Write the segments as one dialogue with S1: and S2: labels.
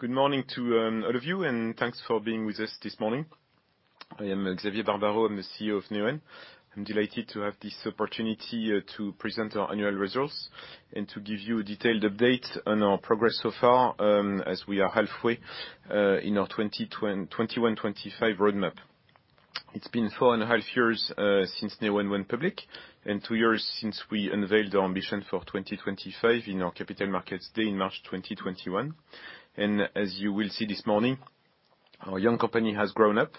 S1: Good morning to all of you, and thanks for being with us this morning. I am Xavier Barbaro. I'm the CEO of Neoen. I'm delighted to have this opportunity to present our annual results and to give you a detailed update on our progress so far, as we are halfway in our 2021-2025 roadmap. It's been four and a half years since Neoen went public and two years since we unveiled our ambition for 2025 in our capital markets day in March 2021. As you will see this morning, our young company has grown up.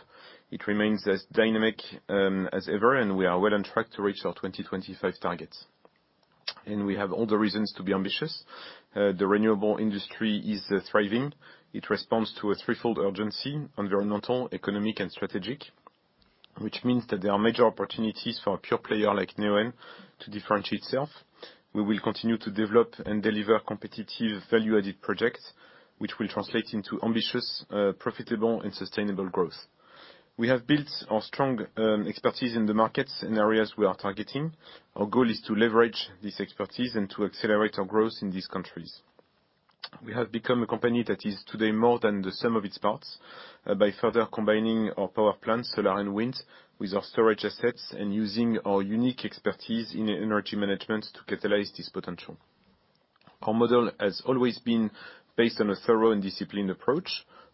S1: It remains as dynamic as ever, and we are well on track to reach our 2025 targets. We have all the reasons to be ambitious. The renewable industry is thriving. It responds to a threefold urgency: environmental, economic, and strategic, which means that there are major opportunities for a pure player like Neoen to differentiate itself. We will continue to develop and deliver competitive value-added projects, which will translate into ambitious, profitable, and sustainable growth. We have built our strong expertise in the markets and areas we are targeting. Our goal is to leverage this expertise and to accelerate our growth in these countries. We have become a company that is today more than the sum of its parts, by further combining our power plants, solar and wind, with our storage assets and using our unique expertise in energy management to catalyze this potential. Our model has always been based on a thorough and disciplined approach,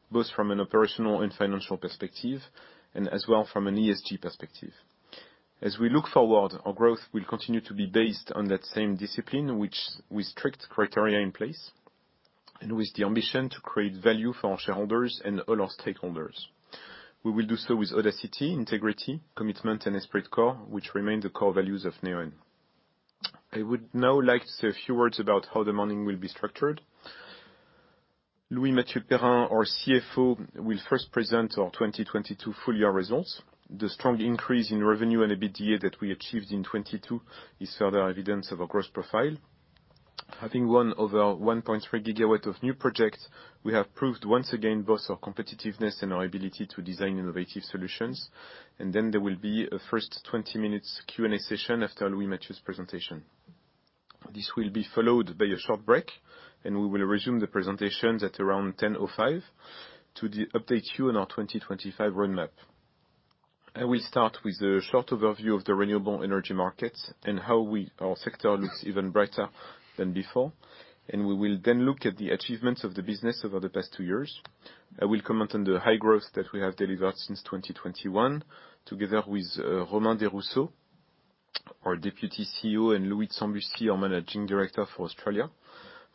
S1: both from an operational and financial perspective and as well from an ESG perspective. As we look forward, our growth will continue to be based on that same discipline, which with strict criteria in place and with the ambition to create value for our shareholders and all our stakeholders. We will do so with audacity, integrity, commitment, and esprit de corps, which remain the core values of Neoen. I would now like to say a few words about how the morning will be structured. Louis-Mathieu Perrin, our CFO, will first present our 2022 full year results. The strong increase in revenue and EBITDA that we achieved in 2022 is further evidence of our growth profile. Having won over 1.3 GW of new projects, we have proved once again both our competitiveness and our ability to design innovative solutions. There will be a first 20 minutes Q&A session after Louis-Mathieu's presentation. This will be followed by a short break. We will resume the presentation at around 10:05 A.M. to update you on our 2025 roadmap. I will start with a short overview of the renewable energy markets and how our sector looks even brighter than before. We will then look at the achievements of the business over the past two years. I will comment on the high growth that we have delivered since 2021, together with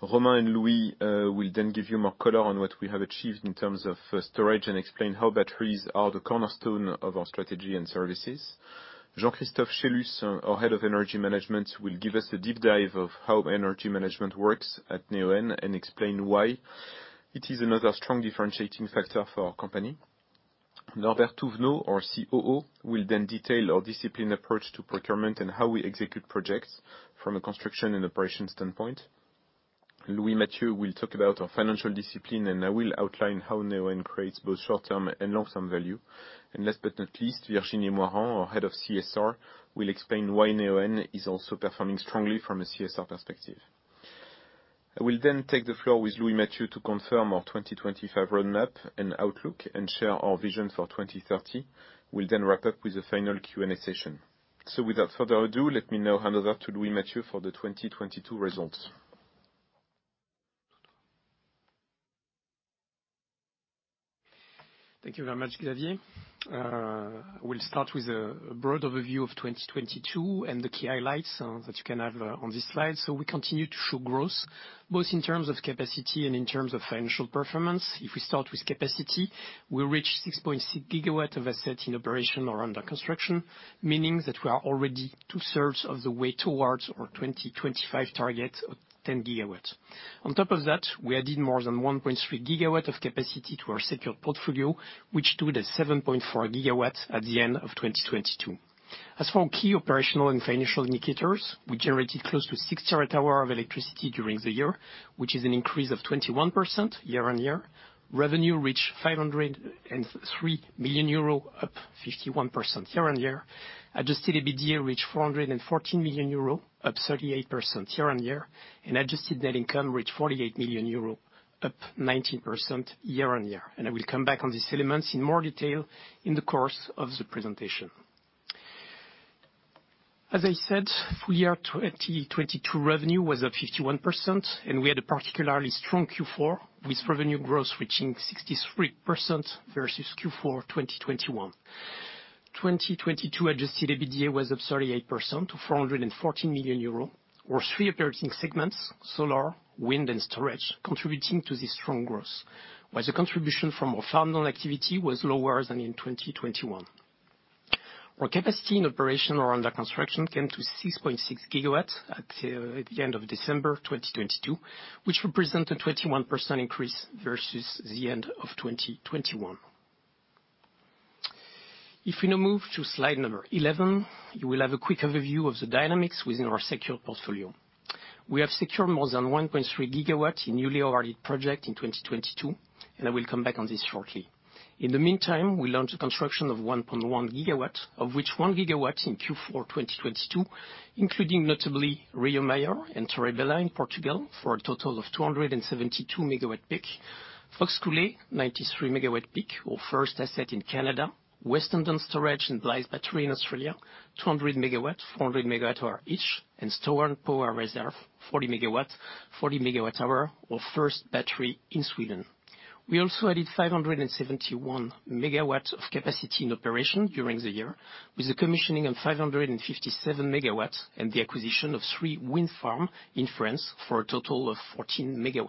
S1: will then give you more color on what we have achieved in terms of storage and explain how batteries are the cornerstone of our strategy and services. Jean-Christophe Cheylus, our Head of Energy Management, will give us a deep dive of how energy management works at Neoen and explain why it is another strong differentiating factor for our company. Norbert Thouvenot, our COO, will then detail our disciplined approach to procurement and how we execute projects from a construction and operations standpoint. Louis-Mathieu will talk about our financial discipline, I will outline how Neoen creates both short-term and long-term value. Last but not least,, will explain why Neoen is also performing strongly from a CSR perspective. I will take the floor with Louis-Mathieu to confirm our 2025 roadmap and outlook and share our vision for 2030. We'll wrap up with a final Q&A session. Without further ado, let me now hand over to Louis-Mathieu for the 2022 results.
S2: Thank you very much, Xavier. We'll start with a broad overview of 2022 and the key highlights that you can have on this slide. We continue to show growth, both in terms of capacity and in terms of financial performance. If we start with capacity, we reached 6.6 GW of assets in operation or under construction, meaning that we are already two-thirds of the way towards our 2025 target of 10 GW. On top of that, we added more than 1.3 GW of capacity to our secured portfolio, which stood at 7.4 GW at the end of 2022. As for our key operational and financial indicators, we generated close to 68 GW of electricity during the year, which is an increase of 21% year-over-year. Revenue reached 503 million euro, up 51% year on year. Adjusted EBITDA reached 414 million euro, up 38% year on year. Adjusted net income reached 48 million euro, up 19% year on year. I will come back on these elements in more detail in the course of the presentation. As I said, full year 2022 revenue was up 51%, and we had a particularly strong Q4, with revenue growth reaching 63% versus Q4 2021. 2022 adjusted EBITDA was up 38% to 414 million euro. Our three operating segments, solar, wind, and storage, contributing to this strong growth, while the contribution from our funding activity was lower than in 2021. Our capacity and operation or under construction came to 6.6 GW at the end of December 2022, which represent a 21% increase versus the end of 2021. We now move to slide number 11, you will have a quick overview of the dynamics within our secured portfolio. We have secured more than 1.3 GW in newly awarded project in 2022, and I will come back on this shortly. In the meantime, we launched a construction of 1.1 GW, of which 1 GW in Q4 2022, including notably Rio Maior and Torre Bela in Portugal for a total of 272 MWp. Fox Coulée, 93 MWp, our first asset in Canada. Western Downs Storage and Blyth Battery in Australia, 200 MW, 400 MWh each, and Storen Power Reserve, 40 MW, 40 MWh, our first battery in Sweden. We also added 571 MW of capacity in operation during the year, with the commissioning of 557 MW and the acquisition of three wind farm in France for a total of 14 MW.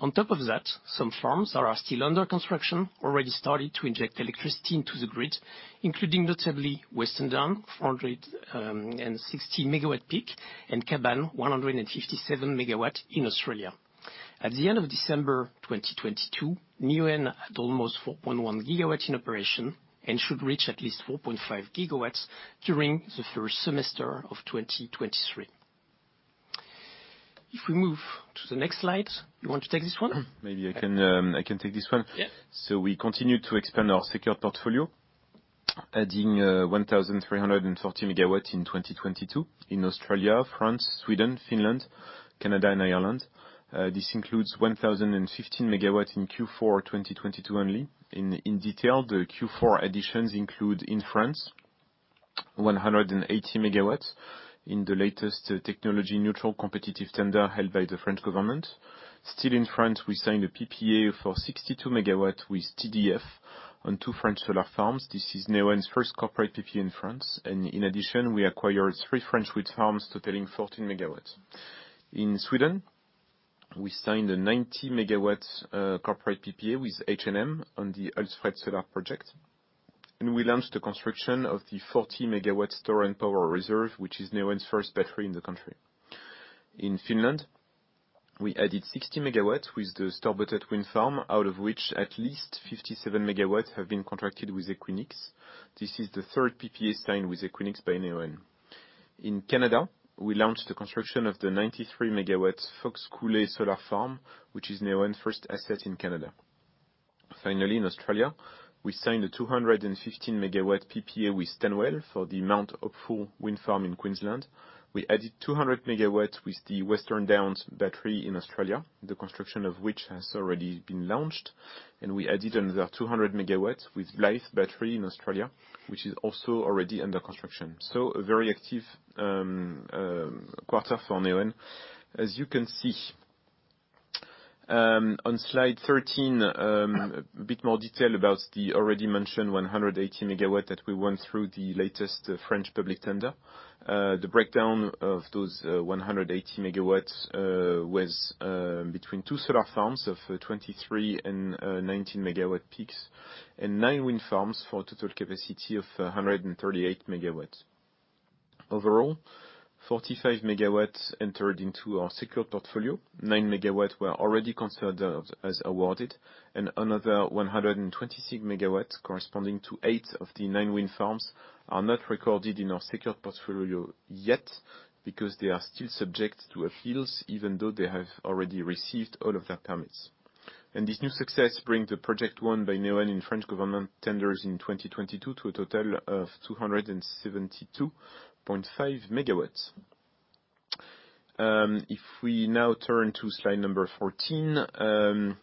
S2: On top of that, some farms that are still under construction already started to inject electricity into the grid, including notably Western Down, 460 MWp, and Kaban, 157 MW in Australia. At the end of December 2022, Neoen had almost 4.1 GW in operation and should reach at least 4.5 GW during the first semester of 2023. If we move to the next slide. You want to take this one?
S1: Maybe I can, I can take this one.
S2: Yeah.
S1: We continued to expand our secured portfolio, adding, 1,330 MW in 2022 in Australia, France, Sweden, Finland, Canada, and Ireland. This includes 1,015 MW in Q4 2022 only. In, in detail, the Q4 additions include in France 180 MW in the latest technology neutral competitive tender held by the French government. In France, we signed a PPA for 62 MW with TDF on two French solar farms. This is Neoen's first corporate PPA in France, and in addition, we acquired three French wind farms totaling 14 MW. In Sweden, we signed a 90 MW, corporate PPA with H&M on the Hultsfred solar project, and we launched the construction of the 40-MW Storen Power Reserve, which is Neoen's first battery in the country. In Finland, we added 60 MW with the Storbötet wind farm, out of which at least 57 MW have been contracted with Equinix. This is the third PPA signed with Equinix by Neoen. In Canada, we launched the construction of the 93 MW Fox Coulée solar farm, which is Neoen's first asset in Canada. Finally, in Australia, we signed a 215 MW PPA with Stanwell for the Mount Hopeful Wind Farm in Queensland. We added 200 MW with the Western Downs Battery in Australia, the construction of which has already been launched. We added another 200 MW with Blyth Battery in Australia, which is also already under construction. A very active quarter for Neoen. As you can see, on slide 13, a bit more detail about the already mentioned 180 MW that we won through the latest French public tender. The breakdown of those 180 MW was between 2 solar farms of 23 and 19 MW peaks and 9 wind farms for a total capacity of 138 MW. Overall, 45 MW entered into our secured portfolio. 9 MW were already considered as awarded, and another 126 MW corresponding to 8 of the 9 wind farms, are not recorded in our secured portfolio yet because they are still subject to appeals, even though they have already received all of their permits. This new success brings the project won by Neoen in French government tenders in 2022 to a total of 272.5 MW. If we now turn to slide number 14,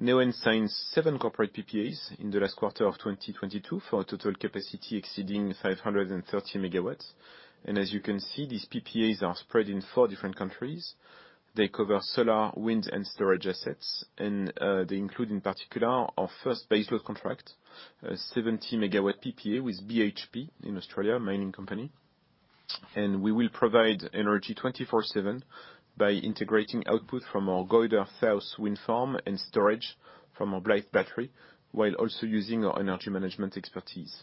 S1: Neoen signed 7 corporate PPAs in the last quarter of 2022 for a total capacity exceeding 530 MW As you can see, these PPAs are spread in 4 different countries. They cover solar, wind, and storage assets, and they include, in particular, our first baseload contract, a 70-MW PPA with BHP in Australia mining company. We will provide energy 24/7 by integrating output from our Goyder South wind farm and storage from our Blyth Battery, while also using our energy management expertise.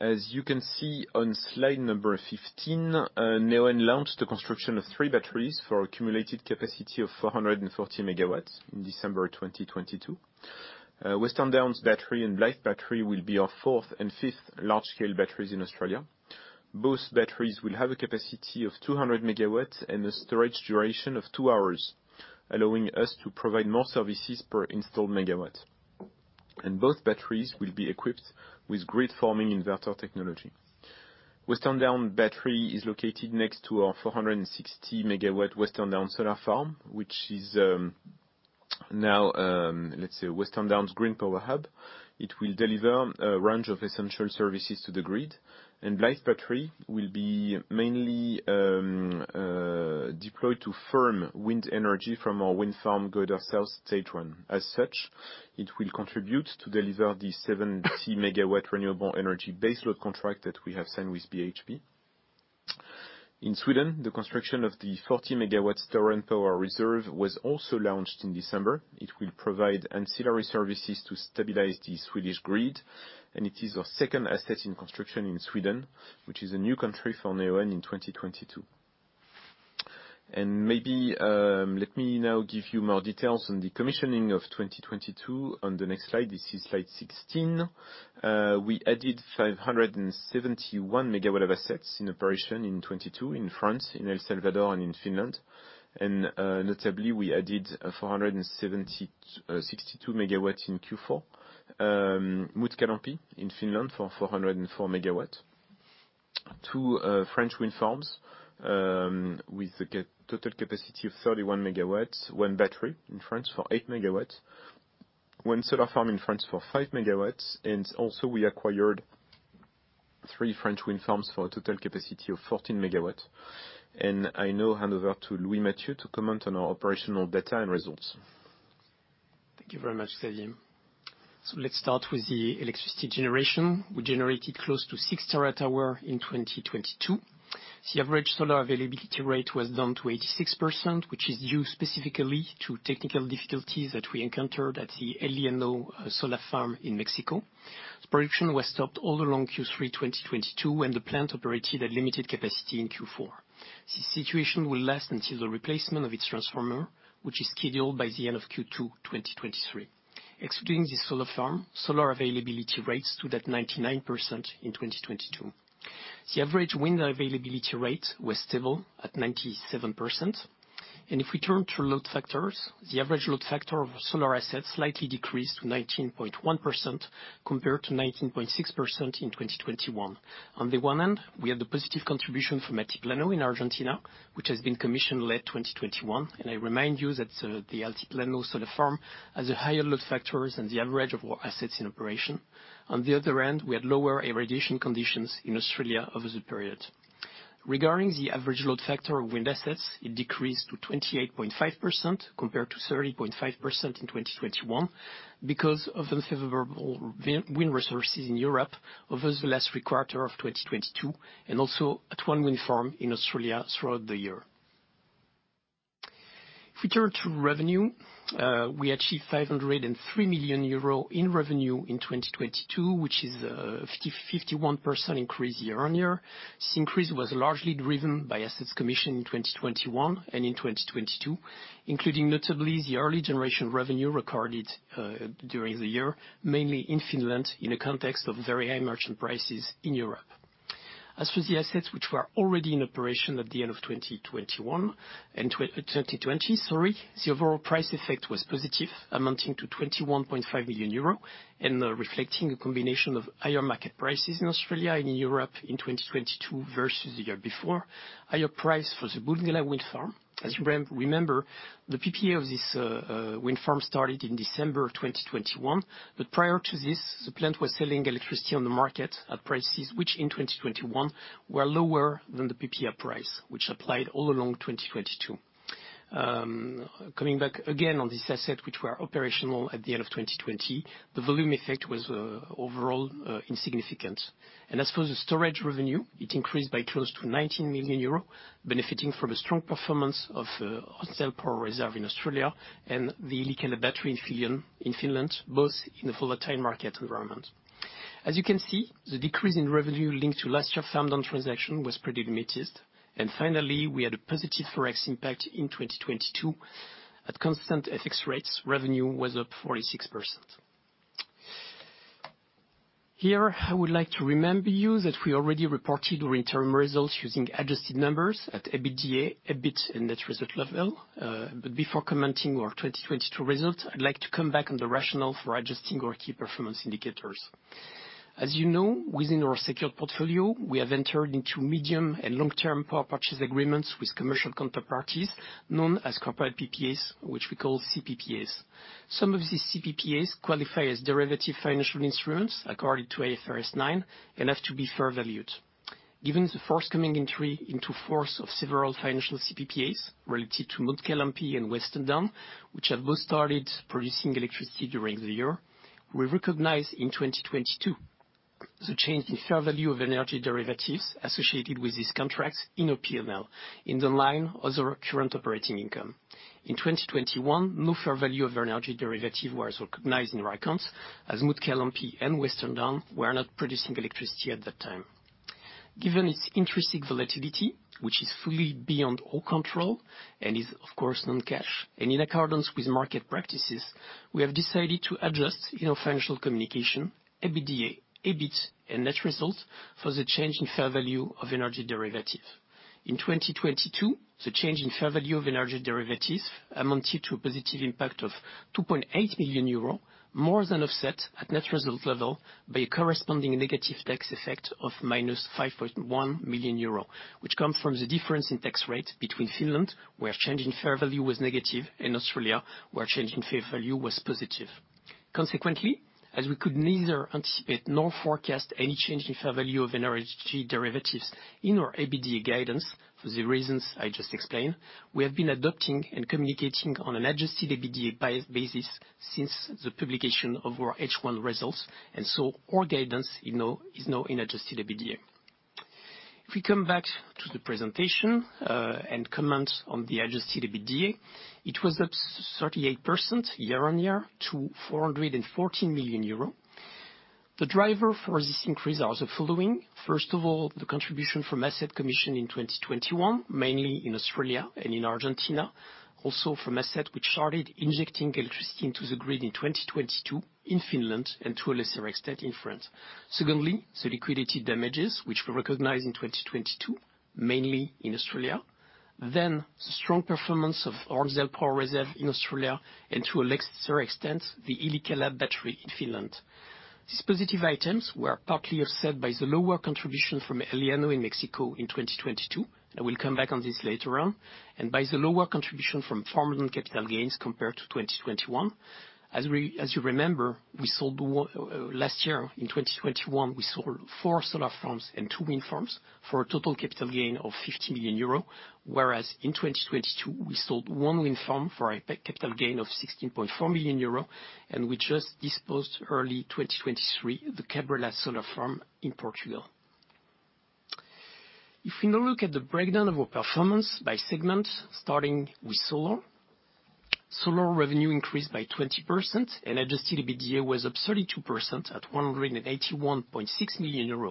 S1: As you can see on slide number 15, Neoen launched the construction of three batteries for accumulated capacity of 440 MW in December 2022. Western Downs Battery and Blyth Battery will be our fourth and fifth large-scale batteries in Australia. Both batteries will have a capacity of 200 MW and a storage duration of 2 hours, allowing us to provide more services per installed MW. Both batteries will be equipped with grid-forming inverter technology. Western Downs Battery is located next to our 460 MW Western Downs Green Power Hub. It will deliver a range of essential services to the grid. Blyth Battery will be mainly deployed to firm wind energy from our wind farm Goyder South stage one. As such, it will contribute to deliver the 70 MW renewable energy baseload contract that we have signed with BHP. In Sweden, the construction of the 40 MW Storen Power Reserve was also launched in December. It will provide ancillary services to stabilize the Swedish grid, and it is our second asset in construction in Sweden, which is a new country for Neoen in 2022. Maybe, let me now give you more details on the commissioning of 2022 on the next slide. This is slide 16. We added 571 MW of assets in operation in 2022 in France, in El Salvador, and in Finland. Notably, we added 462 MW in Q4. Mutkalampi in Finland for 404 MW. Two French wind farms, with a total capacity of 31 MW. 1 battery in France for 8 MW. 1 solar farm in France for 5 MW. Also, we acquired 3 French wind farms for a total capacity of 14 MW. I now hand over to Louis-Mathieu to comment on our operational data and results.
S2: Thank you very much, Xavier. Let's start with the electricity generation. We generated close to 6 terawatt hour in 2022. The average solar availability rate was down to 86%, which is due specifically to technical difficulties that we encountered at the El Llano solar farm in Mexico. Production was stopped all along Q3 2022, and the plant operated at limited capacity in Q4. This situation will last until the replacement of its transformer, which is scheduled by the end of Q2 2023. Excluding the solar farm, solar availability rates stood at 99% in 2022. The average wind availability rate was stable at 97%. If we turn to load factors, the average load factor of solar assets slightly decreased to 19.1% compared to 19.6% in 2021. On the one end, we had the positive contribution from Altiplano in Argentina, which has been commissioned late 2021. I remind you that the Altiplano solar farm has a higher load factors than the average of our assets in operation. On the other end, we had lower irradiation conditions in Australia over the period. Regarding the average load factor of wind assets, it decreased to 28.5% compared to 30.5% in 2021 because of unfavorable wind resources in Europe over the last 3 quarter of 2022, and also at one wind farm in Australia throughout the year. If we turn to revenue, we achieved 503 million euro in revenue in 2022, which is a 51% increase year-on-year. This increase was largely driven by assets commissioned in 2021 and in 2022, including notably the early generation revenue recorded during the year, mainly in Finland, in a context of very high merchant prices in Europe. As for the assets which were already in operation at the end of 2021 and 2020, sorry, the overall price effect was positive, amounting to 21.5 million euro, and reflecting a combination of higher market prices in Australia and Europe in 2022 versus the year before. Higher price for the Bulgana wind farm. As remember, the PPA of this wind farm started in December of 2021. Prior to this, the plant was selling electricity on the market at prices which in 2021 were lower than the PPA price, which applied all along 2022. Coming back again on this asset, which were operational at the end of 2020, the volume effect was overall insignificant. As for the storage revenue, it increased by close to 19 million euros, benefiting from a strong performance of Hornsdale Power Reserve in Australia and the Li-ion battery in Finland, both in a volatile market environment. As you can see, the decrease in revenue linked to last year's farm-down transaction was pretty limited. Finally, we had a positive Forex impact in 2022. At constant FX rates, revenue was up 46%. Here, I would like to remember you that we already reported our interim results using adjusted numbers at EBITDA, EBIT, and net result level. Before commenting on our 2022 results, I'd like to come back on the rationale for adjusting our key performance indicators. As you know, within our secured portfolio, we have entered into medium and long-term power purchase agreements with commercial counterparties known as corporate PPAs, which we call CPPA. Some of these CPPAs qualify as derivative financial instruments according to IF RS 9 and have to be fair valued. Given the forthcoming entry into force of several financial CPPAs related to Mutkalampi and Western Down, which have both started producing electricity during the year, we recognized in 2022 the change in fair value of energy derivatives associated with these contracts in our P&L in the line of our current operating income. In 2021, no fair value of energy derivative was recognized in our accounts, as Mutkalampi and Western Down were not producing electricity at that time. Given its intrinsic volatility, which is fully beyond our control and is of course non-cash, and in accordance with market practices, we have decided to adjust in our financial communication EBITDA, EBIT, and net results for the change in fair value of energy derivative. In 2022, the change in fair value of energy derivatives amounted to a positive impact of 2.8 million euro, more than offset at net result level by a corresponding negative tax effect of minus 5.1 million euro, which come from the difference in tax rate between Finland, where change in fair value was negative, and Australia, where change in fair value was positive. Consequently, as we could neither anticipate nor forecast any change in fair value of energy derivatives in our EBITDA guidance for the reasons I just explained, we have been adopting and communicating on an adjusted EBITDA bi-basis since the publication of our H1 results. Our guidance is now in adjusted EBITDA. If we come back to the presentation, and comment on the adjusted EBITDA, it was up 38% year-on-year to 414 million euro. The driver for this increase are the following. First of all, the contribution from asset commission in 2021, mainly in Australia and in Argentina. Also from asset which started injecting electricity into the grid in 2022 in Finland, and to a lesser extent, in France. Secondly, the liquidity damages which were recognized in 2022, mainly in Australia. Strong performance of Orangeville Power Reserve in Australia, and to a lesser extent, the Ilikala battery in Finland. These positive items were partly offset by the lower contribution from El Llano in Mexico in 2022. I will come back on this later on. And by the lower contribution from farmland capital gains compared to 2021. As you remember, we sold 1 last year, in 2021, we sold 4 solar farms and 2 wind farms for a total capital gain of 50 million euro. Whereas in 2022, we sold 1 wind farm for a capital gain of 16.4 million euro, and we just disposed early 2023, the Cabrela solar farm in Portugal. If we now look at the breakdown of our performance by segment, starting with solar. Solar revenue increased by 20%. Adjusted EBITDA was up 32% at EUR 181.6 million.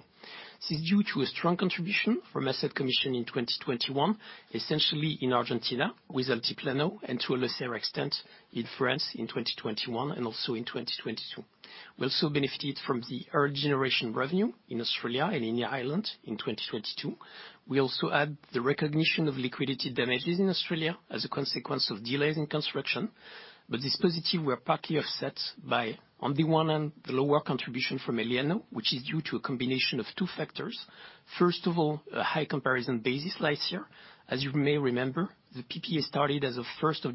S2: This is due to a strong contribution from asset commission in 2021, essentially in Argentina with Altiplano, and to a lesser extent, in France in 2021 and also in 2022. We also benefited from the early generation revenue in Australia and in Ireland in 2022. We also had the recognition of liquidity damages in Australia as a consequence of delays in construction. This positive were partly offset by, on the one hand, the lower contribution from El Llano, which is due to a combination of two factors. First of all, a high comparison basis last year. As you may remember, the PPA started as of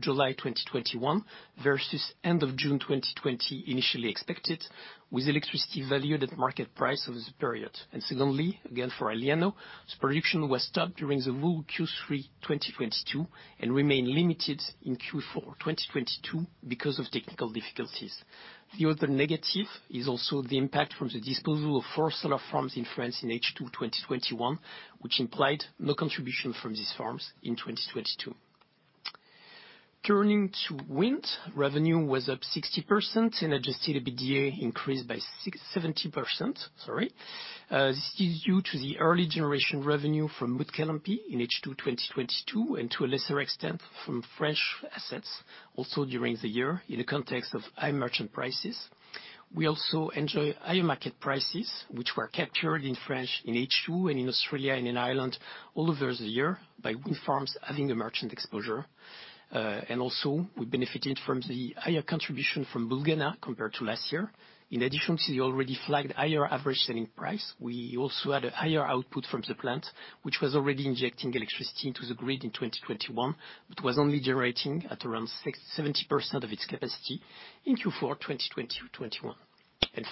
S2: July 1, 2021, versus end of June 2020 initially expected, with electricity valued at market price over this period. Secondly, again, for El Llano, the production was stopped during the whole Q3 2022, and remained limited in Q4 2022 because of technical difficulties. The other negative is also the impact from the disposal of four solar farms in France in H2 2021, which implied no contribution from these farms in 2022. Turning to wind, revenue was up 60% and adjusted EBITDA increased by 70%, sorry. This is due to the early generation revenue from Mount Calumpang in H2 2022, and to a lesser extent, from French assets also during the year in the context of high merchant prices. We also enjoy higher market prices, which were captured in French in H2 and in Australia and in Ireland all over the year by wind farms having a merchant exposure. We benefited from the higher contribution from Bulgana compared to last year. In addition to the already flagged higher average selling price, we also had a higher output from the plant, which was already injecting electricity into the grid in 2021, but was only generating at around 6 0%-70% of its capacity in Q4, 2020-2021.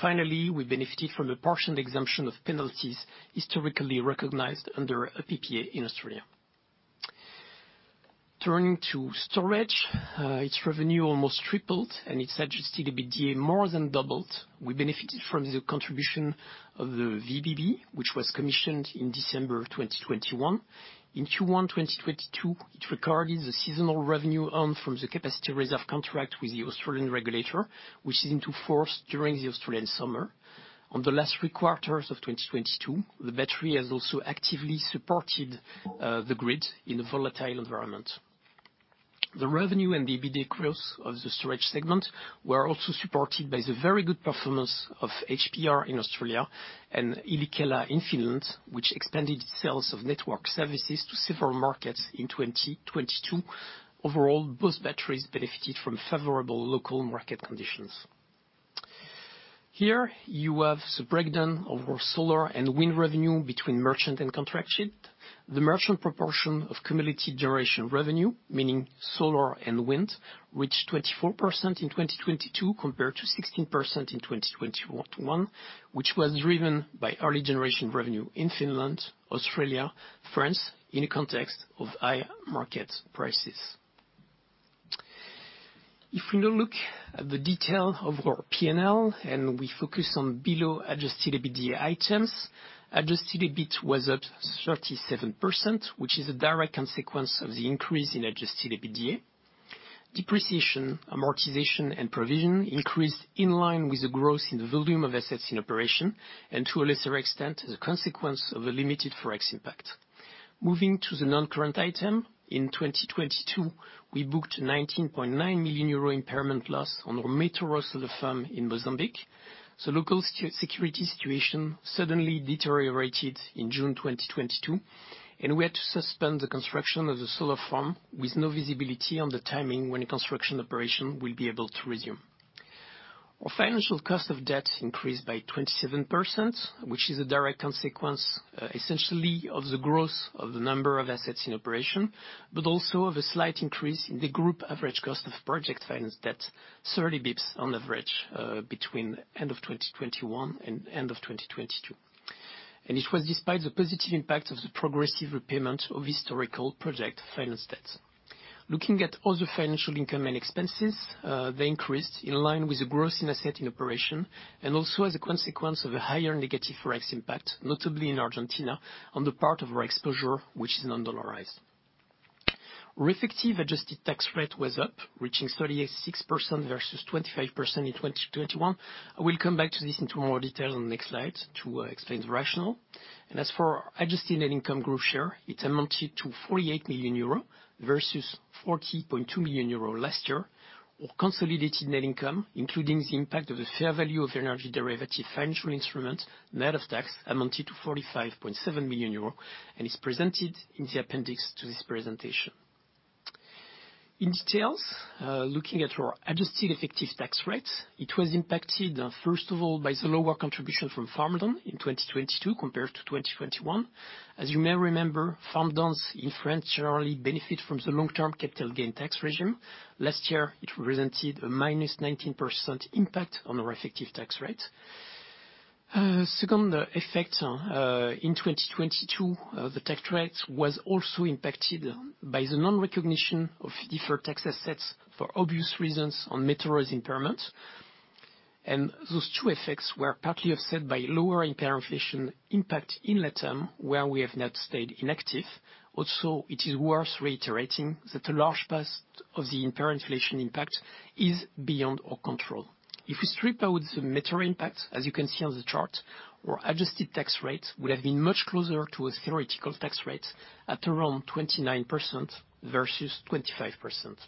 S2: Finally, we benefited from the partial exemption of penalties historically recognized under a PPA in Australia. Turning to storage, its revenue almost tripled and its adjusted EBITDA more than doubled. We benefited from the contribution of the VBB, which was commissioned in December of 2021. In Q1 2022, it recorded the seasonal revenue earned from the capacity reserve contract with the Australian regulator, which is into force during the Australian summer. On the last 3 quarters of 2022, the battery has also actively supported the grid in a volatile environment. The revenue and the EBITDA growth of the storage segment were also supported by the very good performance of HPR in Australia and Ilikala in Finland, which expanded sales of network services to several markets in 2022. Overall, both batteries benefited from favorable local market conditions. Here you have the breakdown of our solar and wind revenue between merchant and contracted. The merchant proportion of cumulative generation revenue, meaning solar and wind, reached 24% in 2022 compared to 16% in 2021, which was driven by early generation revenue in Finland, Australia, France, in a context of high market prices. We now look at the detail of our P&L and we focus on below adjusted EBITDA items. Adjusted EBIT was at 37%, which is a direct consequence of the increase in adjusted EBITDA. Depreciation, amortization, and provision increased in line with the growth in the volume of assets in operation, and to a lesser extent, as a consequence of a limited Forex impact. Moving to the non-current item, in 2022, we booked 19.9 million euro impairment loss on our Metoro solar farm in Mozambique. The local security situation suddenly deteriorated in June 2022, and we had to suspend the construction of the solar farm with no visibility on the timing when a construction operation will be able to resume. Our financial cost of debt increased by 27%, which is a direct consequence, essentially of the growth of the number of assets in operation, but also of a slight increase in the group average cost of project finance debt, 30 bps on average, between end of 2021 and end of 2022. It was despite the positive impact of the progressive repayment of historical project finance debts. Looking at all the financial income and expenses, they increased in line with the growth in asset in operation and also as a consequence of a higher negative Forex impact, notably in Argentina, on the part of our exposure, which is non-dollarized. Our effective adjusted tax rate was up, reaching 38.6% versus 25% in 2021. I will come back to this in tomorrow's details on the next slide to explain the rationale. As for our adjusted net income group share, it amounted to 48 million euros versus 40.2 million euros last year, or consolidated net income, including the impact of the fair value of energy derivative financial instrument. Net of tax amounted to 45.7 million euros and is presented in the appendix to this presentation. In details, looking at our adjusted effective tax rates, it was impacted, first of all, by the lower contribution from farm-down in 2022 compared to 2021. As you may remember, farm-down's influence generally benefit from the long-term capital gain tax regime. Last year, it represented a -19% impact on our effective tax rate. Second effect, in 2022, the tax rate was also impacted by the non-recognition of deferred tax assets for obvious reasons on Metoro's impairment. Those two effects were partly offset by lower impair inflation impact in Latam, where we have not stayed inactive. Also, it is worth reiterating that a large part of the impair inflation impact is beyond our control. If we strip out the Metoro impact, as you can see on the chart, our adjusted tax rate would have been much closer to a theoretical tax rate at around 29% versus 25%.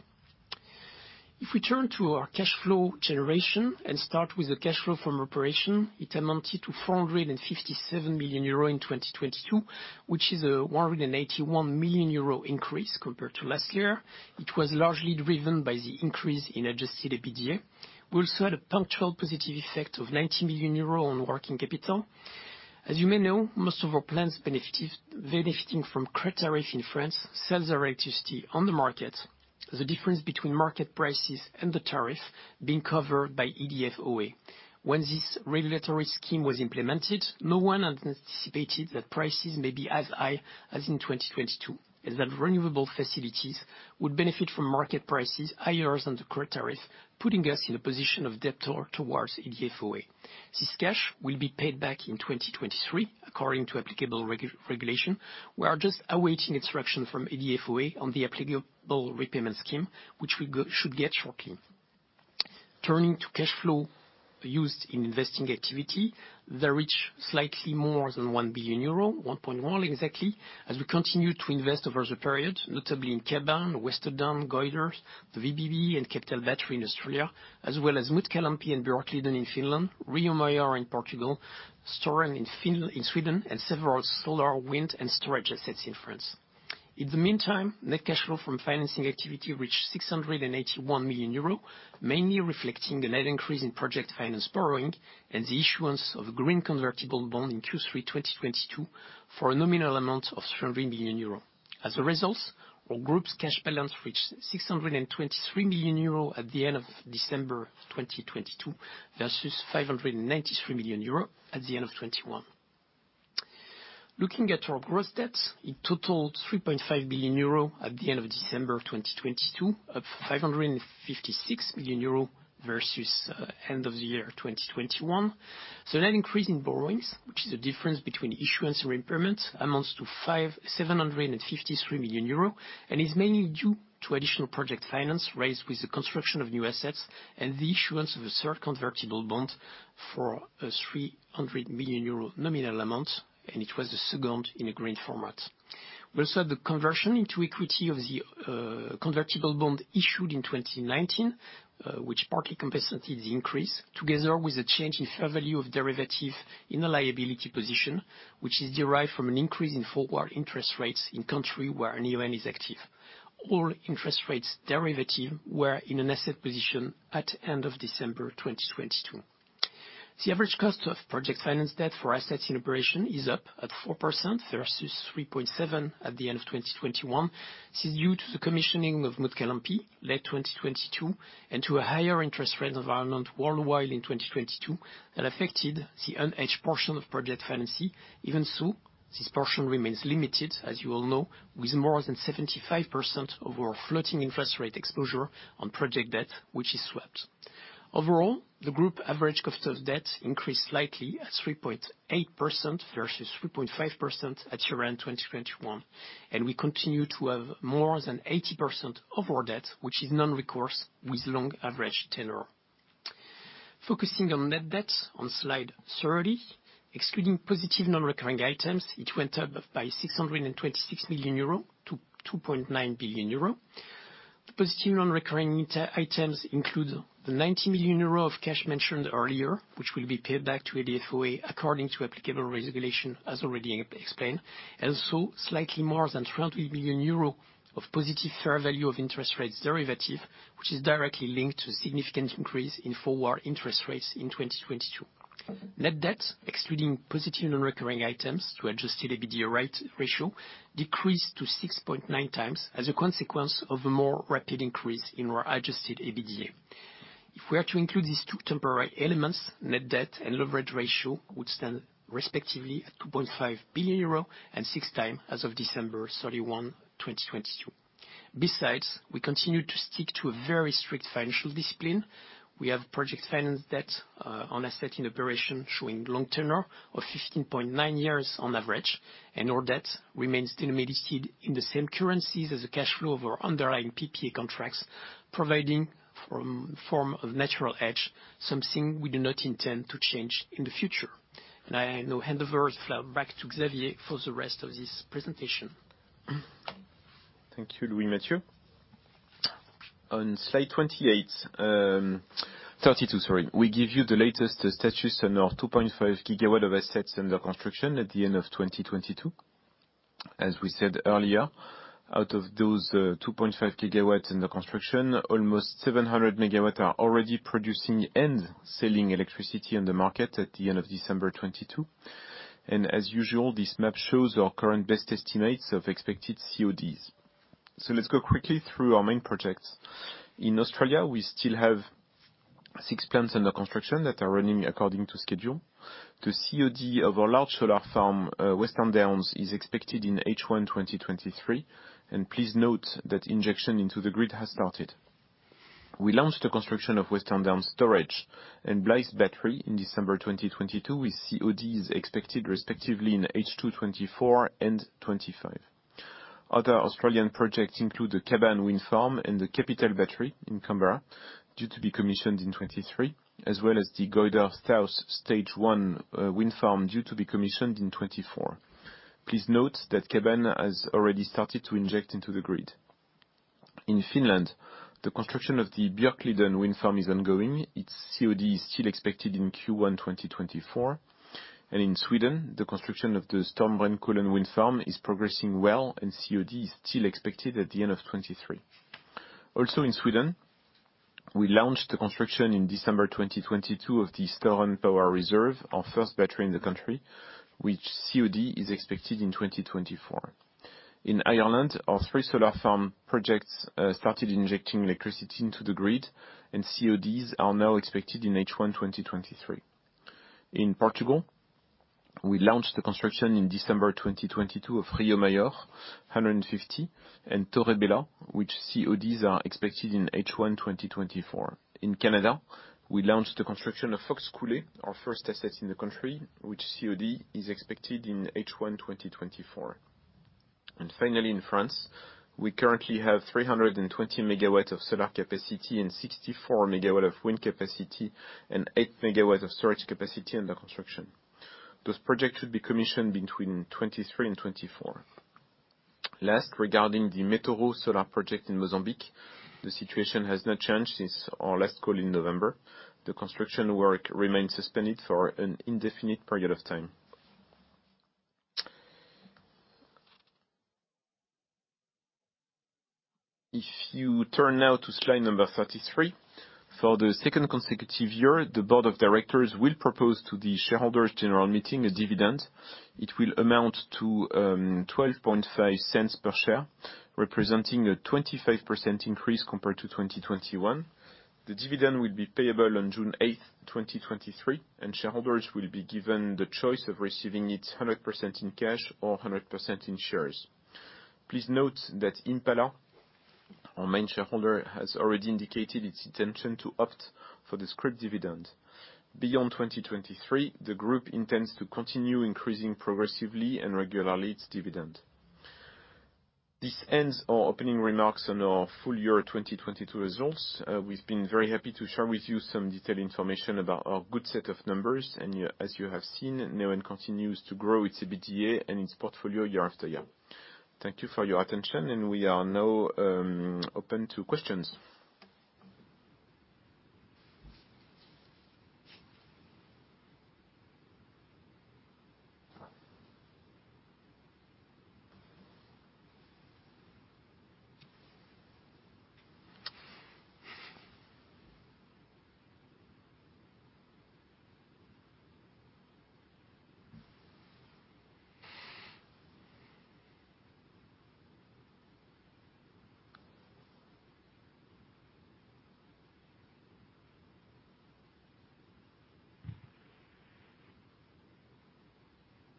S2: If we turn to our cash flow generation and start with the cash flow from operation, it amounted to 457 million euro in 2022, which is a 181 million euro increase compared to last year. It was largely driven by the increase in adjusted EBITDA. We also had a punctual positive effect of 19 billion euro on working capital. As you may know, most of our plans benefiting from current tariff in France sells our activity on the market, the difference between market prices and the tariff being covered by EDF OA. When this regulatory scheme was implemented, no one anticipated that prices may be as high as in 2022, as that renewable facilities would benefit from market prices higher than the current tariff, putting us in a position of debtor towards EDF OA. This cash will be paid back in 2023 according to applicable regulation. We are just awaiting instruction from EDF OA on the applicable repayment scheme, which should get shortly. Turning to cash flow used in investing activity, they reach slightly more than 1 billion euro, 1.1 exactly, as we continue to invest over the period, notably in Kaban, Westerdam, Goyder, the VBB, and Capital Battery in Australia, as well as Mutkalampi and Björkliden in Finland, Rio Maior in Portugal, Storen in Sweden, and several solar, wind, and storage assets in France. In the meantime, net cash flow from financing activity reached 681 million euro, mainly reflecting a light increase in project finance borrowing and the issuance of green convertible bond in Q3 2022 for a nominal amount of 300 million euros. As a result, our group's cash balance reached 623 million euros at the end of December 2022 versus 593 million euros at the end of 2021. Looking at our gross debt, it totaled 3.5 billion euro at the end of December 2022, up 556 million euro versus end of the year 2021. Net increase in borrowings, which is the difference between issuance and impairment, amounts to 753 million euro and is mainly due to additional project finance raised with the construction of new assets and the issuance of a third convertible bond for a 300 million euro nominal amount, and it was the second in a green format. We also had the conversion into equity of the convertible bond issued in 2019, which partly compensated the increase, together with a change in fair value of derivative in a liability position, which is derived from an increase in forward interest rates in country where Neoen is active. All interest rates derivative were in an asset position at end of December 2022. The average cost of project finance debt for assets in operation is up at 4% versus 3.7 at the end of 2021. This is due to the commissioning of Mutkalampi late 2022 and to a higher interest rate environment worldwide in 2022 that affected the unhedged portion of project financing. This portion remains limited, as you all know, with more than 75% of our floating interest rate exposure on project debt, which is swept. The group average cost of debt increased slightly at 3.8% versus 3.5% at year-end 2021, and we continue to have more than 80% of our debt, which is non-recourse with long average tenure. Focusing on net debt on slide 30, excluding positive non-recurring items, it went up by 626 million euro to 2.9 billion euro. The positive non-recurring items include the 90 million euro of cash mentioned earlier, which will be paid back to EDF OA according to applicable regulation, as already e-explained. Slightly more than 300 million euro of positive fair value of interest rates derivative, which is directly linked to a significant increase in forward interest rates in 2022. Net debt, excluding positive non-recurring items to adjusted EBITDA rate ratio, decreased to 6.9 times as a consequence of a more rapid increase in our adjusted EBITDA. If we are to include these two temporary elements, net debt and leverage ratio would stand respectively at 2.5 billion euro and 6 times as of December 31, 2022. Besides, we continue to stick to a very strict financial discipline. We have project finance debt on asset in operation showing long tenure of 15.9 years on average, and our debt remains domesticated in the same currencies as the cash flow of our underlying PPA contracts, providing for form of natural hedge, something we do not intend to change in the future. I now hand over flat back to Xavier for the rest of this presentation.
S1: Thank you, Louis-Mathieu. On slide 28, 32, sorry. We give you the latest status on our 2.5 GW of assets under construction at the end of 2022. As we said earlier, out of those 2.5 GW under construction, almost 700 MW are already producing and selling electricity on the market at the end of December 2022. As usual, this map shows our current best estimates of expected CODs. Let's go quickly through our main projects. In Australia, we still have six plants under construction that are running according to schedule. The COD of our large solar farm, Western Downs, is expected in H1 2023, and please note that injection into the grid has started. We launched the construction of Western Downs' storage and Blythe battery in December 2022, with CODs expected respectively in H2 2024 and 2025. Other Australian projects include the Kaban Green Power Hub and the Capital battery in Canberra, due to be commissioned in 2023, as well as the Goyder South stage one wind farm, due to be commissioned in 2024. Please note that Kaban has already started to inject into the grid. In Finland, the construction of the Björkliden wind farm is ongoing. Its COD is still expected in Q1 2024. In Sweden, the construction of the Storbrännkullen wind farm is progressing well, and COD is still expected at the end of 2023. Also in Sweden, we launched the construction in December 2022 of the Storen Power Reserve, our first battery in the country, which COD is expected in 2024. In Ireland, our 3 solar farm projects started injecting electricity into the grid, and CODs are now expected in H1 2023. In Portugal, we launched the construction in December 2022 of Rio Maior 150 and Torre Bela, which CODs are expected in H1 2024. In Canada, we launched the construction of Fox Coulee, our first asset in the country, which COD is expected in H1 2024. Finally, in France, we currently have 320 MW of solar capacity and 64 MW of wind capacity and of storage capacity under construction. Those projects should be commissioned between 2023 and 2024. Last, regarding the Metoro solar project in Mozambique, the situation has not changed since our last call in November. The construction work remains suspended for an indefinite period of time. If you turn now to slide number 33, for the second consecutive year, the board of directors will propose to the shareholders general meeting a dividend. It will amount to 0.125 per share, representing a 25% increase compared to 2021. The dividend will be payable on June 8th, 2023, and shareholders will be given the choice of receiving it 100% in cash or 100% in shares. Please note that Impala, our main shareholder, has already indicated its intention to opt for the scrip dividend. Beyond 2023, the group intends to continue increasing progressively and regularly its dividend. This ends our opening remarks on our full year 2022 results. We've been very happy to share with you some detailed information about our good set of numbers. As you have seen, Neoen continues to grow its EBITDA and its portfolio year after year. Thank you for your attention, and we are now open to questions.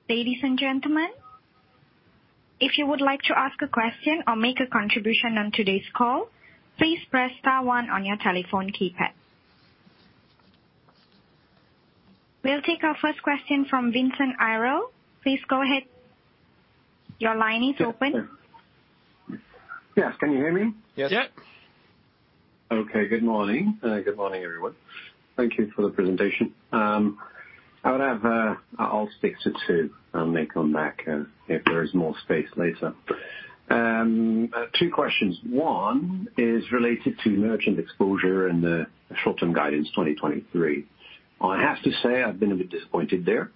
S3: Ladies and gentlemen, if you would like to ask a or make a contribution on today's call, please press star one on your telephone keypad. We'll take our first question from Vincent Ayral. Please go ahead. Your line is open.
S4: Yes. Can you hear me?
S1: Yes.
S3: Yep.
S4: Okay. Good morning. Good morning, everyone. Thank you for the presentation. I would have. I'll speak to two, and may come back if there is more space later. Two questions. One is related to merchant exposure and the short-term guidance 2023. I have to say, I've been a bit disappointed there.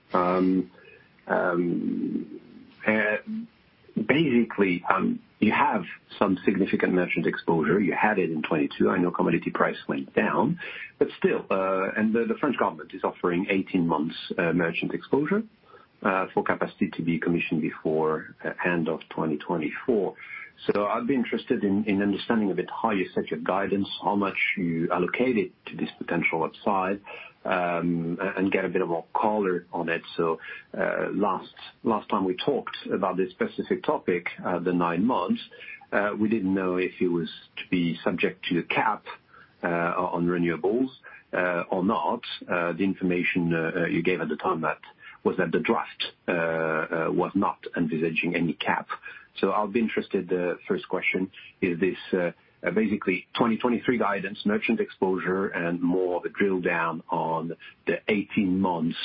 S4: Basically, you have some significant merchant exposure. You had it in 2022. Still, and the French government is offering 18 months merchant exposure for capacity to be commissioned before end of 2024. I'd be interested in understanding a bit how you set your guidance, how much you allocated to this potential upside, and get a bit of a color on it. Last time we talked about this specific topic, the nine months, we didn't know if it was to be subject to the cap, on renewables, or not. The information, you gave at the time that was that the draft, was not envisaging any cap. I'll be interested. The first question, is this, basically 2023 guidance merchant exposure and more of a drill down on the 18 months,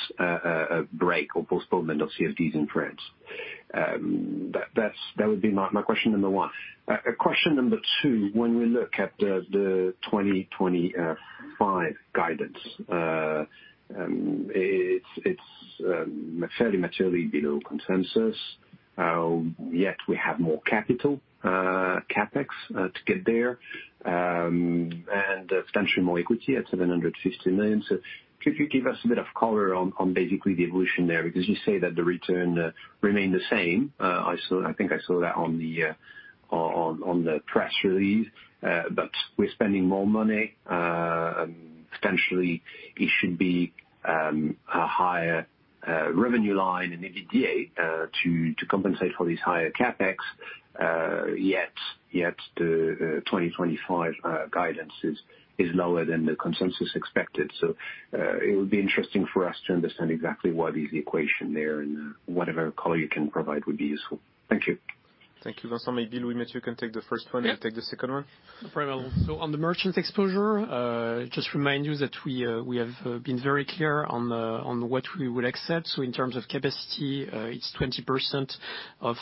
S4: break or postponement of CFDs in France? That would be my question number one. Question number two, when we look at the 2025 guidance, it's fairly materially below consensus, yet we have more capital, CapEx, to get there, and potentially more equity at 750 million. Could you give us a bit of color on basically the evolution there? Because you say that the return remained the same. I think I saw that on the press release. We're spending more money, potentially it should be a higher revenue line in EBITDA, to compensate for this higher CapEx. Yet the 2025 guidance is lower than the consensus expected. It would be interesting for us to understand exactly what is the equation there, and whatever color you can provide would be useful. Thank you.
S1: Thank you, Vincent. Maybe Louis-Mathieu can take the first one.
S2: Yeah.
S1: I'll take the second one.
S2: No problem. On the merchant exposure, just remind you that we have been very clear on what we would accept. In terms of capacity, it's 20% of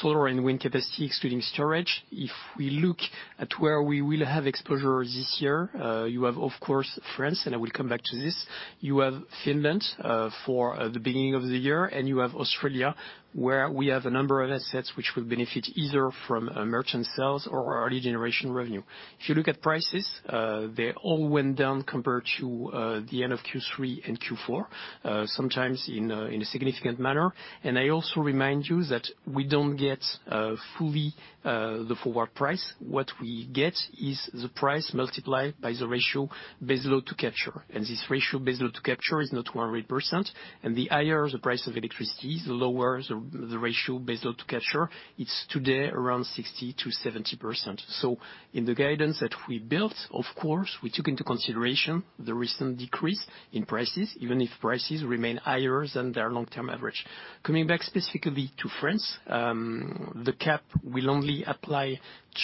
S2: solar and wind capacity, excluding storage. If we look at where we will have exposure this year, you have of course France, and I will come back to this. You have Finland for the beginning of the year, and you have Australia, where we have a number of assets which will benefit either from merchant sales or early generation revenue. If you look at prices, they all went down compared to the end of Q3 and Q4, sometimes in a significant manner. I also remind you that we don't get fully the forward price. What we get is the price multiplied by the ratio baseload to capture. This ratio baseload to capture is not 100%. The higher the price of electricity, the lower the ratio baseload to capture. It's today around 60%-70%. In the guidance that we built, of course, we took into consideration the recent decrease in prices, even if prices remain higher than their long-term average. Coming back specifically to France, the cap will only apply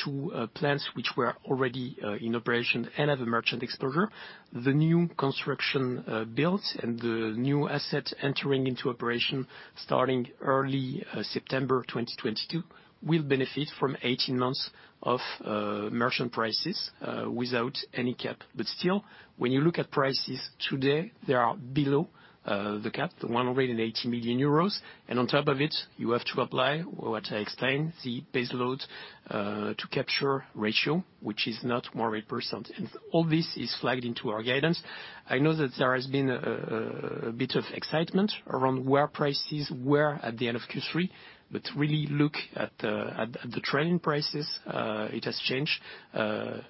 S2: to plants which were already in operation and have a merchant exposure. The new construction built and the new assets entering into operation starting early September 2022 will benefit from 18 months of merchant prices without any cap. Still, when you look at prices today, they are below the cap, the 180 million euros. On top of it, you have to apply what I explained, the baseload to capture ratio, which is not 100%. All this is flagged into our guidance. I know that there has been a bit of excitement around where prices were at the end of Q3, but really look at the trending prices. It has changed,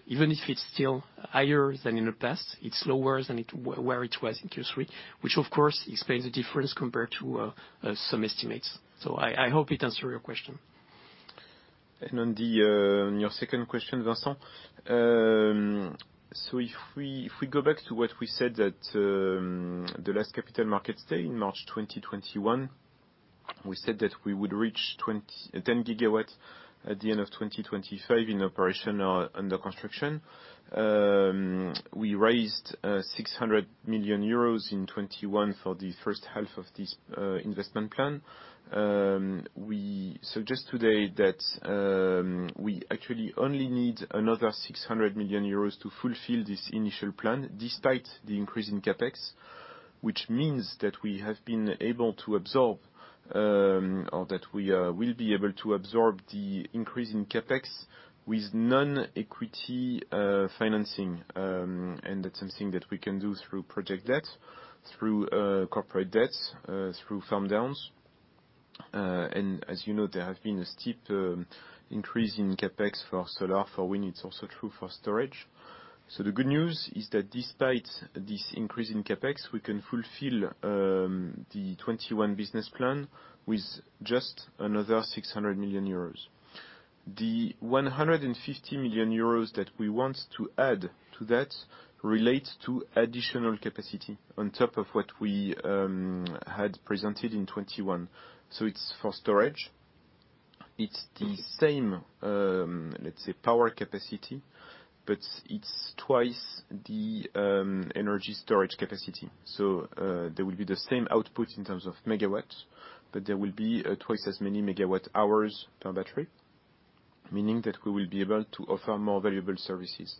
S2: even if it's still higher than in the past, it's lower than where it was in Q3, which of course explains the difference compared to some estimates. I hope it answer y our question.
S1: On your second question, Vincent, if we go back to what we said at the last Capital Markets Day in March 2021, we said that we would reach 10 GW at the end of 2025 in operation or under construction. We raised 600 million euros in 2021 for the first half of this investment plan. We suggest today that we actually only need another 600 million euros to fulfill this initial plan despite the increase in CapEx, which means that we have been able to absorb, or that we will be able to absorb the increase in CapEx with none equity financing. That's something that we can do through project debts, through corporate debts, through farm-downs. As you know, there have been a steep increase in CapEx for solar, for wind. It's also true for storage. The good news is that despite this increase in CapEx, we can fulfill the 2021 business plan with just another 600 million euros. The 150 million euros that we want to add to that relates to additional capacity on top of what we had presented in 2021. It's for storage. It's the same, let's say, power capacity, but it's twice the energy storage capacity. There will be the same output in terms of MW, but there will be twice as many MW hours per battery, meaning that we will be able to offer more valuable services.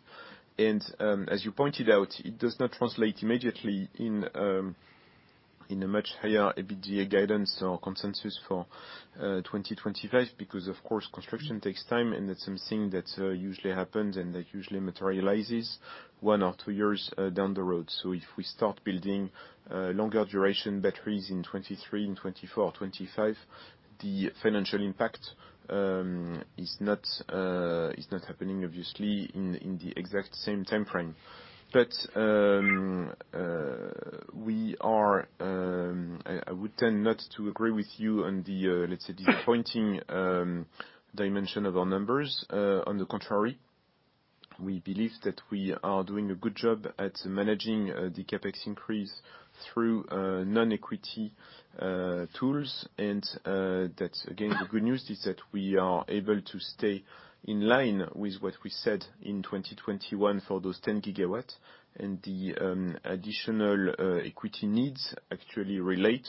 S1: As you pointed out, it does not translate immediately in a much higher EBITDA guidance or consensus for 2025 because of course, construction takes time, and that's something that usually happens and that usually materializes 1 or 2 years down the road. If we start building longer duration batteries in 2023 and 2024, 2025, the financial impact is not happening obviously in the exact same timeframe. I would tend not to agree with you on the, let's say disappointing, dimension of our numbers. On the contrary, we believe that we are doing a good job at managing the CapEx increase through none equity tools. That's again, the good news is that we are able to stay in line with what we said in 2021 for those 10 GW. The additional equity needs actually relate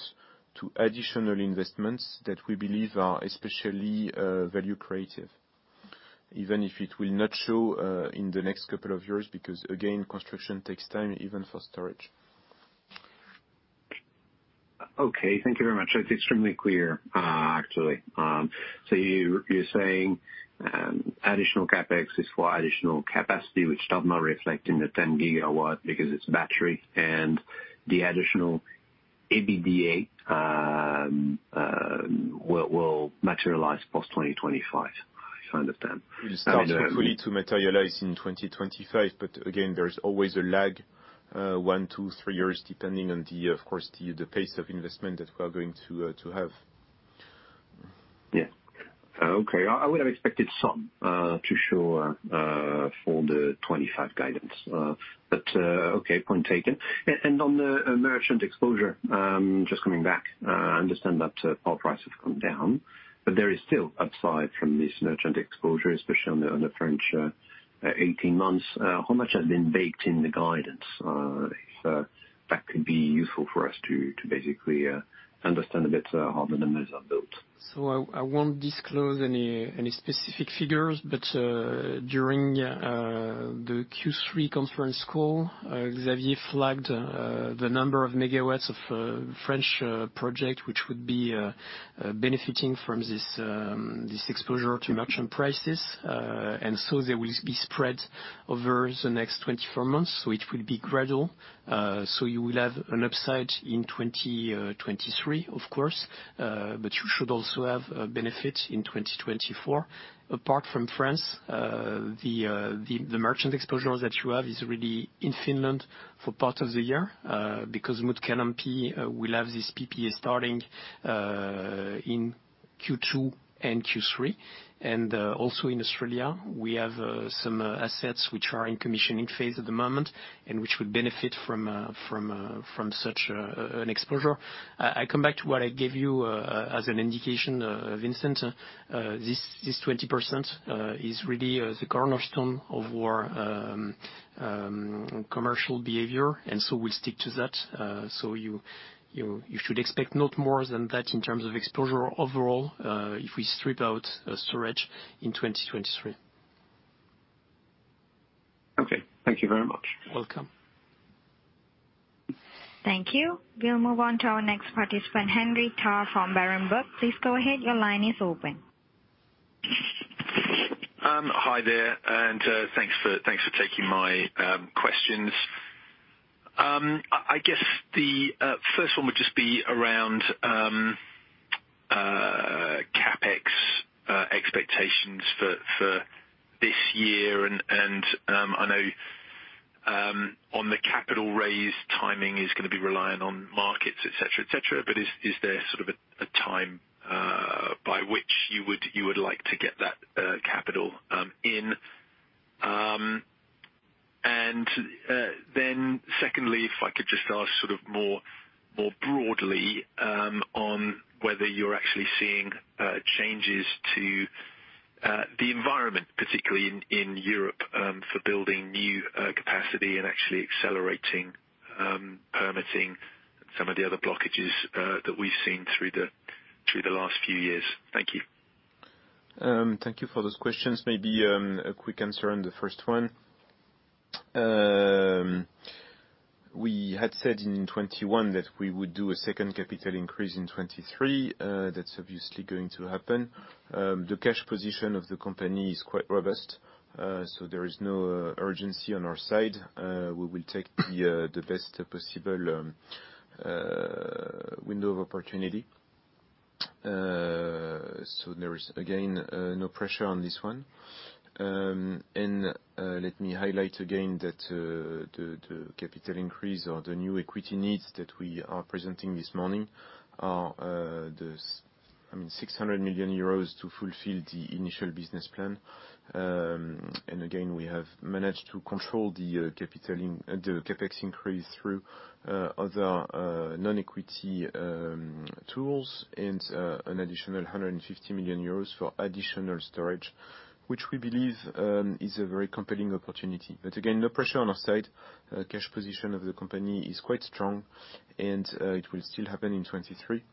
S1: to additional investments that we believe are especially value creative, even if it will not show in the next couple of years, because again, construction takes time, even for storage.
S4: Okay, thank you very much. That's extremely clear, actually. You're saying, additional CapEx is for additional capacity which does not reflect in the 10 GW because it's battery, and the additional EBITDA will materialize post 2025, if I understand?
S1: It starts hopefully to materialize in 2025, but again, there is always a lag, one, two, three years, depending on the, of course, the pace of investment that we're going to have.
S4: Yeah, okay. I would have expected some to show for the 25 guidance. Okay, point taken. On the merchant exposure, just coming back, I understand that power prices have come down, but there is still upside from this merchant exposure, especially on the French, 18 months. How much has been baked in the guidance? If that could be useful for us to basically, understand a bit how the numbers are built.
S1: I won't disclose any specific figures, but during the Q3 conference call, Xavier flagged the number of MW of French project, which would be benefiting from this exposure to merchant prices. They will be spread over the next 24 months, so it will be gradual. You will have an upside in 2023, of course, but you should also have a benefit in 2024. Apart from France, the merchant exposure that you have is really in Finland for part of the year, because Mutkalampi will have this PPA starting in Q2 and Q3. Also in Australia, we have some assets which are in commissioning phase at the moment, and which would benefit from such an exposure. I come back to what I gave you as an indication, Vincent, this 20% is really the cornerstone of our commercial behavior, and so we'll stick to that. So you should expect not more than that in terms of exposure overall, if we strip out storage in 2023.
S4: Okay. Thank you very much.
S1: Welcome.
S3: Thank you. We'll move on to our next participant, Henry Tarr from Berenberg. Please go ahead. Your line is open.
S5: Hi there, thanks for taking my questions. I guess the first one would just be around CapEx expectations for this year, and I know on the capital raise, timing is gonna be reliant on markets, et cetera, et cetera, but is there sort of a time by which you would like to get that capital in? Secondly, if I could just ask sort of more broadly on whether you're actually seeing changes to the environment, particularly in Europe, for building new capacity and actually accelerating permitting some of the other blockages that we've seen through the last few years. Thank you.
S1: Thank you for those questions. Maybe a quick answer on the first one. We had said in 2021 that we would do a second capital increase in 2023. That's obviously going to happen. The cash position of the company is quite robust, so there is no urgency on our side. We will take the best possible window of opportunity. So there is again no pressure on this one. Let me highlight again that the capital increase or the new equity needs that we are presenting this morning are I mean, 600 million euros to fulfill the initial business plan. Naisheng CuiAgain, we have managed to control the CapEx increase through other non-equity tools and an additional 150 million euros for additional storage, which we believe is a very compelling opportunity. Again, no pressure on our side. Cash position of the company is quite strong, it will still happen in 23,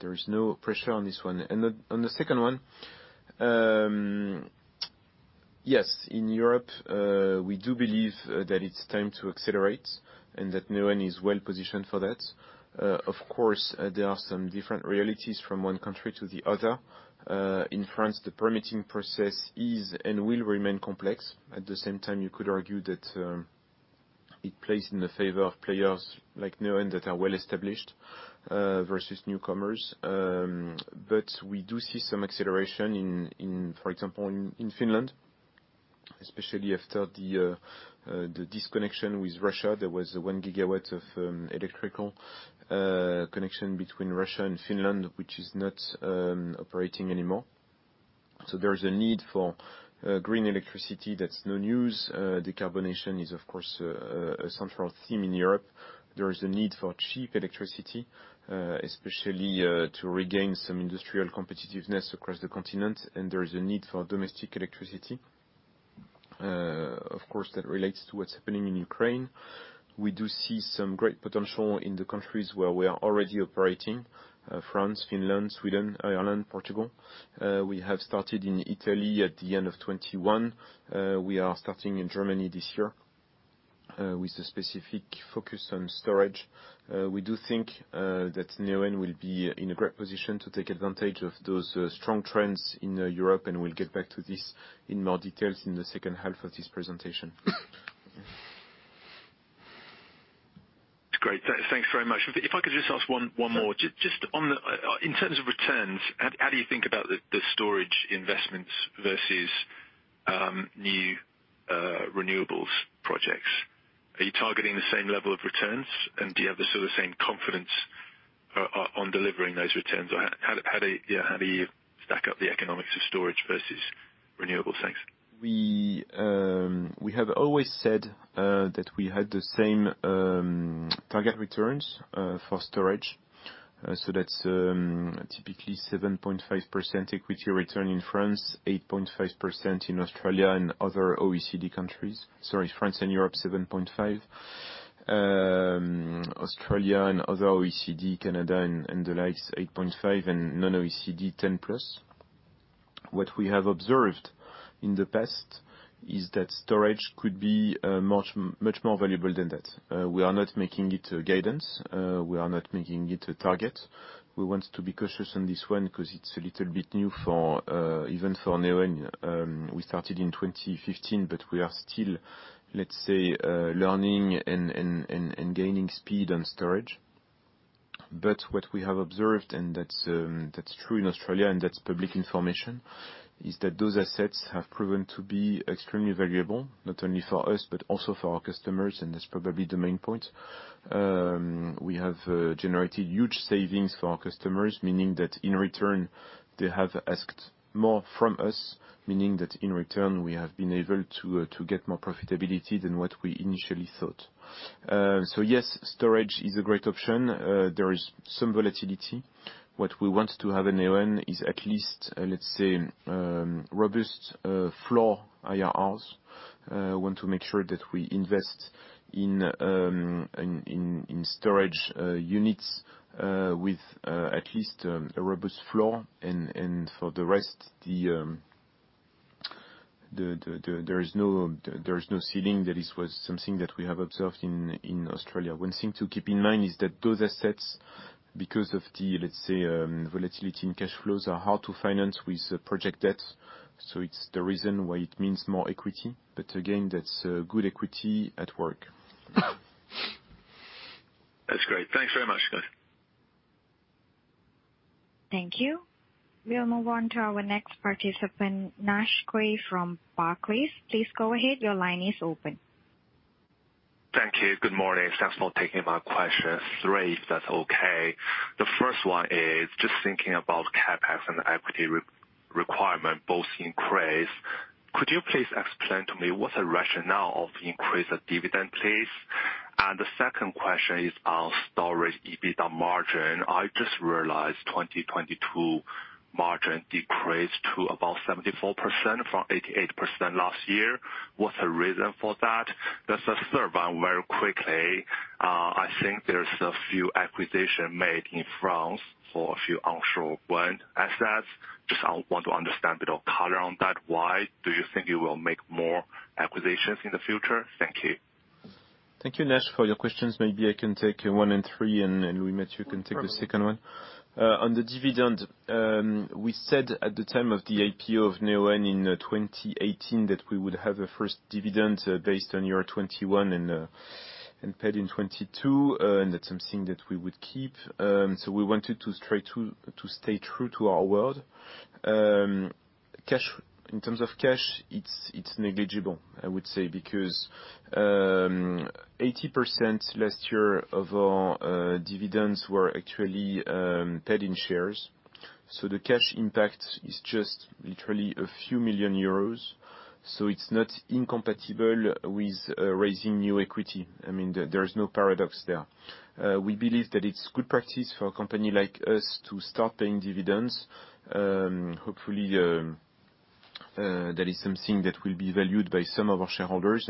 S1: there is no pressure on this one. On the second one, in Europe, we do believe that it's time to accelerate and that Neoen is well positioned for that. Of course, there are some different realities from one country to the other. In France, the permitting process is and will remain complex. At the same time, you could argue that it plays in the favor of players like Neoen that are well-established versus newcomers. We do see some acceleration in, for example, in Finland, especially after the disconnection with Russia. There was 1 GW of electrical connection between Russia and Finland, which is not operating anymore. There is a need for green electricity. That's no news. Decarbonation is, of course, a central theme in Europe. There is a need for cheap electricity, especially to regain some industrial competitiveness across the continent, and there is a need for domestic electricity. Of course, that relates to what's happening in Ukraine. We do see some great potential in the countries where we are already operating, France, Finland, Sweden, Ireland, Portugal. We have started in Italy at the end of 2021. We are starting in Germany this year, with a specific focus on storage. We do think that Neoen will be in a great position to take advantage of those strong trends in Europe. We'll get back to this in more details in the second half of this presentation.
S5: Great. Thanks very much. If I could just ask one more.
S1: Sure.
S5: Just on the in terms of returns, how do you think about the storage investments versus new renewables projects? Are you targeting the same level of returns, and do you have the sort of same confidence on delivering those returns? Or how do you stack up the economics of storage versus renewables? Thanks.
S1: We have always said that we had the same target returns for storage. That's typically 7.5% equity return in France, 8.5% in Australia and other OECD countries. Sorry, France and Europe, 7.5%. Australia and other OECD, Canada and the likes, 8.5%, and non-OECD, 10%+. What we have observed in the past is that storage could be much, much more valuable than that. We are not making it a guidance. We are not making it a target. We want to be cautious on this one 'cause it's a little bit new for even for Neoen. We started in 2015, but we are still, let's say, learning and gaining speed on storage. What we have observed, and that's true in Australia, and that's public information, is that those assets have proven to be extremely valuable, not only for us, but also for our customers, and that's probably the main point. We have generated huge savings for our customers, meaning that in return they have asked more from us, meaning that in return, we have been able to get more profitability than what we initially thought. Yes, storage is a great option. There is some volatility. What we want to have at Neoen is at least, let's say, robust floor IRRs. Want to make sure that we invest in storage units with at least a robust floor. For the rest, the... there is no ceiling. That is was something that we have observed in Australia. One thing to keep in mind is that those assets, because of the, let's say, volatility in cash flows are hard to finance with project debts. It's the reason why it means more equity. Again, that's good equity at work.
S5: That's great. Thanks very much, guys.
S3: Thank you. We'll move on to our next par ticipant, Naisheng CuiNaisheng from Barclays. Please go ahead. Your line is open.
S6: Thank you. Good morning. Thanks for taking my questions. 3, if that's okay. The first one is just thinking about CapEx and equity re-requirement both increase. Could you please explain to me what's the rationale of increase of dividend, please? The second question is on storage EBITDA margin. I just realized 2022 margin decreased to about 74% from 88% last year. What's the reason for that? There's a third one very quickly. I think there's a few acquisition made in France for a few onshore wind assets. Just want to understand a bit of color on that. Why do you think you will make more acquisitions in the future? Thank you.
S1: Thank you, Naisheng, for your questions. Maybe I can take one and three, and Louis-Mathieu can take the second one. On the dividend, we said at the time of the IPO of Neoen in 2018 that we would have a first dividend, based on year 2021 and paid in 2022, and that's something that we would keep. We wanted to try to stay true to our word. Cash, in terms of cash, it's negligible, I would say because 80% last year of our dividends were actually paid in shares. The cash impact is just literally a few million euros, so it's not incompatible with raising new equity. I mean, there is no paradox there. We believe that it's good practice for a company like us to start paying dividends. Hopefully, that is something that will be valued by some of our shareholders.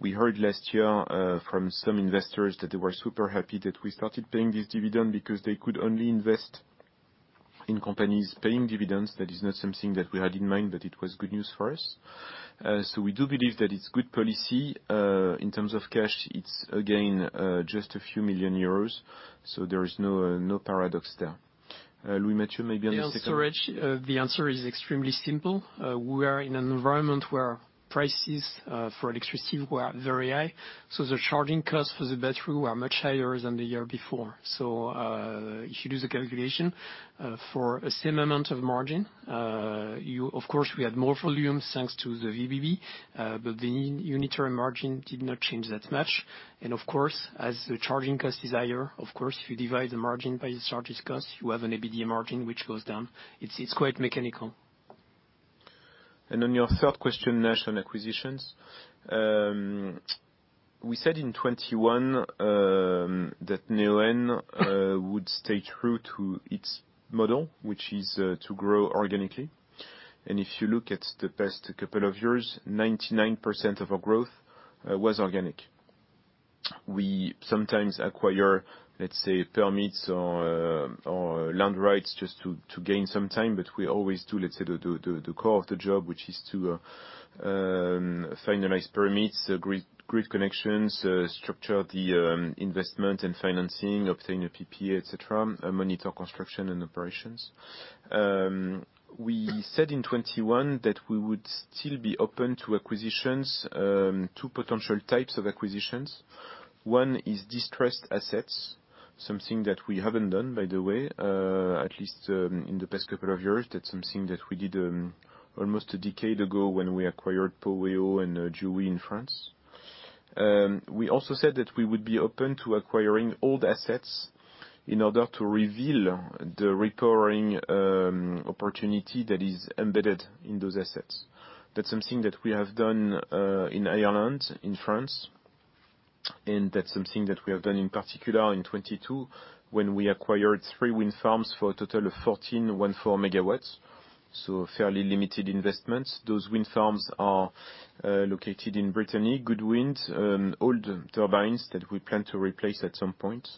S1: We heard last year from some investors that they were super happy that we started paying this dividend because they could only invest in companies paying dividends. That is not something that we had in mind, that it was good news for us. We do believe that it's good policy. In terms of cash, it's again, just a few million EUR, there is no paradox there. Louis Mathieu, maybe on the second.
S2: The answer, the answer is extremely simple. We are in an environment where prices for electricity were very high, so the charging costs for the battery were much higher than the year before. If you do the calculation for a same amount of margin, of course, we had more volume thanks to the VBB, but the unitary margin did not change that much. Of course, as the charging cost is higher, of course, if you divide the margin by the charges cost, you have an EBITDA margin which goes down. It's quite mechanical.
S1: On your third question, Nash, on acquisitions, We said in 2021 that Neoen would stay true to its model, which is to grow organically. If you look at the past couple of years, 99% of our growth was organic. We sometimes acquire, let's say, permits or land rights just to gain some time. We always do, let's say, the core of the job, which is to finalize permits, grid connections, structure the investment and financing, obtain a PPA, et cetera, and monitor construction and operations. We said in 2021 that we would still be open to acquisitions, two potential types of acquisitions. One is distressed assets, something that we haven't done, by the way, at least in the past couple of years. That's something that we did, almost a decade ago when we acquired Poweo and Jouy in France. We also said that we would be open to acquiring old assets in order to reveal the repowering opportunity that is embedded in those assets. That's something that we have done in Ireland, in France, and that's something that we have done in particular in 2022, when we acquired three wind farms for a total of 14.4 MW, so fairly limited investments. Those wind farms are located in Brittany, good winds, old turbines that we plan to replace at some point.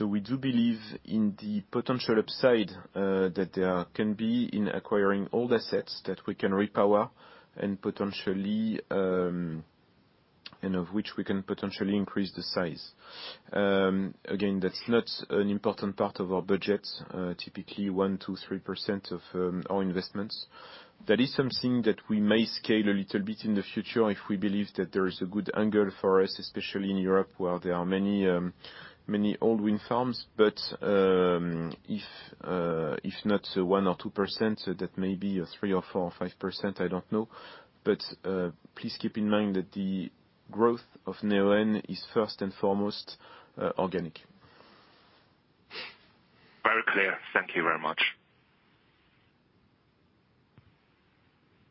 S1: We do believe in the potential upside that there can be in acquiring old assets that we can repower and potentially. Of which we can potentially increase the size. Again, that's not an important part of our budget, typically 1%-3% of our investments. That is something that we may scale a little bit in the future if we believe that there is a good angle for us, especially in Europe, where there are many old wind farms. If not 1% or 2%, that may be a 3% or 4% or 5%, I don't know. Please keep in mind that the growth of Neoen is first and foremost organic.
S6: Very clear. Thank you very much.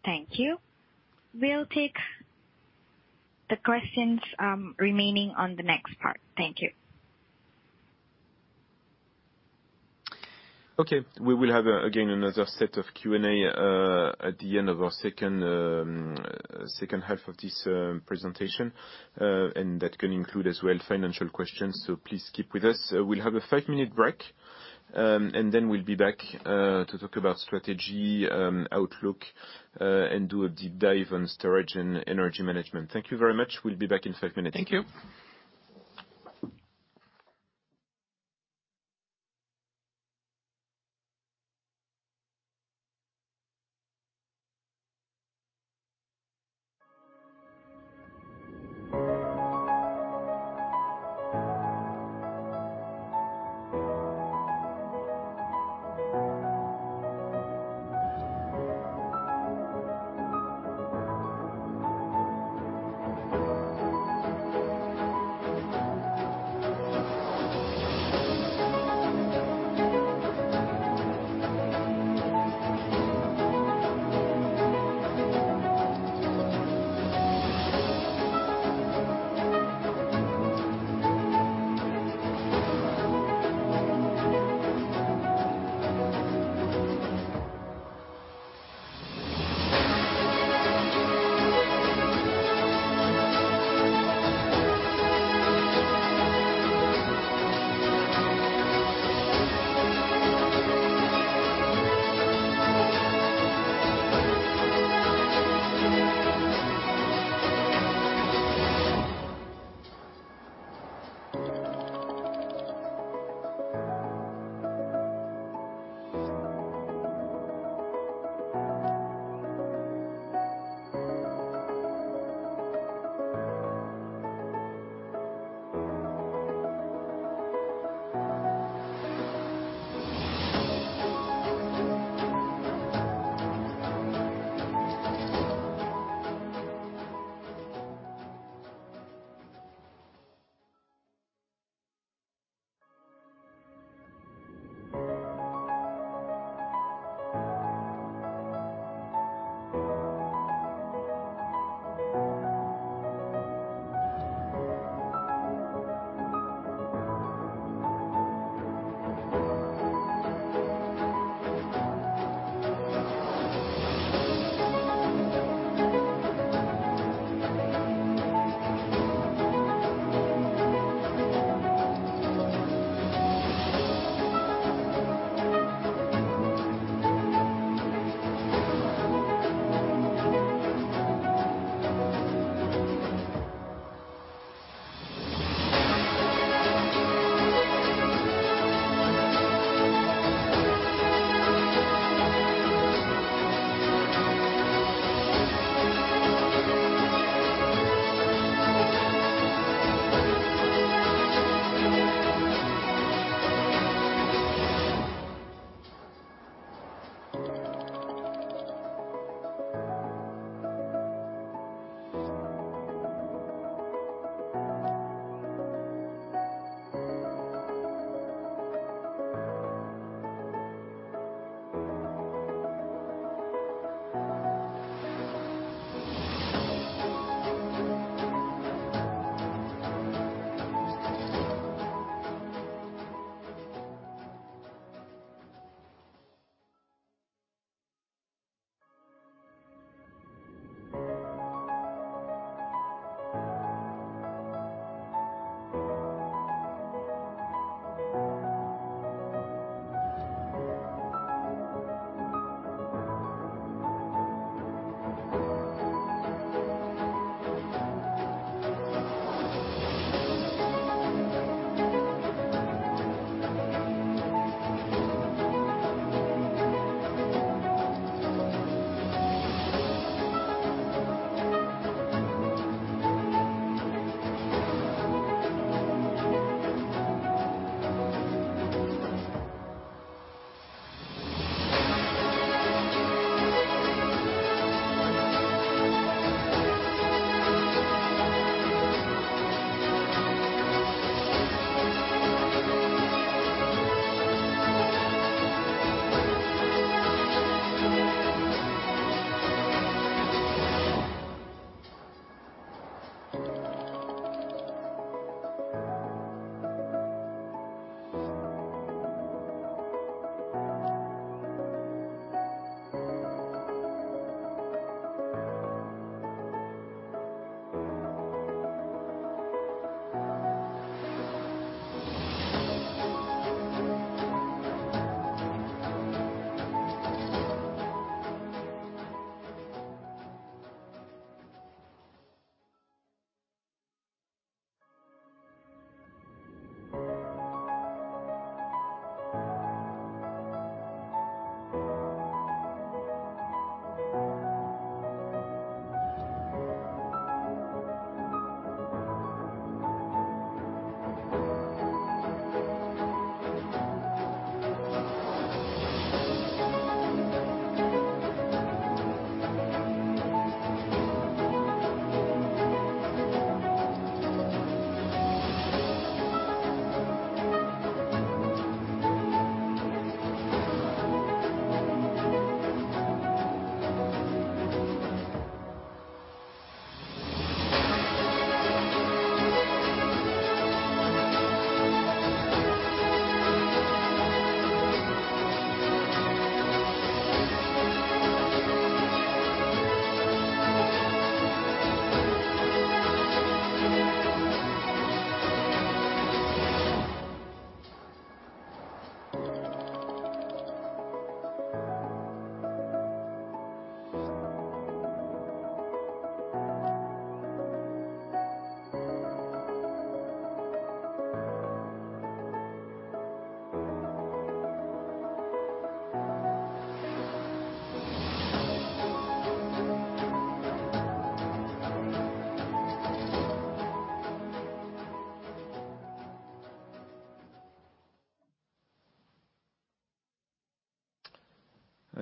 S3: Thank you. We'll take the questions remaining on the next part. Thank you.
S1: Okay. We will have, again, another set of Q&A, at the end of our second half of this, presentation. That can include as well financial questions. Please keep with us. We'll have a five-minute break, we'll be back to talk about strategy, outlook, and do a deep dive on storage and energy management. Thank you very much. We'll be back in five minut es.
S6: Thank you.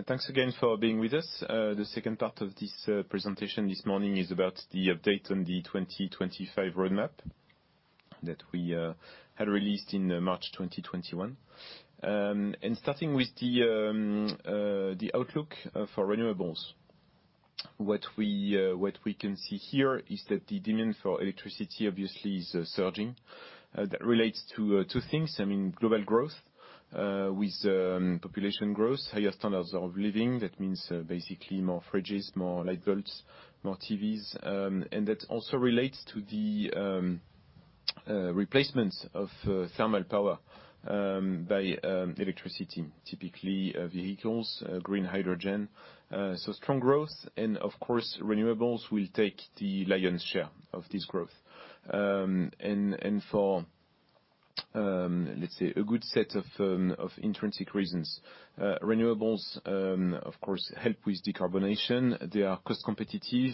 S1: Thanks again for being with us. The second part of this presentation this morning is about the update on the 2025 roadmap that we had released in March 2021. Starting with the outlook for renewables. What we can see here is that the demand for electricity obviously is surging. That relates to 2 things. I mean, global growth, with population growth, higher standards of living. That means, basically more fridges, more light bulbs, more TVs. That also relates to the replacements of thermal power by electricity, typically, vehicles, green hydrogen. Strong growth and of course, renewables will take the lion's share of this growth. For, let's say, a good set of intrinsic reasons. Renewables, of course, help with decarbonation. They are cost competitive,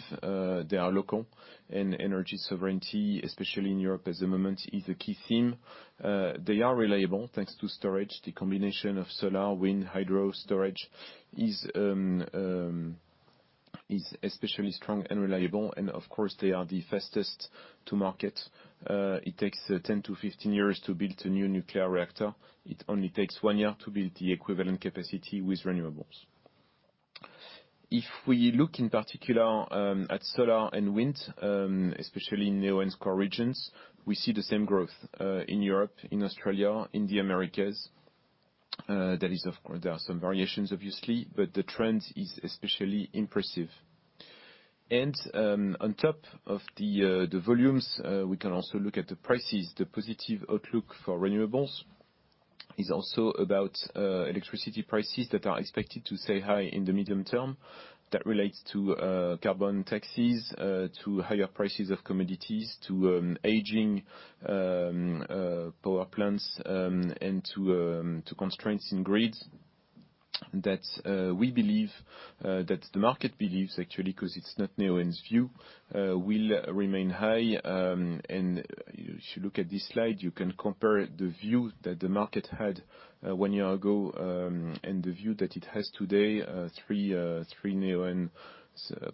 S1: they are local. Energy sovereignty, especially in Europe as a moment, is a key theme. They are reliable thanks to storage. The combination of solar, wind, hydro, storage is especially strong and reliable, and of course, they are the fastest to market. It takes 10 to 15 years to build a new nuclear reactor. It only takes 1 year to build the equivalent capacity with renewables. If we look in particular at solar and wind, especially in Neoen's core regions, we see the same growth, in Europe, in Australia, in the Americas. That is, of course, there are some variations obviously, but the trend is especially impressive. On top of the volumes, we can also look at the prices. The positive outlook for renewables is also about electricity prices that are expected to stay high in the medium term. That relates to carbon taxes, to higher prices of commodities, to aging power plants, and to constraints in grids. That we believe, that the market believes actually, 'cause it's not Neoen's view, will remain high. If you look at this slide, you can compare the view that the market had one year ago, and the view that it has today, three Neoen's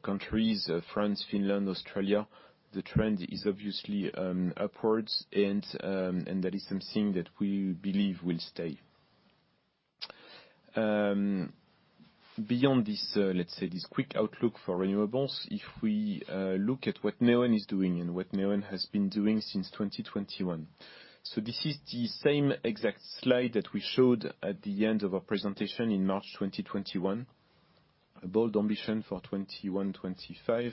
S1: countries, France, Finland, Australia. The trend is obviously upwards and that is something that we believe will stay. Beyond this, let's say this quick outlook for renewables, if we look at what Neoen is doing and what Neoen has been doing since 2021. This is the same exact slide that we showed at the end of our presentation in March 2021. A bold ambition for 2021-2025,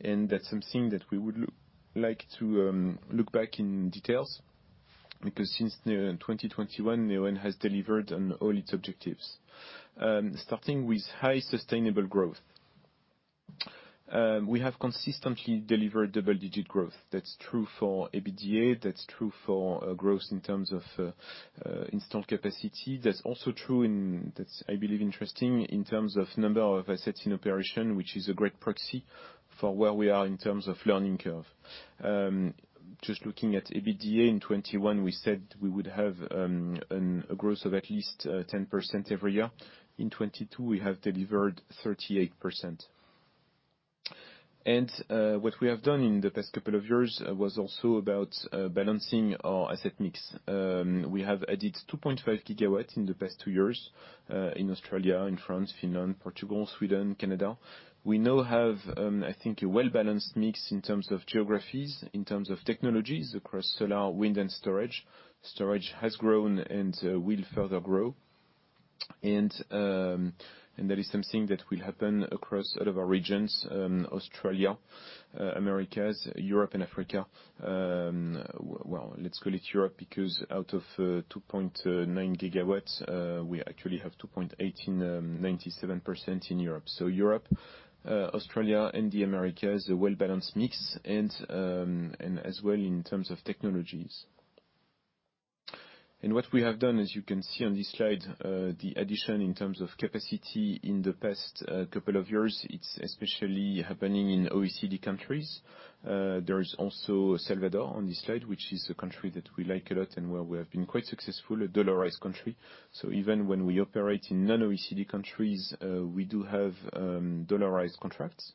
S1: and that's something that we would like to look back in details, because since the 2021, Neoen has delivered on all its objectives. Starting with high sustainable growth. We have consistently delivered double-digit growth. That's true for EBITDA, that's true for growth in terms of installed capacity. That's also true in... That's, I believe, interesting in terms of number of assets in operation, which is a great proxy for where we are in terms of learning curve. Just looking at EBITDA in 21, we said we would have a growth of at least 10% every year. In 22, we have delivered 38%. What we have done in the past couple of years was also about balancing our asset mix. We have added 2.5 GW in the past 2 years, in Australia, in France, Finland, Portugal, Sweden, Canada. We now have, I think, a well-balanced mix in terms of geographies, in terms of technologies across solar, wind and storage. Storage has grown will further grow. That is something that will happen across all of our regions, Australia, Americas, Europe and Africa. Well, let's call it Europe, because out of 2.9 GW, we actually have 2.18 GW, 97% in Europe. Europe, Australia and the Americas, a well-balanced mix and as well in terms of technologies. What we have done, as you can see on this slide, the addition in terms of capacity in the past couple of years, it's especially happening in OECD countries. There is also El Salvador on this slide, which is a country that we like a lot and where we have been quite successful, a dollarized country. Even when we operate in non-OECD countries, we do have dollarized contracts.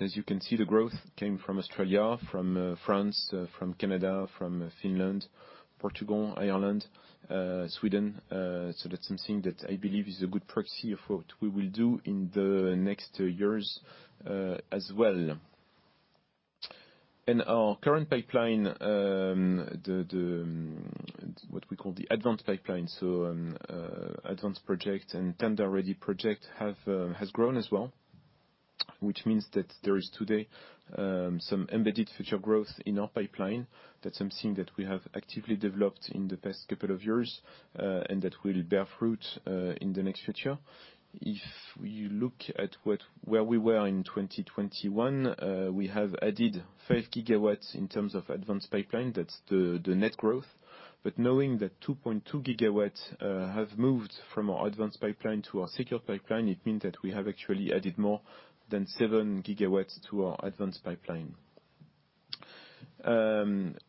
S1: As you can see, the growth came from Australia, from France, from Canada, from Finland, Portugal, Ireland, Sweden. That's something that I believe is a good proxy of what we will do in the next years as well. Our current pipeline, what we call the advanced pipeline, so advanced project and tender-ready project have has grown as well, which means that there is today some embedded future growth in our pipeline. That's something that we have actively developed in the past couple of years, and that will bear fruit in the next future. If you look at where we were in 2021, we have added 5 GW in terms of advanced pipeline. That's the net growth. Knowing that 2.2 GW have moved from our advanced pipeline to our secured pipeline, it means that we have actually added more than 7 GW to our advanced pipeline.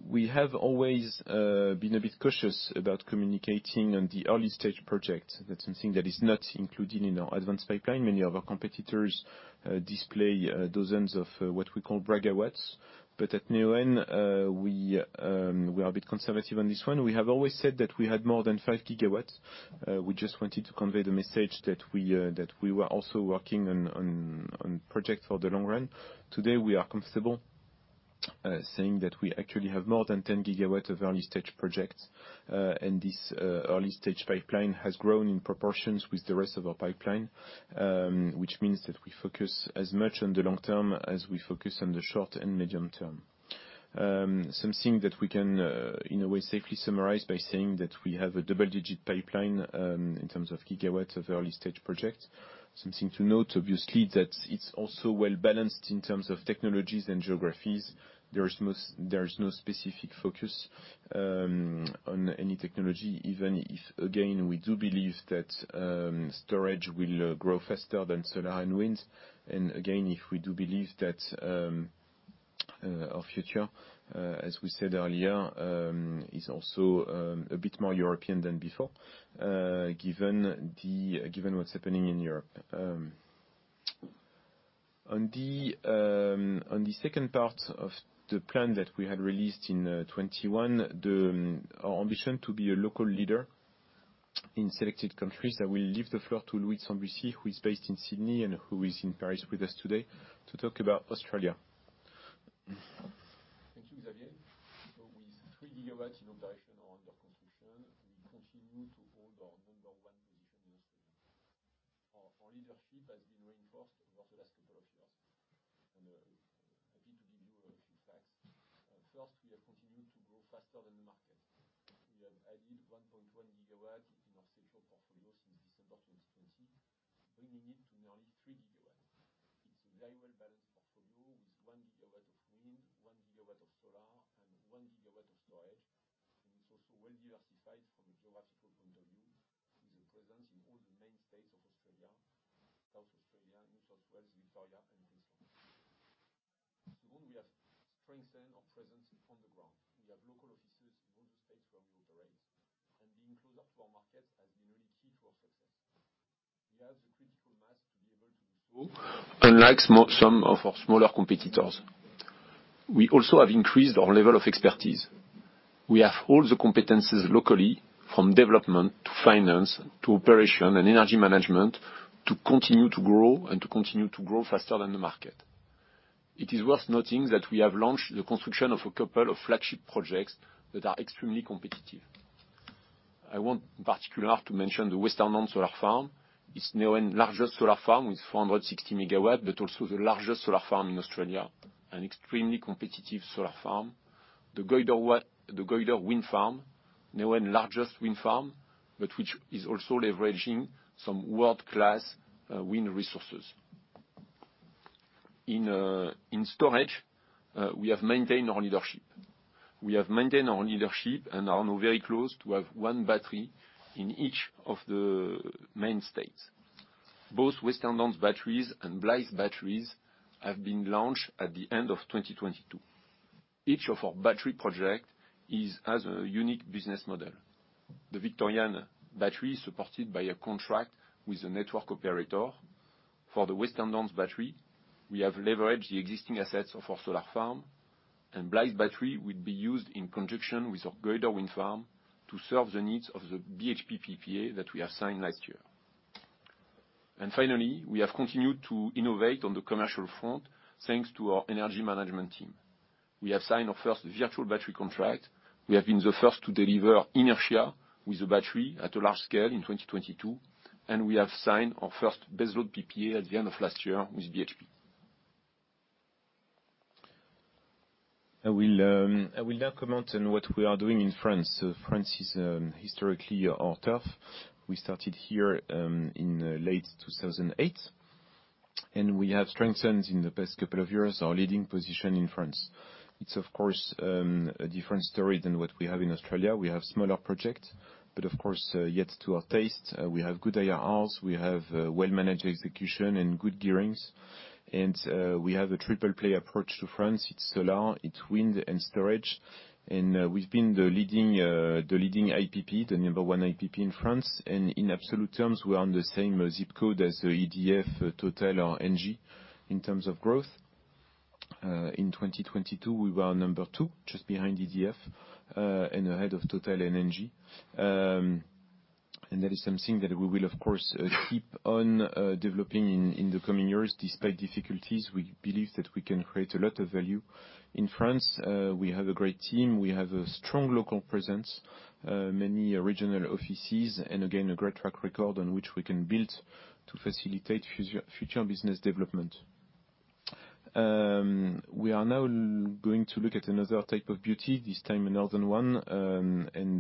S1: We have always been a bit cautious about communicating on the early-stage project. That's something that is not included in our advanced pipeline. Many of our competitors display dozens of what we call braggawatts. At Neoen, we are a bit conservative on this one. We have always said that we had more than 5 GW. We just wanted to convey the message that we were also working on projects for the long run. Today, we are comfortable saying that we actually have more than 10 GW of early-stage projects. This early stage pipeline has grown in proportions with the rest of our pipeline, which means that we focus as much on the long term as we focus on the short and medium term. Something that we can in a way, safely summarize by saying that we have a double-digit pipeline in terms of gigawatts of early-stage projects. Something to note, obviously, that it's also well-balanced in terms of technologies and geographies. There is no there is no specific focus on any technology, even if, again, we do believe that storage will grow faster than solar and winds. If we do believe that our future, as we said earlier, is also a bit more European than before, given what's happening in Europe. On the second part of the plan that we had released in 21, Our ambition to be a local leader in selected countries. I will leave the floor to Louis de Sambucy, who is based in Sydney and who is in Paris with us today to talk about Australia.
S7: Thank you,
S8: Unlike some of our smaller competitors, we also have increased our level of expertise. We have all the competencies locally, from development to finance to operation and energy management, to continue to grow and to continue to grow faster than the market. It is worth noting that we have launched the construction of a couple of flagship projects that are extremely competitive. I want in particular to mention the Western Downs Solar Farm. It's now Neoen's largest solar farm with 460 MW, but also the largest solar farm in Australia. An extremely competitive solar farm. The Goyder Wind Farm, Neoen's largest wind farm, but which is also leveraging some world-class wind resources. In storage, we have maintained our leadership. We have maintained our leadership and are now very close to have one battery in each of the main states. Both Weste rn Downs batteries and Blyth Battery have been launched at the end of 2022. Each of our battery project has a unique business model. The Victorian battery is supported by a contract with a network operator. For the Western Downs battery, we have leveraged the existing assets of our solar farm, and Blythe battery will be used in conjunction with our Goyder Wind Farm to serve the needs of the BHP PPA that we have signed last year. Finally, we have continued to innovate on the commercial front thanks to our energy management team. We have signed our first virtual battery contract. We have been the first to deliver inertia with the battery at a large scale in 2022, and we have signed our first baseload PPA at the end of last year with BHP.
S1: I will now comment on what we are doing in France. France is historically our turf. We started here in late 2008, and we have strengthened in the past couple of years our leading position in France. It's, of course, a different story than what we have in Australia. We have smaller projects, but of course, yet to our taste, we have good IRRs, we have well-managed execution and good gearings. We have a triple play approach to France. It's solar, it's wind and storage. We've been the leading, the leading IPP, the number 1 IPP in France. In absolute terms, we are on the same ZIP code as the EDF, TotalEnergies, or ENGIE in terms of growth. In 2022, we were number two, just behind EDF, and ahead of TotalEnergies and ENGIE. That is something that we will, of course, keep on developing in the coming years. Despite difficulties, we believe that we can create a lot of value. In France, we have a great team. We have a strong local presence, many original offices, and again, a great track record on which we can build to facilitate future business development. We are now going to look at another type of beauty, this time a northern one,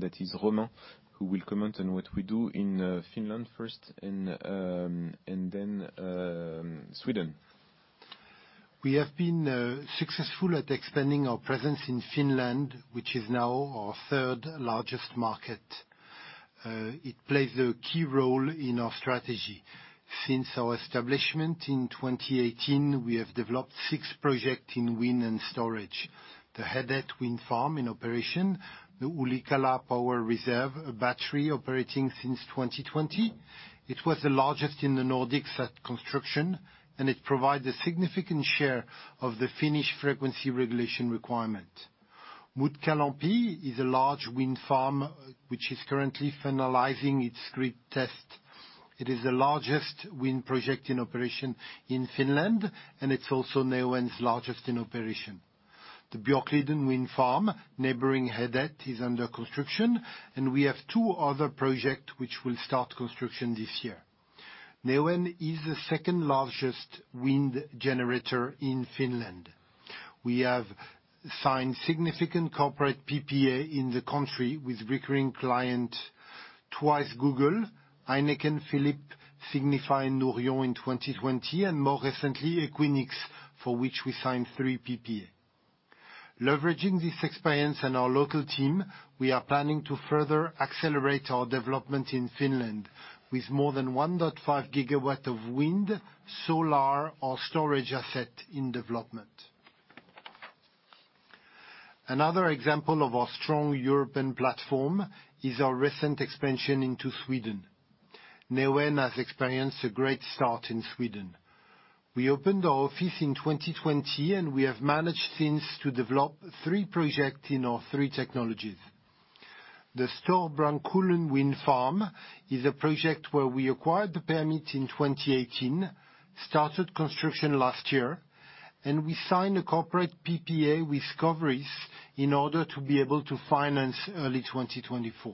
S1: that is Romain, who will comment on what we do in Finland first and then Sweden.
S8: We have been successful at expanding our presence in Finland, which is now our third-largest market. It plays a key role in our strategy. Since our establishment in 2018, we have developed 6 project in wind and storage. The Hedet wind farm in operation, the Yllikkälä Power Reserve, a battery operating since 2020. It was the largest in the Nordics at construction, and it provide a significant share of the Finnish frequency regulation requirement. Mutkalampi is a large wind farm which is currently finalizing its grid test. It is the largest wind project in operation in Finland, and it's also Neoen's largest in operation. The Björkliden wind farm, neighboring Hedet, is under construction, and we have 2 other project which will start construction this year. Neoen is the second-largest wind generator in Finland. We have signed significant corporate PPA in the country with recurring client, twice Google, Heineken, Philips, Signify, Nouryon in 2020, and more recently, Equinix, for which we signed 3 PPA. Leveraging this experience and our local team, we are planning to further accelerate our development in Finland with more than 1.5 GW of wind, solar, or storage asset in development. Another example of our strong European platform is our recent expansion into Sweden. Neoen has experienced a great start in Sweden. We opened our office in 2020, and we have managed since to develop 3 project in our 3 technologies. The Storbrännkullen Wind Farm is a project where we acquired the permit in 2018, started construction last year, and we signed a corporate PPA with Coveris in order to be able to finance early 2024.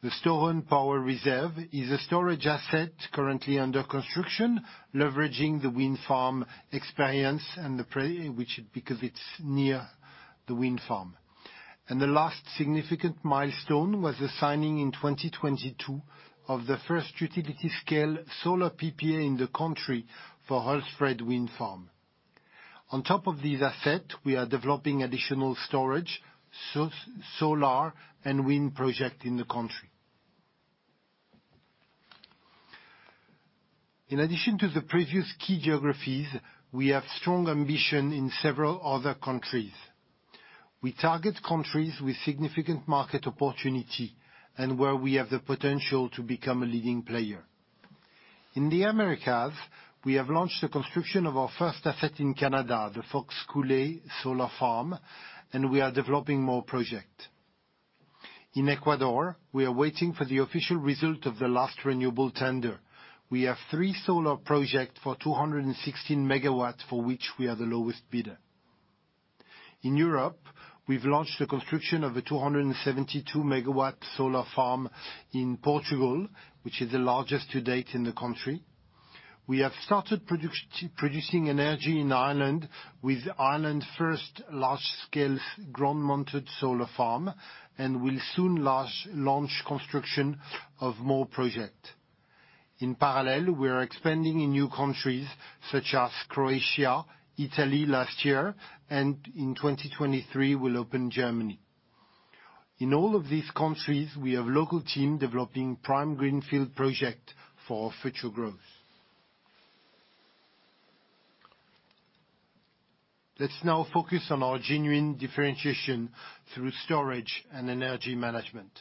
S8: The Storen Power Reserve is a storage asset currently under construction, leveraging the wind farm experience and because it's near the wind farm. The last significant milestone was the signing in 2022 of the first utility-scale solar PPA in the country for Hultsfred Wind Farm. On top of these asset, we are developing additional storage, solar, and wind project in the country. In addition to the previous key geographies, we have strong ambition in several other countries. We target countries with significant market opportunity, and where we have the potential to become a leading player. In the Americas, we have launched the construction of our first asset in Canada, the Fox Coulée Solar Farm, and we are developing more project. In Ecuador, we are waiting for the official result of the last renewable tender. We have three solar project for 216 MW, for which we are the lowest bidder. In Europe, we've launched the construction of a 272 MW solar farm in Portugal, which is the largest to date in the country. We have started producing energy in Ireland, with Ireland's first large-scale ground-mounted solar farm, will soon launch construction of more project. In parallel, we are expanding in new countries such as Croatia, Italy last year, in 2023, we'll open Germany. In all of these countries, we have local team developing prime greenfield project for our future growth. Let's now focus on our genuine differentiation through storage and energy management.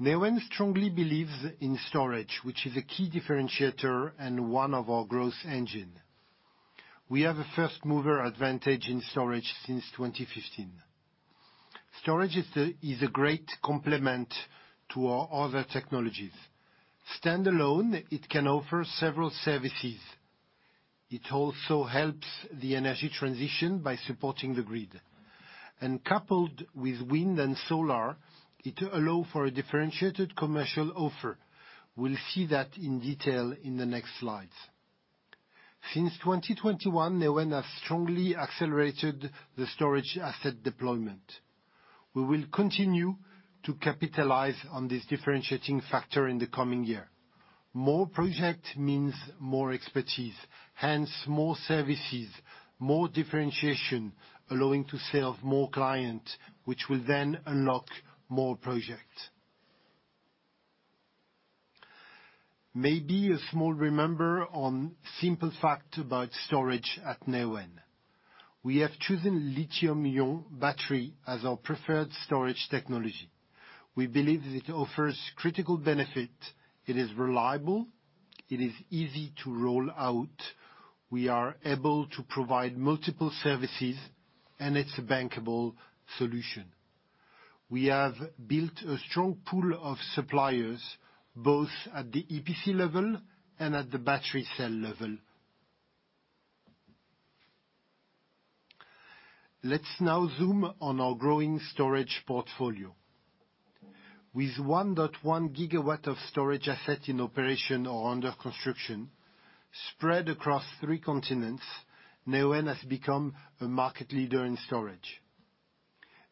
S8: Neoen strongly believes in storage, which is a key differentiator and one of our growth engine. We have a first mover advantage in storage since 2015. Storage is a great complement to our other technologies. Standalone, it can offer several services. It also helps the energy transition by supporting the grid. Coupled with wind and solar, it allow for a differentiated commercial offer. We'll see that in detail in the next slides. Since 2021, Neoen has strongly accelerated the storage asset deployment. We will continue to capitalize on this differentiating factor in the coming year. More project means more expertise, hence more services, more differentiation, allowing to serve more client, which will then unlock more projects. Maybe a small reminder on simple fact about storage at Neoen. We have chosen lithium-ion battery as our preferred storage technology. We believe that it offers critical benefit. It is reliable, it is easy to roll out. We are able to provide multiple services, and it's a bankable solution. We have built a strong pool of suppliers, both at the EPC level and at the battery cell level. Let's now zoom on our growing storage portfolio. With 1.1 GW of storage asset in operation or under construction, spread across three continents, Neoen has become a market leader in storage.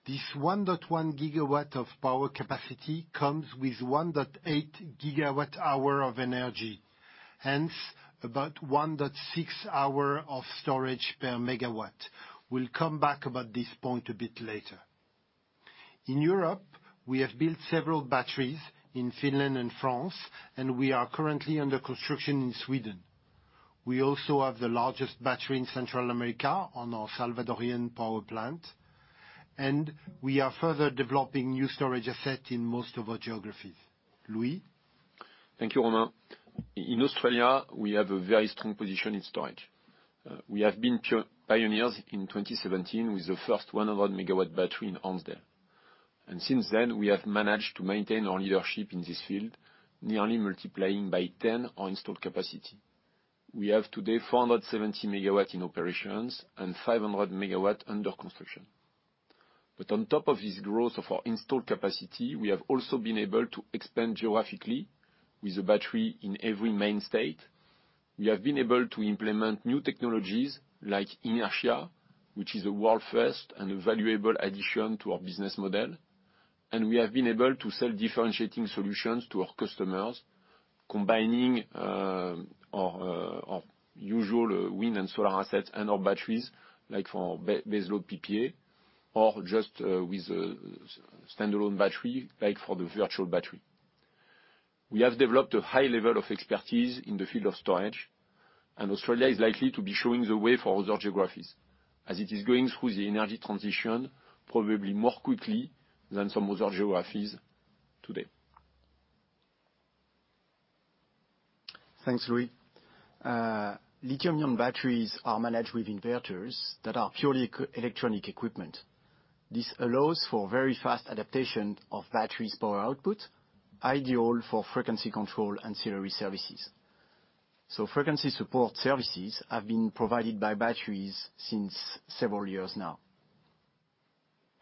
S8: This 1.1 GW of power capacity comes with 1.8 GW hour of energy, hence about 1.6 hour of storage per MWMW. We'll come back about this point a bit later. In Europe, we have built several batteries in Finland and France. We are currently under construction in Sweden. We also have the largest battery in Central America on our Salvadorian power plant, and we are further developing new storage asset in most of our geographies. Louis?
S7: Thank you, Romain. In Australia, we have a very strong position in storage. We have been pioneers in 2017 with the first 100-MW battery in Hornsdale. Since then, we have managed to maintain our leadership in this field, nearly multiplying by 10 our installed capacity. We have today 470 MW in operations and 500 MW under construction. On top of this growth of our installed capacity, we have also been able to expand geographically with a battery in every main state. We have been able to implement new technologies like inertia, which is a world first and a valuable addition to our business model. We have been able to sell differentiating solutions to our customers, combining our usual wind and solar assets and our batteries, like for baseload PPA or just with a standalone battery, like for the virtual battery. We have developed a high level of expertise in the field of storage, Australia is likely to be showing the way for other geographies, as it is going through the energy transition probably more quickly than some other geographies today.
S8: Thanks, Louis. lithium-ion batteries are managed with inverters that are purely electronic equipment. This allows for very fast adaptation of batteries' power output, ideal for frequency control ancillary services. Frequency support services have been provided by batteries since several years now.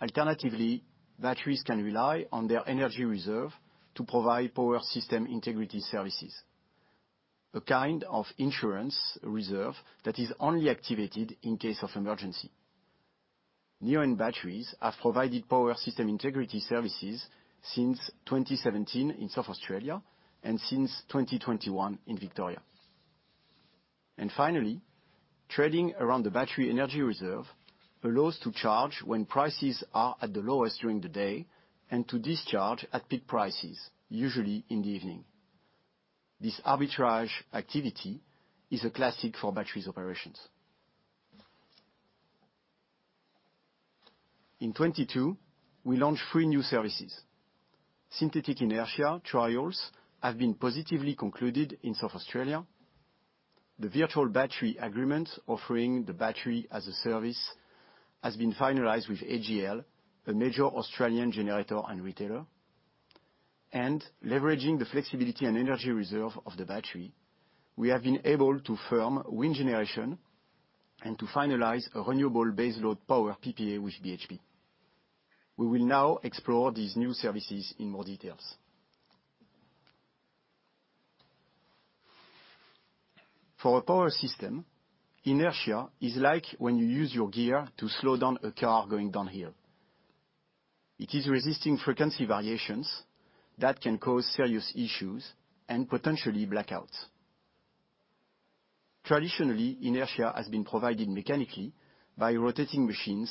S8: Alternatively, batteries can rely on their energy reserve to provide power system integrity services, a kind of insurance reserve that is only activated in case of emergency. Neoen batteries have provided power system integrity services since 2017 in South Australia and since 2021 in Victoria. Finally, trading around the battery energy reserve allows to charge when prices are at the lowest during the day and to discharge at peak prices, usually in the evening.
S9: This arbitrage activity is a classic for batteries operations. In 2022, we launched 3 new services. Synthetic inertia trials have been positively concluded in South Australia. The virtual battery agreement offering the battery as a service has been finalized with AGL, a major Australian generator and retailer. Leveraging the flexibility and energy reserve of the battery, we have been able to firm wind generation and to finalize a renewable baseload power PPA with BHP. We will now explore these new services in more details. For a power system, inertia is like when you use your gear to slow down a car going downhill. It is resisting frequency variations that can cause serious issues and potentially blackouts. Traditionally, inertia has been provided mechanically by rotating machines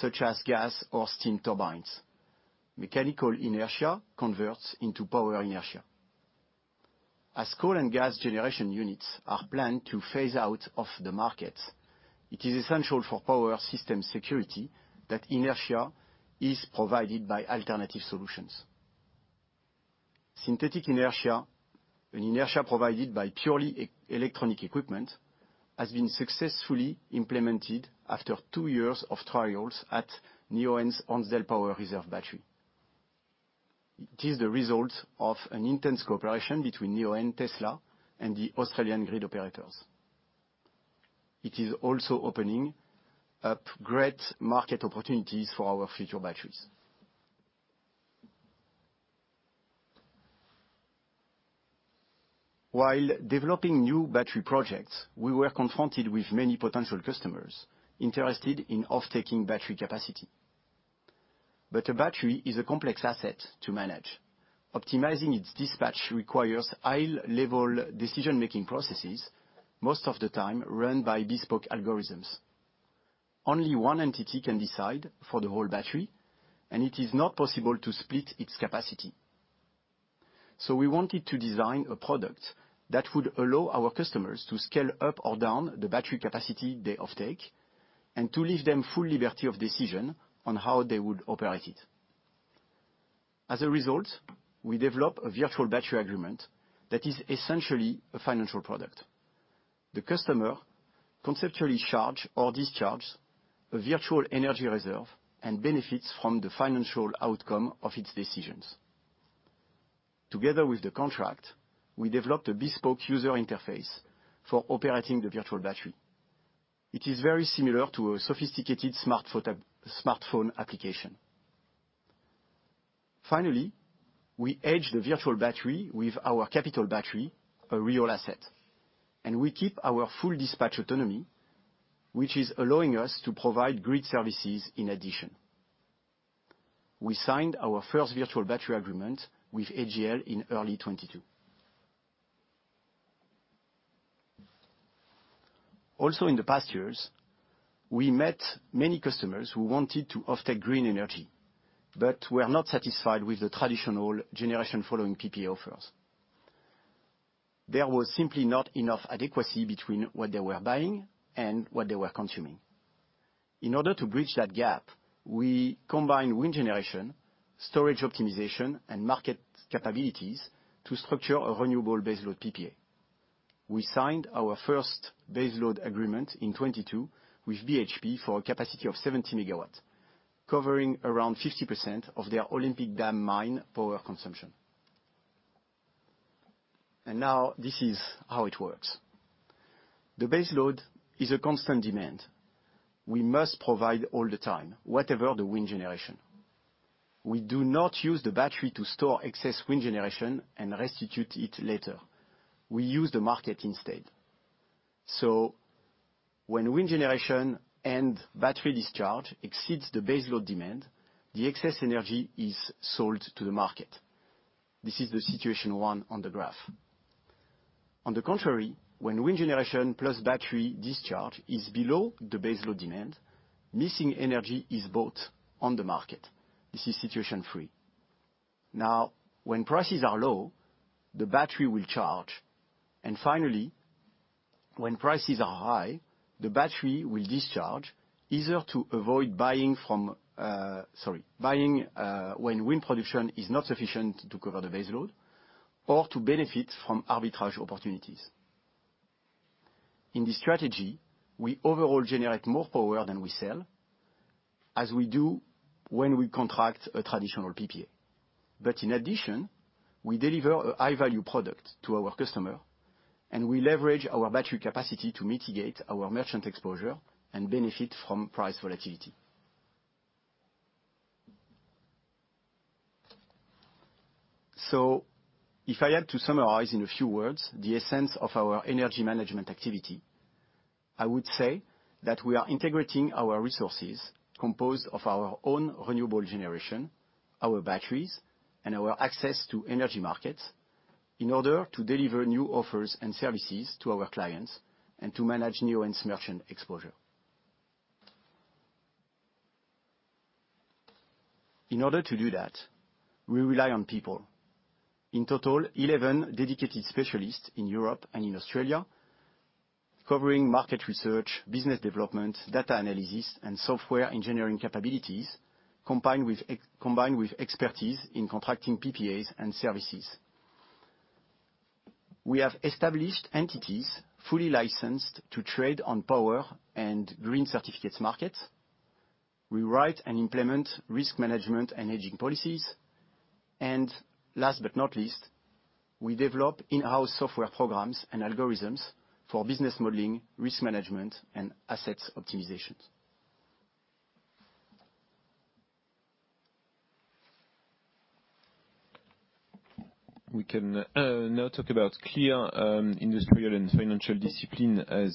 S9: such as gas or steam turbines. Mechanical inertia converts into power inertia. As coal and gas generation units are planned to phase out of the market, it is essential for power system security that inertia is provided by alternative solutions. Synthetic inertia, an inertia provided by purely electronic equipment, has been successfully implemented after two years of trials at Neoen's Hornsdale Power Reserve battery. It is the result of an intense cooperation between Neoen, Tesla, and the Australian grid operators. It is also opening up great market opportunities for our future batteries. While developing new battery projects, we were confronted with many potential customers interested in off-taking battery capacity. But a battery is a complex asset to manage. Optimizing its dispatch requires high-level decision-making processes, most of the time run by bespoke algorithms. Only one entity can decide for the whole battery, and it is not possible to split its capacity. We wanted to design a product that would allow our customers to scale up or down the battery capacity they off-take, and to leave them full liberty of decision on how they would operate it. As a result, we developed a virtual battery agreement that is essentially a financial product. The customer conceptually charge or discharge a virtual energy reserve and benefits from the financial outcome of its decisions. Together with the contract, we developed a bespoke user interface for operating the virtual battery. It is very similar to a sophisticated smartphone application. Finally, we edge the virtual battery with our capital battery, a real asset, and we keep our full dispatch autonomy, which is allowing us to provide grid services in addition. We signed our first virtual battery agreement with AGL in early 2022. In the past years, we met many customers who wanted to off-take green energy, but were not satisfied with the traditional generation following PPA offers. There was simply not enough adequacy between what they were buying and what they were consuming. In order to bridge that gap, we combined wind generation, storage optimization, and market capabilities to structure a renewable baseload PPA. We signed our first baseload agreement in 2022 with BHP for a capacity of 70 MW, covering around 50% of their Olympic Dam mine power consumption. This is how it works. The baseload is a constant demand. We must provide all the time, whatever the wind generation. We do not use the battery to store excess wind generation and reconstitute it later. We use the market instead. When wind generation and battery discharge exceeds the baseload demand, the excess energy is sold to the market. This is the situation 1 on the graph. On the contrary, when wind generation plus battery discharge is below the baseload demand, missing energy is bought on the market. This is situation 3. Now, when prices are low, the battery will charge. Finally, when prices are high, the battery will discharge, either to avoid buying from, sorry, buying when wind production is not sufficient to cover the baseload or to benefit from arbitrage opportunities. In this strategy, we overall generate more power than we sell, as we do when we contract a traditional PPA. In addition, we deliver a high-value product to our customer, and we leverage our battery capacity to mitigate our merchant exposure and benefit from price volatility. If I had to summarize in a few words the essence of our energy management activity, I would say that we are integrating our resources, composed of our own renewable generation, our batteries, and our access to energy markets, in order to deliver new offers and services to our clients and to manage Neoen's merchant exposure.
S10: In order to do that, we rely on people. In total, eleven dedicated specialists in Europe and in Australia covering market research, business development, data analysis, and software engineering capabilities, combined with expertise in contracting PPAs and services. We have established entities fully licensed to trade on power and green certificates markets. We write and implement risk management and hedging policies. Last but not least, we develop in-house software programs and algorithms for business modeling, risk management, and assets optimizations.
S2: We can now talk about clear industrial and financial discipline as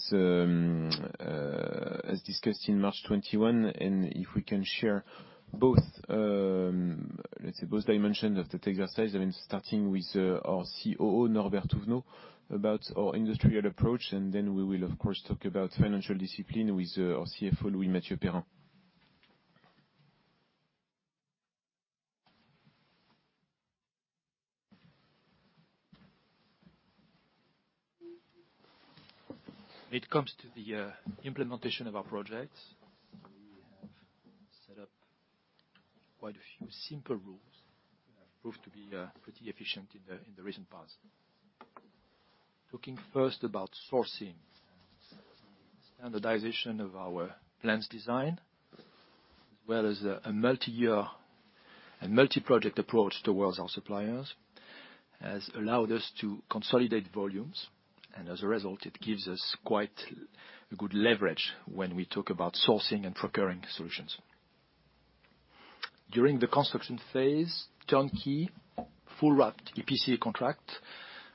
S2: as discussed in March 2021. If we can share both, let's say, both dimensions of the exercise, I mean, starting with our COO, Norbert Thouvenot, about our industrial approach, then we will, of course, talk about financial discipline with our CFO, Louis-Mathieu Perrin.
S10: It comes to the implementation of our projects. We have set up quite a few simple rules that have proved to be pretty efficient in the recent past. Talking first about sourcing. Standardization of our plans design, as well as a multi-year and multi-project approach towards our suppliers, has allowed us to consolidate volumes. As a result, it gives us quite a good leverage when we talk about sourcing and procuring solutions. During the construction phase, turnkey full wrapped EPC contract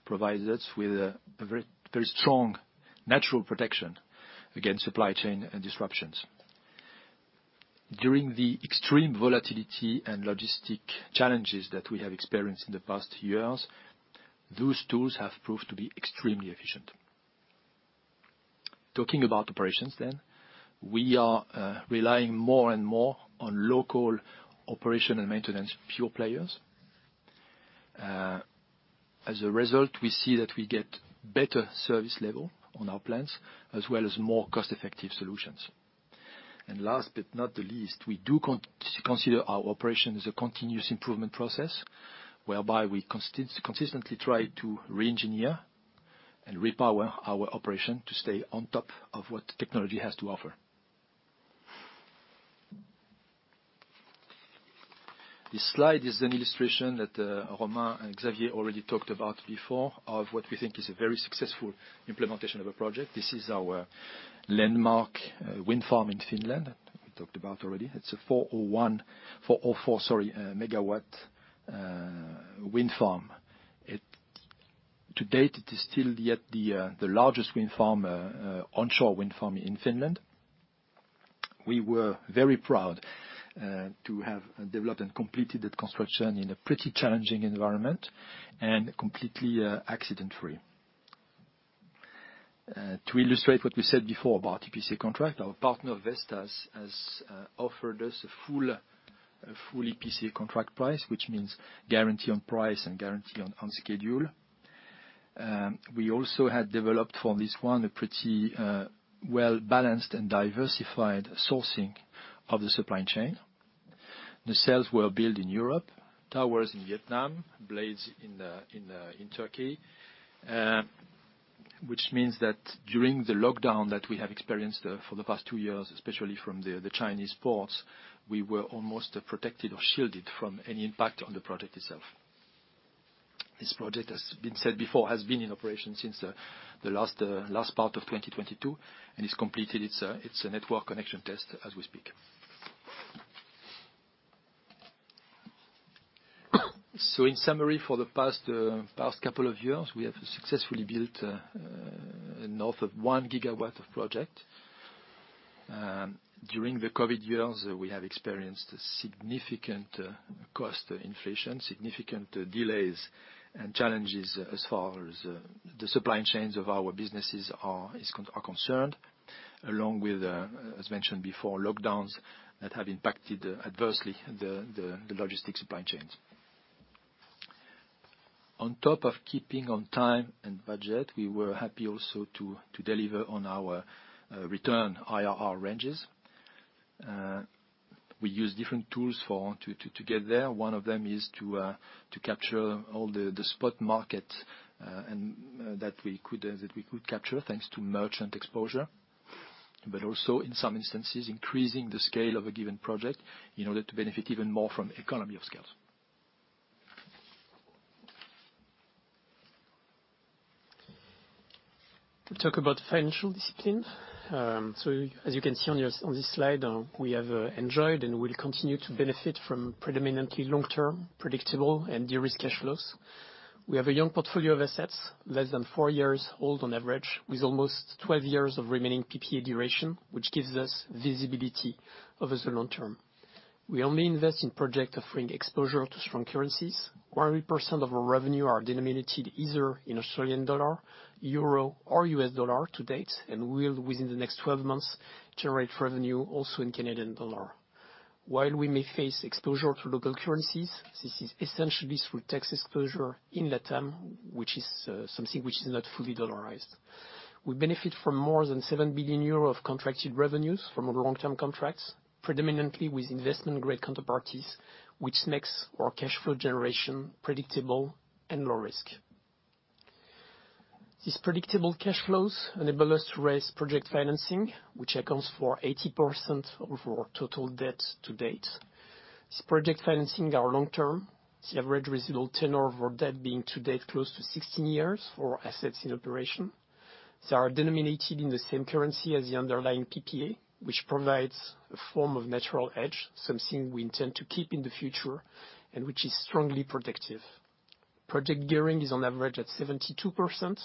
S10: provides us with a very, very strong natural protection against supply chain disruptions. During the extreme volatility and logistics challenges that we have experienced in the past years, those tools have proved to be extremely efficient. Talking about operations then, we are relying more and more on local operation and maintenance pure players. As a result, we see that we get better service level on our plans as well as more cost-effective solutions. Last but not the least, we do consider our operation as a continuous improvement process, whereby we consistently try to reengineer and repower our operation to stay on top of what technology has to offer. This slide is an illustration that Romain and Xavier already talked about before of what we think is a very successful implementation of a project. This is our landmark wind farm in Finland. We talked about already. It's a 4 04, sorry, MW wind farm. To date, it is still yet the largest onshore wind farm in Finland. We were very proud to have developed and completed that construction in a pretty challenging environment and completely accident-free. To illustrate what we said before about EPC contract, our partner, Vestas, has offered us a full EPC contract price, which means guarantee on price and guarantee on schedule. We also had developed for this one a pretty, well-balanced and diversified sourcing of the supply chain. The cells were built in Europe, towers in Vietnam, blades in Turkey, which means that during the lockdown that we have experienced for the past 2 years, especially from the Chinese ports, we were almost protected or shielded from any impact on the project itself. This project, as been said before, has been in operation since the last part of 2022 and is completed its network connection test as we speak. In summary, for the past couple of years, we have successfully built north of 1 GW of project. During the COVID years, we have experienced significant cost inflation, significant delays, and challenges as far as the supply chains of our businesses are concerned, along with, as mentioned before, lockdowns that have impacted adversely the logistics supply chains. On top of keeping on time and budget, we were happy also to deliver on our return IRR ranges. We use different tools to get there. One of them is to capture all the spot market, and that we could capture, thanks to merchant exposure, but also in some instances, increasing the scale of a given project in order to benefit even more from economy of scale.
S2: Talk about financial discipline. As you can see on your, on this slide, we have enjoyed and will continue to benefit from predominantly long-term, predictable, and de-risked cash flows. We have a young portfolio of assets, less than 4 years old on average, with almost 12 years of remaining PPA duration, which gives us visibility over the long term. We only invest in project offering exposure to strong currencies. 100% of our revenue are denominated either in AUD, EUR, or USD to date, and will, within the next 12 months, generate revenue also in CAD. We may face exposure to local currencies, this is essentially through tax exposure in Latam, which is something which is not fully dollarized. We benefit from more than 7 billion euros of contracted revenues from long-term contracts, predominantly with investment grade counterparties, which makes our cash flow generation predictable and low risk. These predictable cash flows enable us to raise project financing, which accounts for 80% of our total debt to date. These project financing are long-term, the average residual tenure of our debt being to date close to 16 years for assets in operation. They are denominated in the same currency as the underlying PPA, which provides a form of natural hedge, something we intend to keep in the future and which is strongly protective. Project gearing is on average at 72%.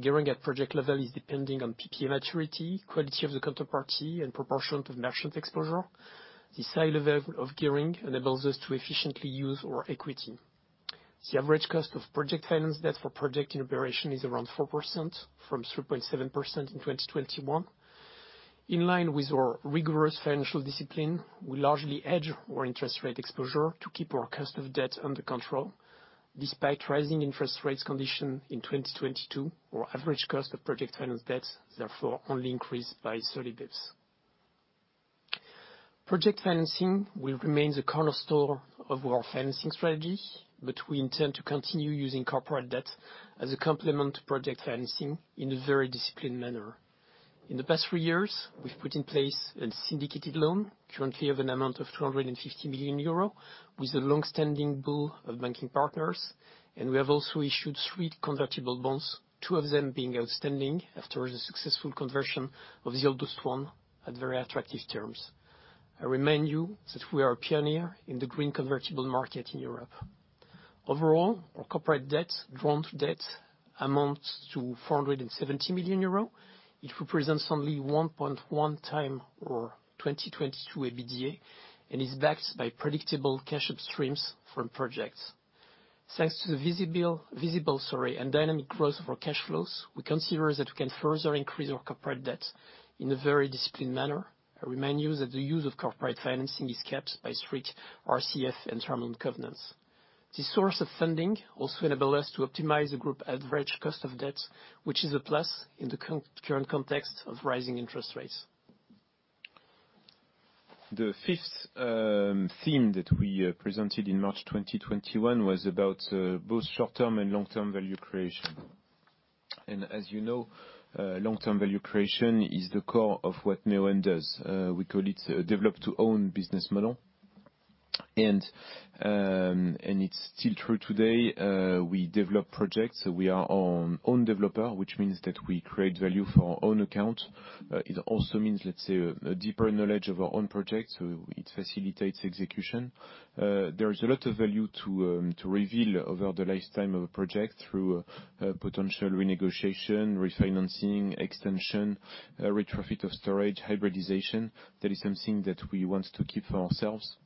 S2: Gearing at project level is depending on PPA maturity, quality of the counterparty and proportion to merchant exposure. This high level of gearing enables us to efficiently use our equity. The average cost of project finance debt for project in operation is around 4% from 3.7% in 2021. In line with our rigorous financial discipline, we largely hedge our interest rate exposure to keep our cost of debt under control. Despite rising interest rates condition in 2022, our average cost of project finance debts therefore only increased by 30 bps. Project financing will remain the cornerstone of our financing strategy, but we intend to continue using corporate debt as a complement to project financing in a very disciplined manner. In the past 3 years, we've put in place a syndicated loan, currently of an amount of 250 million euro with a longstanding pool of banking partners. We have also issued 3 convertible bonds, 2 of them being outstanding after the successful conversion of the oldest one at very attractive terms. I remind you that we are a pioneer in the green convertible market in Europe. Overall, our corporate debt, grant debt amounts to 470 million euro. It represents only 1.1 time our 2022 EBITDA, and is backed by predictable cash upstreams from projects. Thanks to the visible, sorry, and dynamic growth of our cash flows, we consider that we can further increase our corporate debt in a very disciplined manner. I remind you that the use of corporate financing is capped by strict RCF and term loan covenants. This source of funding also enable us to optimize the group average cost of debt, which is a plus in the current context of rising interest rates.
S1: The fifth theme that we presented in March 2021 was about both short-term and long-term value creation. As you know, long-term value creation is the core of what Neoen does. We call it develop to own business model. It's still true today, we develop projects. We are our own developer, which means that we create value for our own account. It also means, let's say, a deeper knowledge of our own projects, so it facilitates execution. There is a lot of value to reveal over the lifetime of a project through potential renegotiation, refinancing, extension, retrofit of storage, hybridization. That is something that we want to keep for ourselves.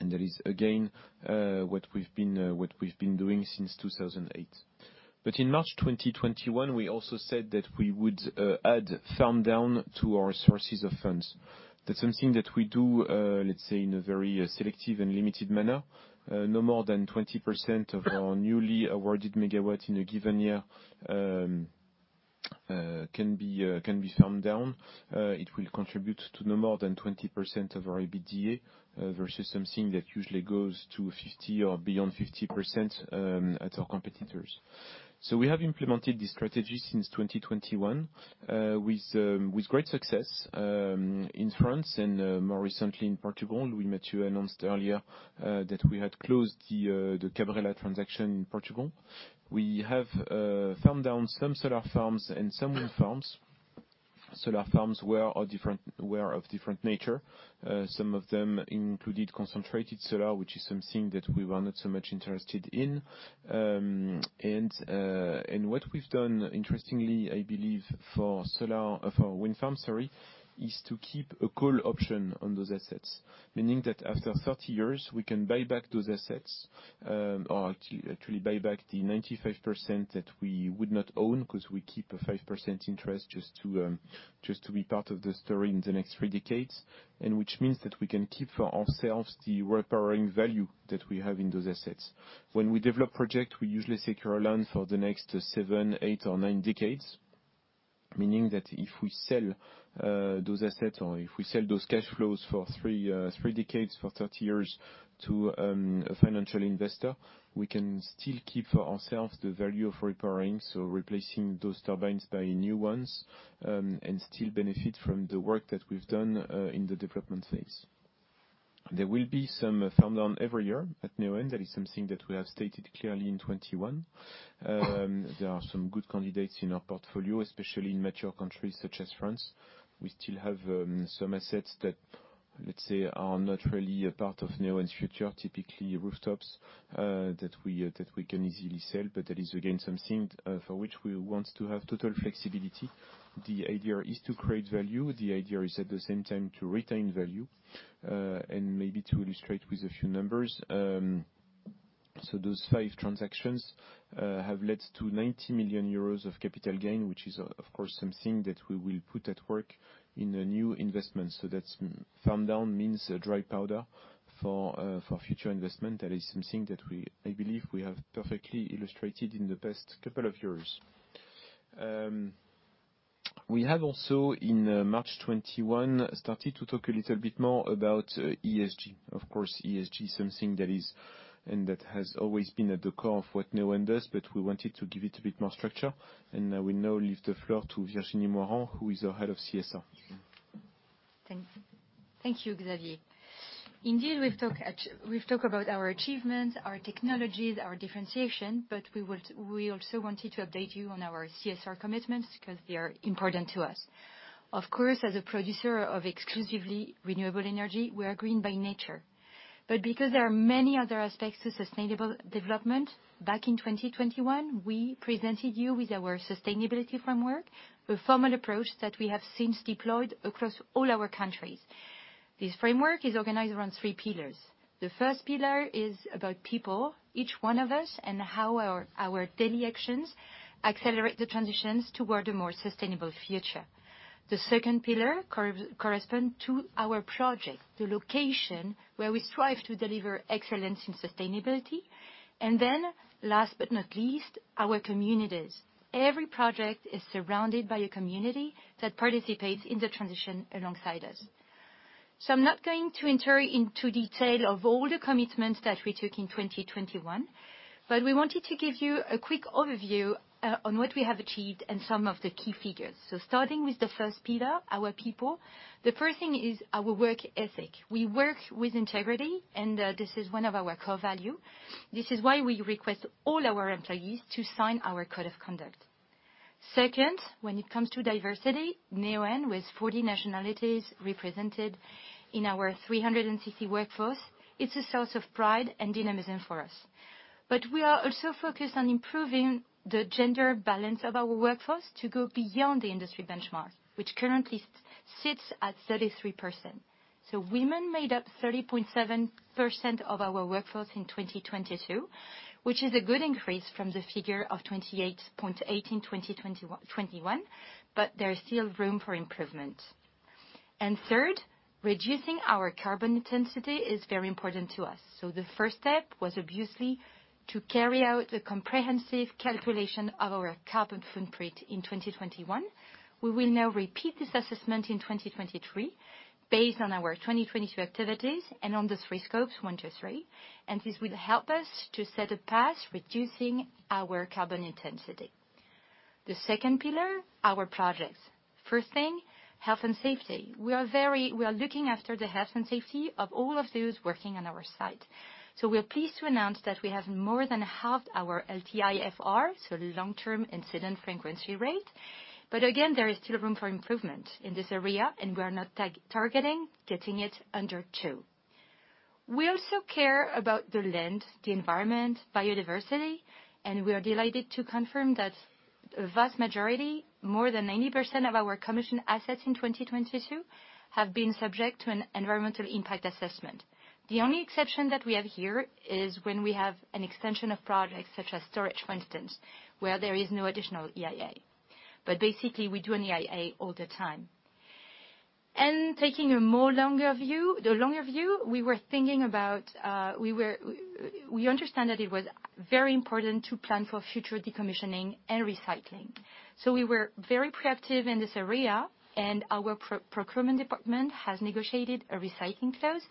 S1: That is again what we've been doing since 2008. In March 2021, we also said that we would add farm-down to our sources of funds. That's something that we do, let's say, in a very selective and limited manner. No more than 20% of our newly awarded MW in a given year can be farmed down. It will contribute to no more than 20% of our EBITDA versus something that usually goes to 50% or beyond 50% at our competitors. We have implemented this strategy since 2021 with great success in France and more recently in Portugal. Louis-Mathieu announced earlier that we had closed the Cabrela transaction in Portugal. We have farmed down some solar farms and some wind farms. Solar farms were of different nature. Some of them included concentrated solar, which is something that we were not so much interested in. What we've done interestingly, I believe, for wind farm, sorry, is to keep a call option on those assets. Meaning that after 30 years, we can buy back those assets, or actually buy back the 95% that we would not own 'cause we keep a 5% interest just to be part of the story in the next three decades. Which means that we can keep for ourselves the repowering value that we have in those assets. When we develop project, we usually secure a loan for the next seven, eight or nine decades. Meaning that if we sell those assets or if we sell those cash flows for 3 decades, for 30 years to a financial investor, we can still keep for ourselves the value of repowering, so replacing those turbines by new ones, and still benefit from the work that we've done in the development phase. There will be some farm-down every year at Neoen. That is something that we have stated clearly in 2021. There are some good candidates in our portfolio, especially in mature countries such as France. We still have some assets that, let's say, are not really a part of Neoen's future, typically rooftops, that we can easily sell, but that is again something for which we want to have total flexibility. The idea is to create value. The idea is at the same time to retain value. Maybe to illustrate with a few numbers, those five transactions have led to 90 million euros of capital gain, which is of course, something that we will put at work in the new investment. That's farm-down means a dry powder for future investment. That is something that I believe we have perfectly illustrated in the past couple of years. We have also, in March 2021, started to talk a little bit more about ESG. Of course, ESG is something that is and that has always been at the core of what Neoen does, but we wanted to give it a bit more structure, and I will now leave the floor to Virginie Moirand, who is our head of CSR.
S11: Thank you, Xavier. We've talked about our achievements, our technologies, our differentiation, we also wanted to update you on our CSR commitments 'cause they are important to us. Of course, as a producer of exclusively renewable energy, we are green by nature. Because there are many other aspects to sustainable development, back in 2021, we presented you with our sustainability framework, a formal approach that we have since deployed across all our countries. This framework is organized around three pillars. The first pillar is about people, each one of us, and how our daily actions accelerate the transitions toward a more sustainable future. The second pillar correspond to our project, the location where we strive to deliver excellence in sustainability. Last but not least, our communities. Every project is surrounded by a community that participates in the transition alongside us. I'm not going to enter into detail of all the commitments that we took in 2021, but we wanted to give you a quick overview on what we have achieved and some of the key figures. Starting with the first pillar, our people, the first thing is our work ethic. We work with integrity, and this is one of our core value. This is why we request all our employees to sign our code of conduct. Second, when it comes to diversity, Neoen, with 40 nationalities represented in our 360 workforce, it's a source of pride and dynamism for us. We are also focused on improving the gender balance of our workforce to go beyond the industry benchmark, which currently sits at 33%. Women made up 30.7% of our workforce in 2022, which is a good increase from the figure of 28.8 in 2021, but there is still room for improvement. Third, reducing our carbon intensity is very important to us. The first step was obviously to carry out a comprehensive calculation of our carbon footprint in 2021. We will now repeat this assessment in 2023 based on our 2022 activities and on the 3 scopes, 1, 2, 3, this will help us to set a path reducing our carbon intensity. The second pillar, our projects. First thing, health and safety. We are looking after the health and safety of all of those working on our site. We are pleased to announce that we have more than halved our LTIFR, so Long-Term Incident Frequency Rate. Again, there is still room for improvement in this area, and we are now tag-targeting getting it under 2. We also care about the land, the environment, biodiversity, and we are delighted to confirm that a vast majority, more than 90% of our commissioned assets in 2022, have been subject to an environmental impact assessment. The only exception that we have here is when we have an extension of projects, such as storage, for instance, where there is no additional EIA. Basically, we do an EIA all the time. Taking the longer view, we were thinking about, we understand that it was very important to plan for future decommissioning and recycling. We were very proactive in this area. Our pro-procurement department has negotiated a recycling clause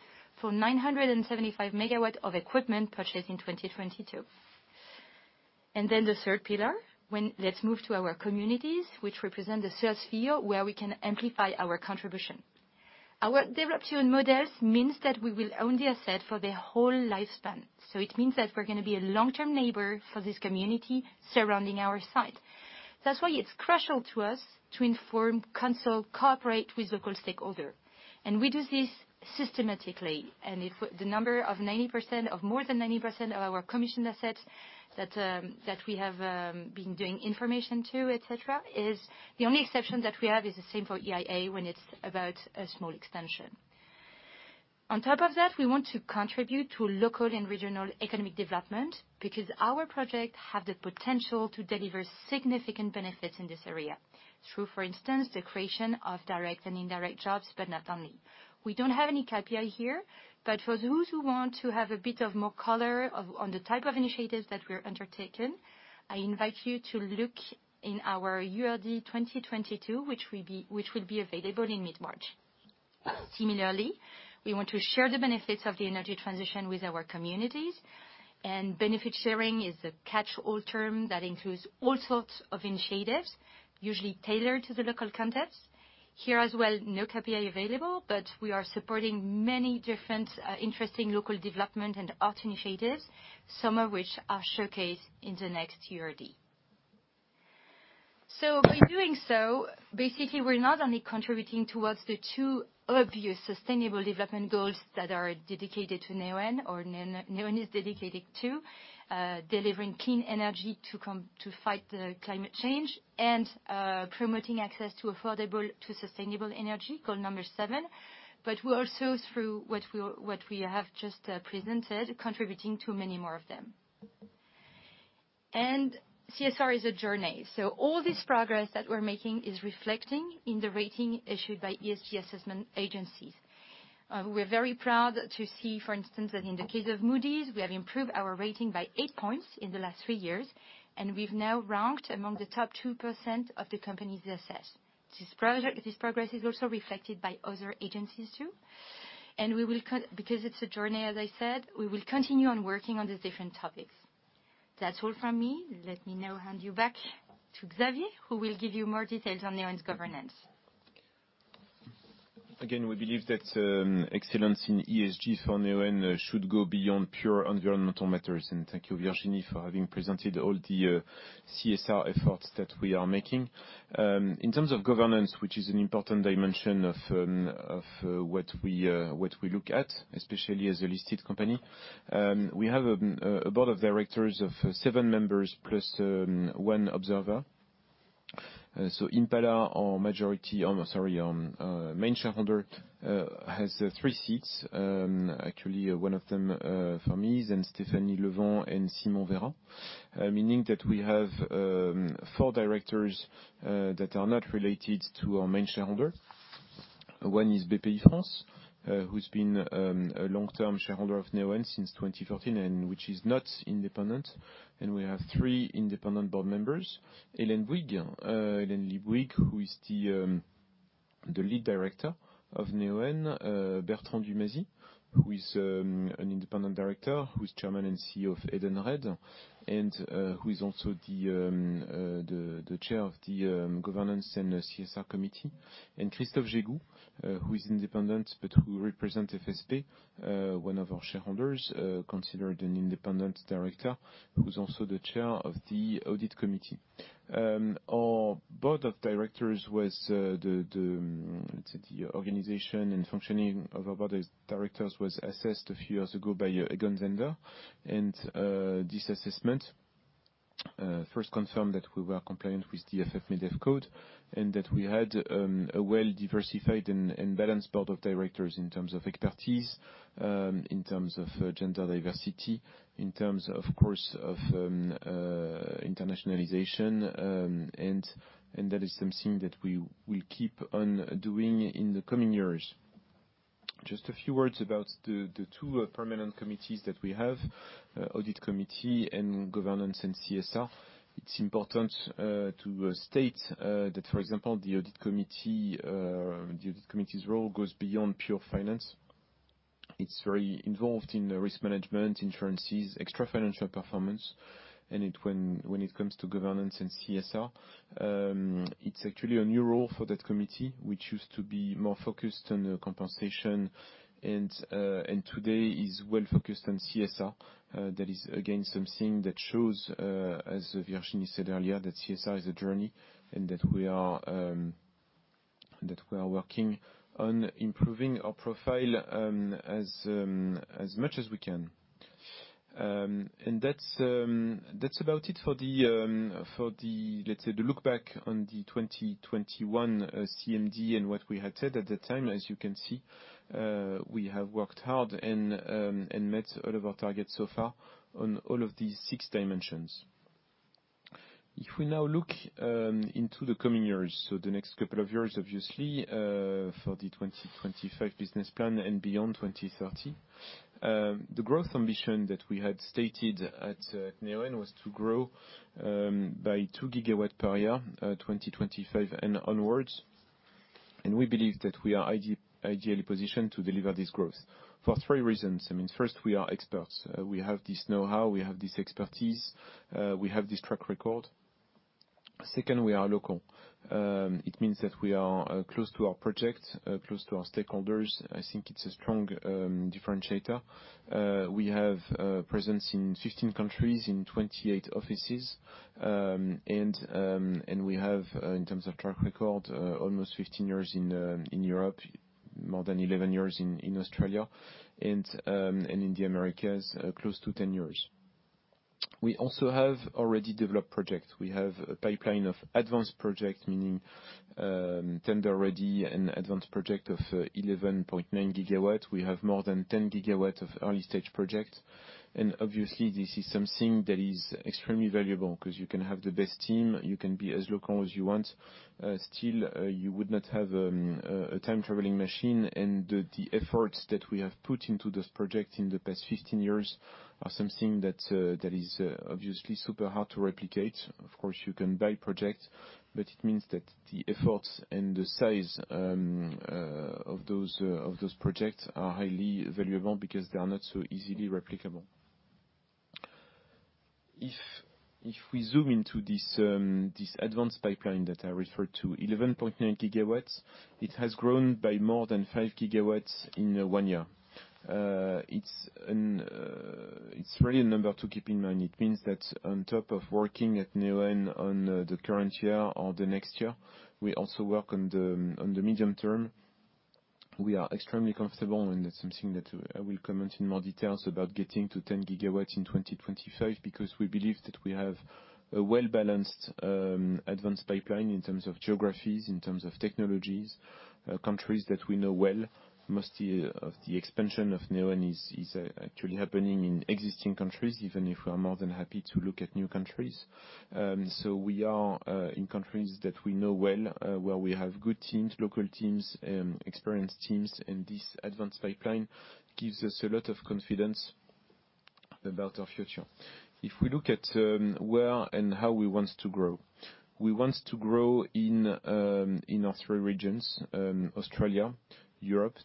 S11: for 975 MW of equipment purchased in 2022. The third pillar, let's move to our communities, which represent the sales field where we can amplify our contribution. Our development models means that we will own the asset for their whole lifespan. It means that we're gonna be a long-term neighbor for this community surrounding our site. That's why it's crucial to us to inform, consult, cooperate with local stakeholder. We do this systematically. If the number of 90%, of more than 90% of our commissioned assets that we have been doing information to, et cetera, is. The only exception that we have is the same for EIA when it's about a small extension. On top of that, we want to contribute to local and regional economic development because our projects have the potential to deliver significant benefits in this area through, for instance, the creation of direct and indirect jobs, but not only. We don't have any KPI here, but for those who want to have a bit of more color on the type of initiatives that we're undertaking, I invite you to look in our URD 2022, which will be available in mid-March. Similarly, we want to share the benefits of the energy transition with our communities, and benefit sharing is a catch-all term that includes all sorts of initiatives, usually tailored to the local context. Here as well, no KPI available, but we are supporting many different interesting local development and art initiatives, some of which are showcased in the next URD. In doing so, basically, we're not only contributing towards the 2 obvious sustainable development goals that are dedicated to Neoen or Neoen is dedicated to delivering clean energy to fight the climate change and promoting access to affordable, to sustainable energy, goal number 7. We're also, through what we have just presented, contributing to many more of them. CSR is a journey. All this progress that we're making is reflecting in the rating issued by ESG assessment agencies. We're very proud to see, for instance, that in the case of Moody's, we have improved our rating by 8 points in the last 3 years. We've now ranked among the top 2% of the companies assessed. This progress is also reflected by other agencies too. Because it's a journey, as I said, we will continue on working on the different topics. That's all from me. Let me now hand you back to Xavier, who will give you more details on Neoen's governance.
S1: Again, we believe that excellence in ESG for Neoen should go beyond pure environmental matters. Thank you, Virginie, for having presented all the CSR efforts that we are making. In terms of governance, which is an important dimension of what we look at, especially as a listed company, we have a board of directors of 7 members plus 1 observer. Impala, our main shareholder, has 3 seats. Actually one of them for me, then Stéphanie Levan and Simon Veyrat. Meaning that we have 4 directors that are not related to our main shareholder. One is Bpifrance, who's been a long-term shareholder of Neoen since 2013 and which is not independent. We have 3 independent board members. Hélène Lee Bouygues, who is the Lead Director of Neoen. Bertrand Dumazy, who is an Independent Director, who is Chairman and CEO of Edenred, and who is also the Chair of the Governance and CSR Committee. Christophe Jégou, who is independent, but who represents FSP, one of our shareholders, considered an Independent Director who is also the Chair of the Audit Committee. Our board of directors was the organization and functioning of our board of directors was assessed a few years ago by Egon Zehnder. This assessment, first confirmed that we were compliant with the Afep-Medef code and that we had a well-diversified and balanced board of directors in terms of expertise, in terms of gender diversity, in terms, of course, of internationalization. That is something that we will keep on doing in the coming years. Just a few words about the two permanent committees that we have, audit committee and governance and CSR. It's important to state that, for example, t he audit committee's role goes beyond pure finance. It's very involved in risk management, insurances, extra-financial performance, when it comes to governance and CSR, it's actually a new role for that committee, which used to be more focused on compensation and today is well focused on CSR. That is again something that shows, as Virginie said earlier, that CSR is a journey and that we are working on improving our profile as much as we can. That's about it for the, let's say, the look back on the 2021 CMD and what we had said at that time. As you can see, we have worked hard and met all of our targets so far on all of these 6 dimensions. If we now look into the coming years, so the next couple of years, obviously, for the 2025 business plan and beyond 2030, the growth ambition that we had stated at Neoen was to grow by 2 GW per year, 2025 and onwards. We believe that we are ideally positioned to deliver this growth for three reasons. I mean, first, we are experts. We have this know-how, we have this expertise, we have this track record. Second, we are local. It means that we are close to our project, close to our stakeholders. I think it's a strong differentiator. We have presence in 15 countries, in 28 offices. And we have in terms of track record, almost 15 years in Europe, more than 11 years in Australia, and in the Americas, close to 10 years. We also have already developed projects. We have a pipeline of advanced projects, meaning, tender-ready and advanced project of 11.9GW. We have more than 10 GW of early-stage projects. Obviously this is something that is extremely valuable because you can have the best team, you can be as local as you want, still, you would not have a time traveling machine. The efforts that we have put into this project in the past 15 years are something that is obviously super hard to replicate. Of course, you can buy projects, but it means that the efforts and the size of those projects are highly valuable because they are not so easily replicable. If we zoom into this advanced pipeline that I referred to, 11.9 GW, it has grown by more than 5 GW in 1 year. It's really a number to keep in mind. It means that on top of working at Neoen on the current year or the next year, we also work on the medium term. We are extremely comfortable, and that's something that I will comment in more details about getting to 10 GW in 2025 because we believe that we have a well-balanced advanced pipeline in terms of geographies, in terms of technologies, countries that we know well. Most of the expansion of Neoen is actually happening in existing countries, even if we are more than happy to look at new countries. We are in countries that we know well, where we have good teams, local teams, experienced teams, and this advanced pipeline gives us a lot of confidence about our future. If we look at where and how we want to grow, we want to grow in our three regions, Australia, Europe,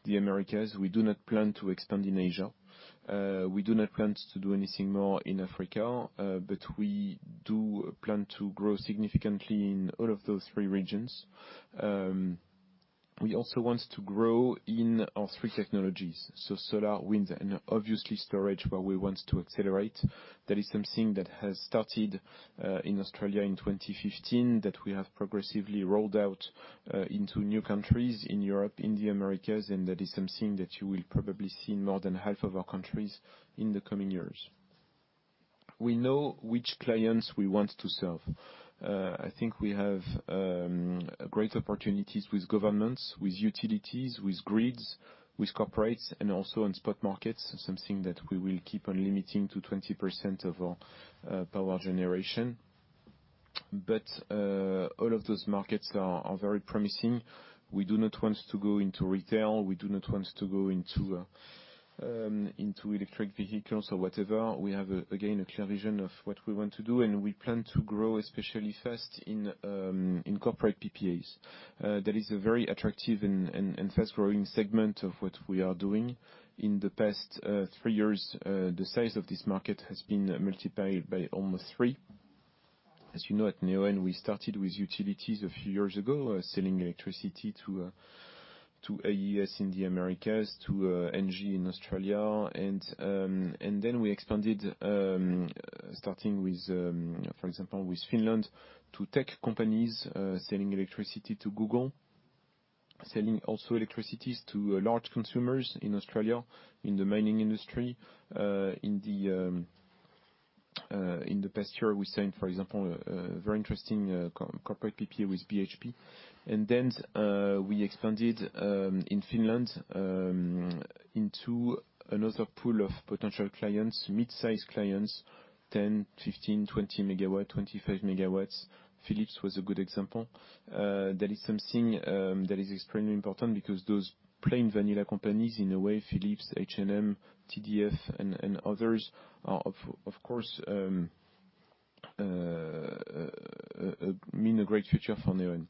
S1: the Americas. We do not plan to expand in Asia. We do not plan to do anything more in Africa, but we do plan to grow significantly in all of those three regions. We also want to grow in our three technologies, so solar, wind, and obviously storage, where we want to accelerate. That is something that has started in Australia in 2015, that we have progressively rolled out into new countries in Europe, in the Americas, and that is something that you will probably see in more than half of our countries in the coming years. We know which clients we want to serve. I think we have great opportunities with governments, with utilities, with grids, with corporates, and also on spot markets, something that we will keep on limiting to 20% of our power generation. All of those markets are very promising. We do not want to go into retail. We do not want to go into electric vehicles or whatever. We have, again, a clear vision of what we want to do, and we plan to grow especially fast in corporate PPAs. That is a very attractive and fast-growing segment of what we are doing. In the past, 3 years, the size of this market has been multiplied by almost 3. As you know, at Neoen, we started with utilities a few years ago, selling electricity to AES in the Americas, to ENGIE in Australia. Then we expanded, starting with, for example, with Finland, to tech companies, selling electricity to Google, selling also electricities to large consumers in Australia, in the mining industry. In the past year, we signed, for example, a very interesting corporate PPA with BHP. Then we expanded in Finland into another pool of potential clients, midsize clients, 10, 15, 20 MW, 25 MW. Philips was a good example. That is something that is extremely important because those plain vanilla companies, in a way, Philips, H&M, TDF and others are of course mean a great future for Neoen.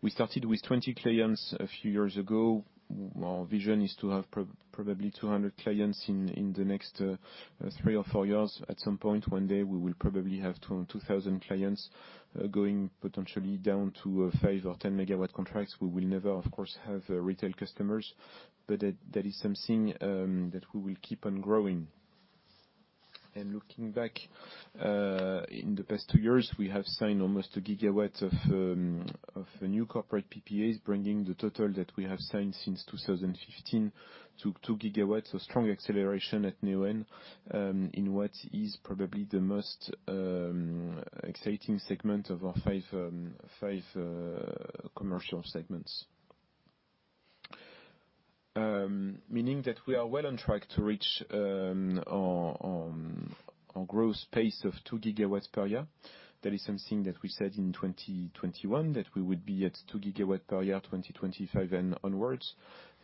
S1: We started with 20 clients a few years ago. Our vision is to have probably 200 clients in the next 3 or 4 years. At some point, one day, we will probably have 2,000 clients, going potentially down to 5 or 10 MW contracts. We will never, of course, have retail customers, but that is something that we will keep on growing. Looking back, in the past 2 years, we have signed almost 1 GW of new corporate PPAs, bringing the total that we have signed since 2015 to 2 GW, a strong acceleration at Neoen, in what is probably the most exciting segment of our 5 commercial segments. Meaning that we are well on track to reach our growth pace of 2 GW per year. That is something that we said in 2021, that we would be at 2 GW per year, 2025 and onwards.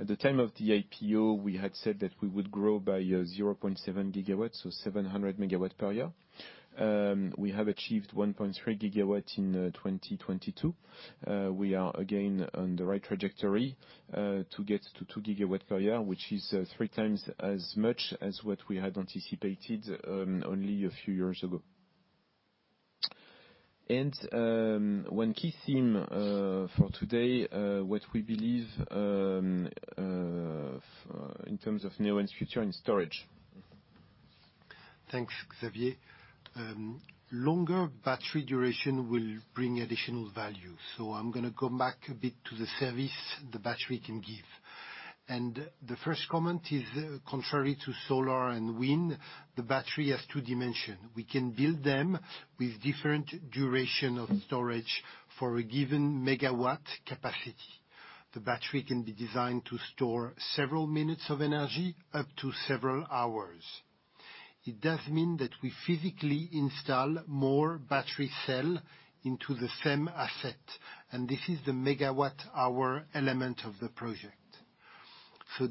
S1: At the time of the IPO, we had said that we would grow by 0.7 GW, so 700 MW per year. We have achieved 1.3 GW in 2022. We are again on the right trajectory to get to 2 GW per year, which is three times as much as what we had anticipated only a few years ago. One key theme for today, what we believe in terms of Neoen's future in storage.
S8: Thanks, Xavier. Longer battery duration will bring additional value. I'm gonna go back a bit to the service the battery can give. The first comment is, contrary to solar and wind, the battery has 2 dimension. We can build them with different duration of storage for a given MW capacity. The battery can be designed to store several minutes of energy up to several hours. It does mean that we physically install more battery cell into the same asset, and this is the MWh element of the project.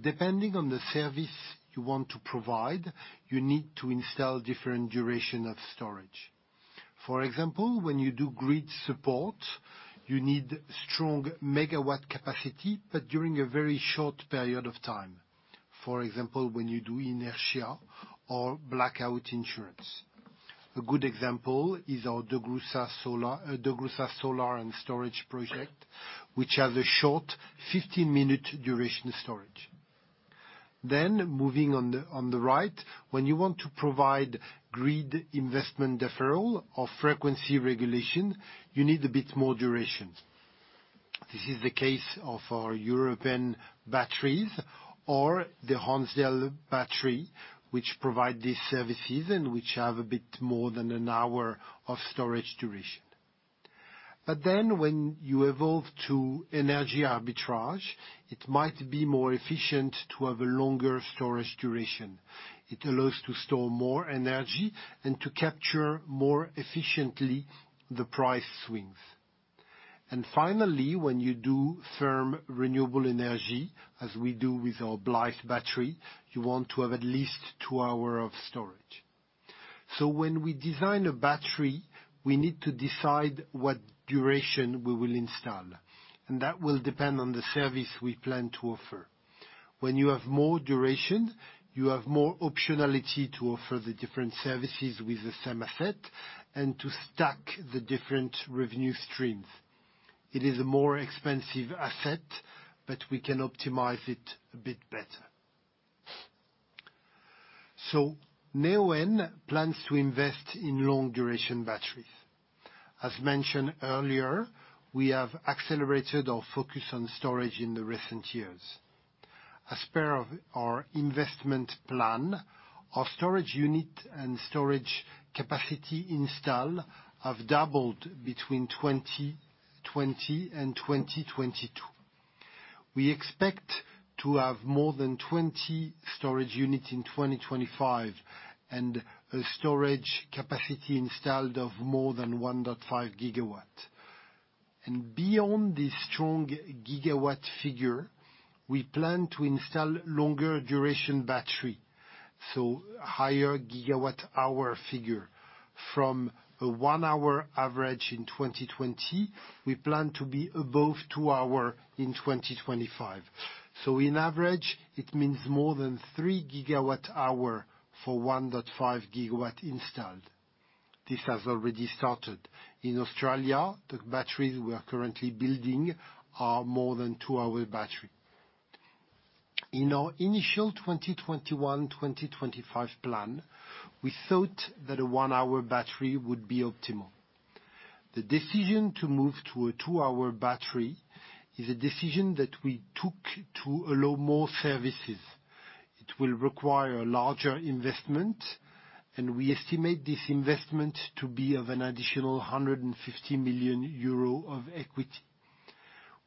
S8: Depending on the service you want to provide, you need to install different duration of storage. For example, when you do grid support, you need strong MW capacity, but during a very short period of time. For example, when you do inertia or blackout insurance. A good example is our DeGrussa Solar, DeGrussa Solar and Storage project, which has a short 15-minute duration storage. Moving on the, on the right, when you want to provide grid investment deferral or frequency regulation, you need a bit more duration. This is the case of our European batteries or the Hornsdale Battery, which provide these services and which have a bit more than 1 hour of storage duration. When you evolve to energy arbitrage, it might be more efficient to have a longer storage duration. It allows to store more energy and to capture more efficiently the price swings. Finally, when you do firm renewable energy, as we do with our Blythe Battery, you want to have at least 2 hour of storage. When we design a battery, we need to decide what duration we will install, and that will depend on the service we plan to offer. When you have more duration, you have more optionality to offer the different services with the same asset and to stack the different revenue streams. It is a more expensive asset, but we can optimize it a bit better. Neoen plans to invest in long duration batteries. As mentioned earlier, we have accelerated our focus on storage in the recent years. As per our investment plan, our storage unit and storage capacity install have doubled between 2020 and 2022. We expect to have more than 20 storage units in 2025 and a storage capacity installed of more than 1.5 GW. Beyond this strong gigawatt figure, we plan to install longer duration battery, so higher gigawatt hour figure. From a 1-hour average in 2020, we plan to be above 2-hour in 2025. In average, it means more than 3 GWh for 1.5 GW installed. This has already started. In Australia, the batteries we are currently building are more than 2-hour battery. In our initial 2021, 2025 plan, we thought that a 1-hour battery would be optimal. The decision to move to a 2-hour battery is a decision that we took to allow more services. It will require a larger investment, we estimate this investment to be of an additional 150 million euro of equity.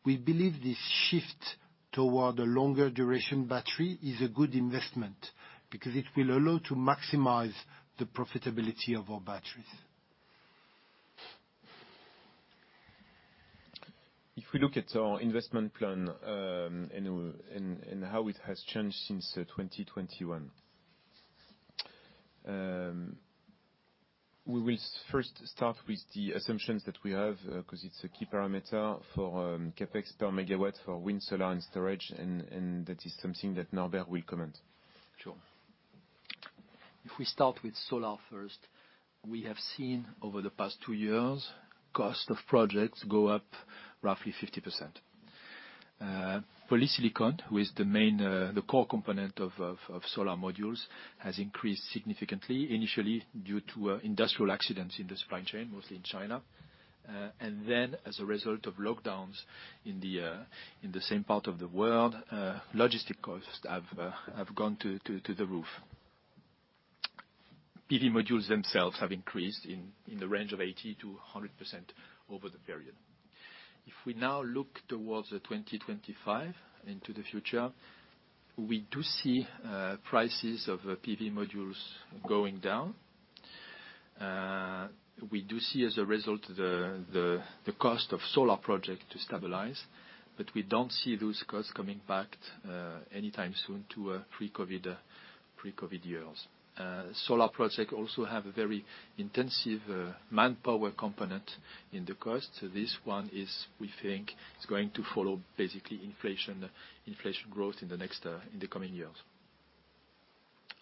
S8: We believe this shift toward a longer duration battery is a good investment because it will allow to maximize the profitability of our batteries.
S1: If we look at our investment plan, and how it has changed since 2021. We will first start with the assumptions that we have, 'cause it's a key parameter for CapEx per MW for wind, solar, and storage, and that is something that Norbert will comment.
S10: Sure. If we start with solar first, we have seen over the past two years, cost of projects go up roughly 50%. polysilicon, who is the main, the core component of solar modules, has increased significantly, initially due to industrial accidents in the supply chain, mostly in China, and then as a result of lockdowns in the same part of the world, logistic costs have gone through to the roof. PV modules themselves have increased in the range of 80%-100% over the period. If we now look towards 2025 into the future, we do see prices of PV modules going down. We do see as a result the cost of solar project to stabilize, but we don't see those costs coming back anytime soon to pre-COVID years. Solar project also have a very intensive manpower component in the cost. This one is, we think, is going to follow basically inflation growth in the next in the coming years.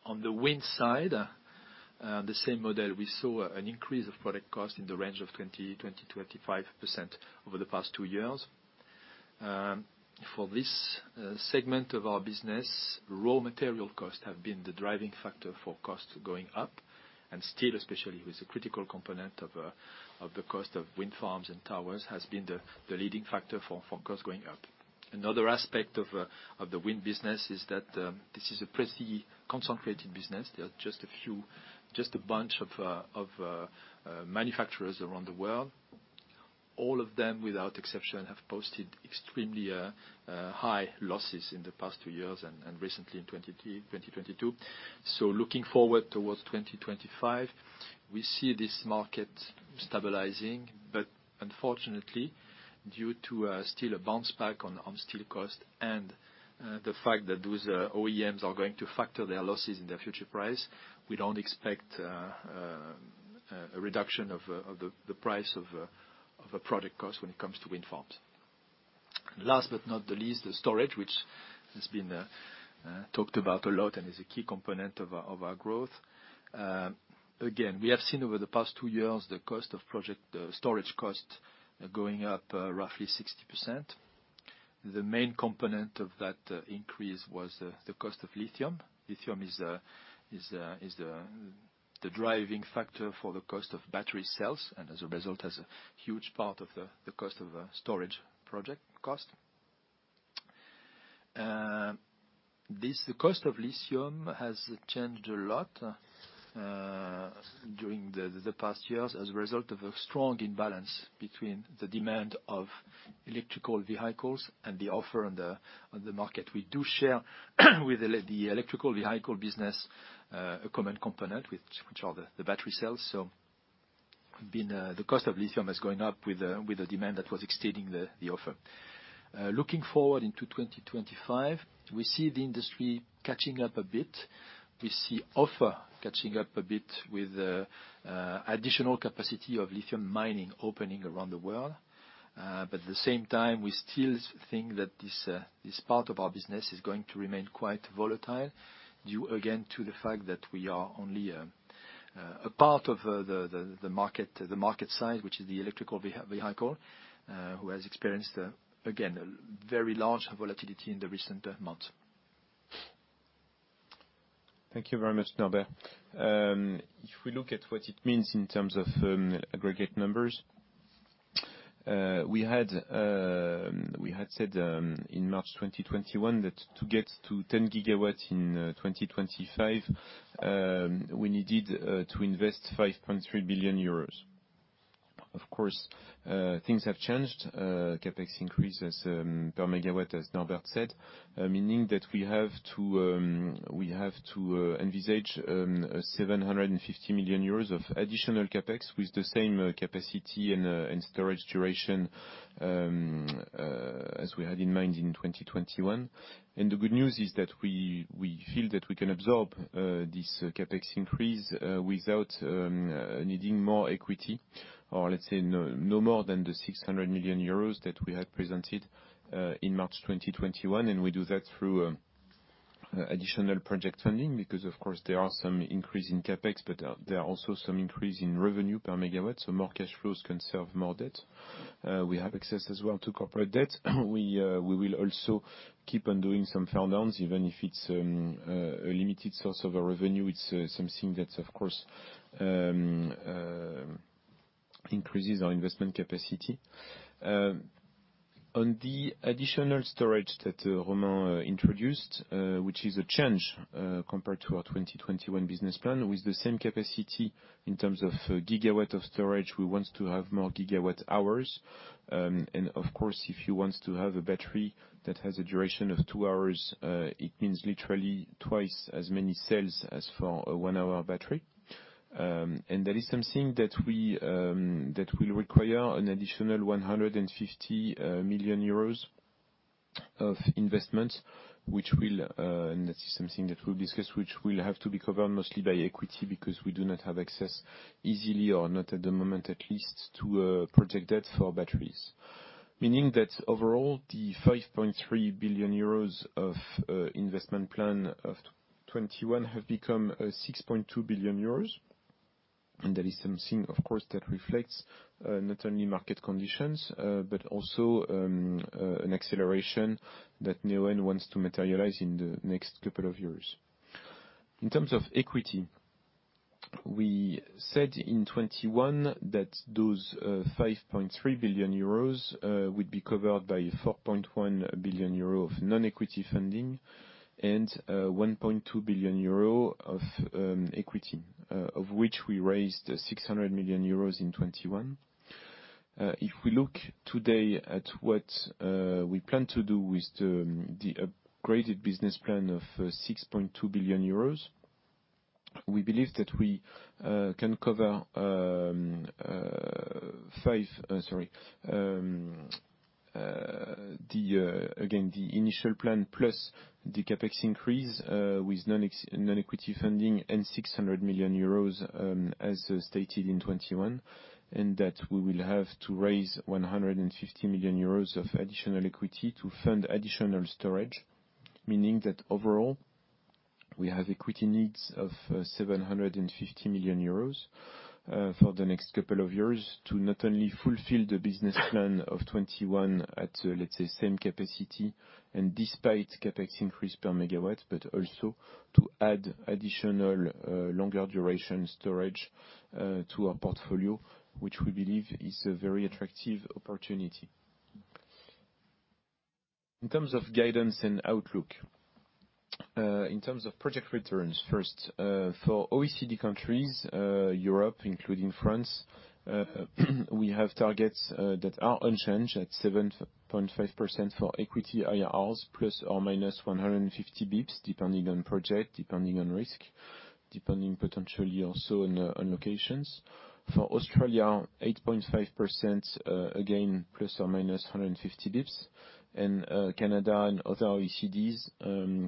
S10: On the wind side, the same model, we saw an increase of product cost in the range of 20%-25% over the past two years. For this segment of our business, raw material costs have been the driving factor for costs going up, and steel, especially, is a critical component of the cost of wind farms and towers, has been the leading factor for costs going up. Another aspect of the wind business is that this is a pretty concentrated business. There are just a bunch of manufacturers around the world. All of them, without exception, have posted extremely high losses in the past two years and recently in 2022. Looking forward towards 2025, we see this market stabilizing, but unfortunately, due to steel a bounce back on steel cost and the fact that those OEMs are going to factor their losses in their future price, we don't expect a reduction of the price of a product cost when it comes to wind farms. Last but not the least, the storage, which has been talked about a lot and is a key component of our, of our growth. Again, we have seen over the past 2 years the storage cost going up, roughly 60%. The main component of that increase was the cost of lithium. Lithium is the driving factor for the cost of battery cells, and as a result, has a huge part of the cost of a storage project. This, the cost of lithium has changed a lot during the past years as a result of a strong imbalance between the demand of electrical vehicles and the offer on the market. We do share with the electrical vehicle business a common component, which are the battery cells. The cost of lithium is going up with the demand that was exceeding the offer. Looking forward into 2025, we see the industry catching up a bit. We see offer catching up a bit with additional capacity of lithium mining opening around the world. At the same time, we still think that this part of our business is going to remain quite volatile due again to the fact that we are only a part of the market, the market side, which is the electrical vehicle, who has experienced again a very large volatility in the recent months.
S1: Thank you very much, Norbert. If we look at what it means in terms of aggregate numbers, we had said in March 2021 that to get to 10 GW in 2025, we needed to invest 23 billion euros. Of course, things have changed, CapEx increases per MW, as Norbert said, meaning that we have to envisage 750 million euros of additional CapEx with the same capacity and storage duration as we had in mind in 2021. The good news is that we feel that we can absorb this CapEx increase without needing more equity or let's say no more than 600 million euros that we had presented in March 2021. We do that through additional project funding because of course, there are some increase in CapEx, but there are also some increase in revenue per MW, so more cash flows can serve more debt. We have access as well to corporate debt. We will also keep on doing some farm-downs, even if it's a limited source of our revenue. It's something that, of course, increases our investment capacity. On the additional storage that Romain introduced, which is a change compared to our 2021 business plan with the same capacity in terms of gigawatt of storage, we want to have more gigawatt-hours. Of course, if you want to have a battery that has a duration of 2 hours, it means literally twice as many cells as for a 1-hour battery. That is something that we, that will require an additional 150 million euros of investment, and that is something that we'll discuss, which will have to be covered mostly by equity because we do not have access easily or not at the moment, at least to project debt for batteries. Meaning that overall the 23 billion euros of investment plan of 2021 have become 22 billion euros. That is something, of course, that reflects, not only market conditions, but also an acceleration that Neoen wants to materialize in the next couple of years. In terms of equity, we said in 2021 that those, 23 billion euros, would be covered by 4.1 billion euro of non-equity funding and 1.2 billion euro of equity, of which we raised 600 million euros in 2021. If we look today at what we plan to do with the upgraded business plan of 22 billion euros, we believe that we can cover five... Sorry. The, again, the initial plan plus the CapEx increase with non-equity funding and 600 million euros, as stated in 2021, and that we will have to raise 150 million euros of additional equity to fund additional storage, meaning that overall, we have equity needs of 750 million euros for the next couple of years to not only fulfill the business plan of 2021 at, let's say, same capacity and despite CapEx increase per MW, but also to add additional longer duration storage to our portfolio, which we believe is a very attractive opportunity. In terms of guidance and outlook, in terms of project returns first, for OECD countries, Europe, including France, we have targets that are unchanged at 7.5% for equity IRRs ±150 basis points, depending on project, depending on risk, depending potentially also on locations. For Australia, 8.5%, again, ±150 basis points. Canada and other OECD's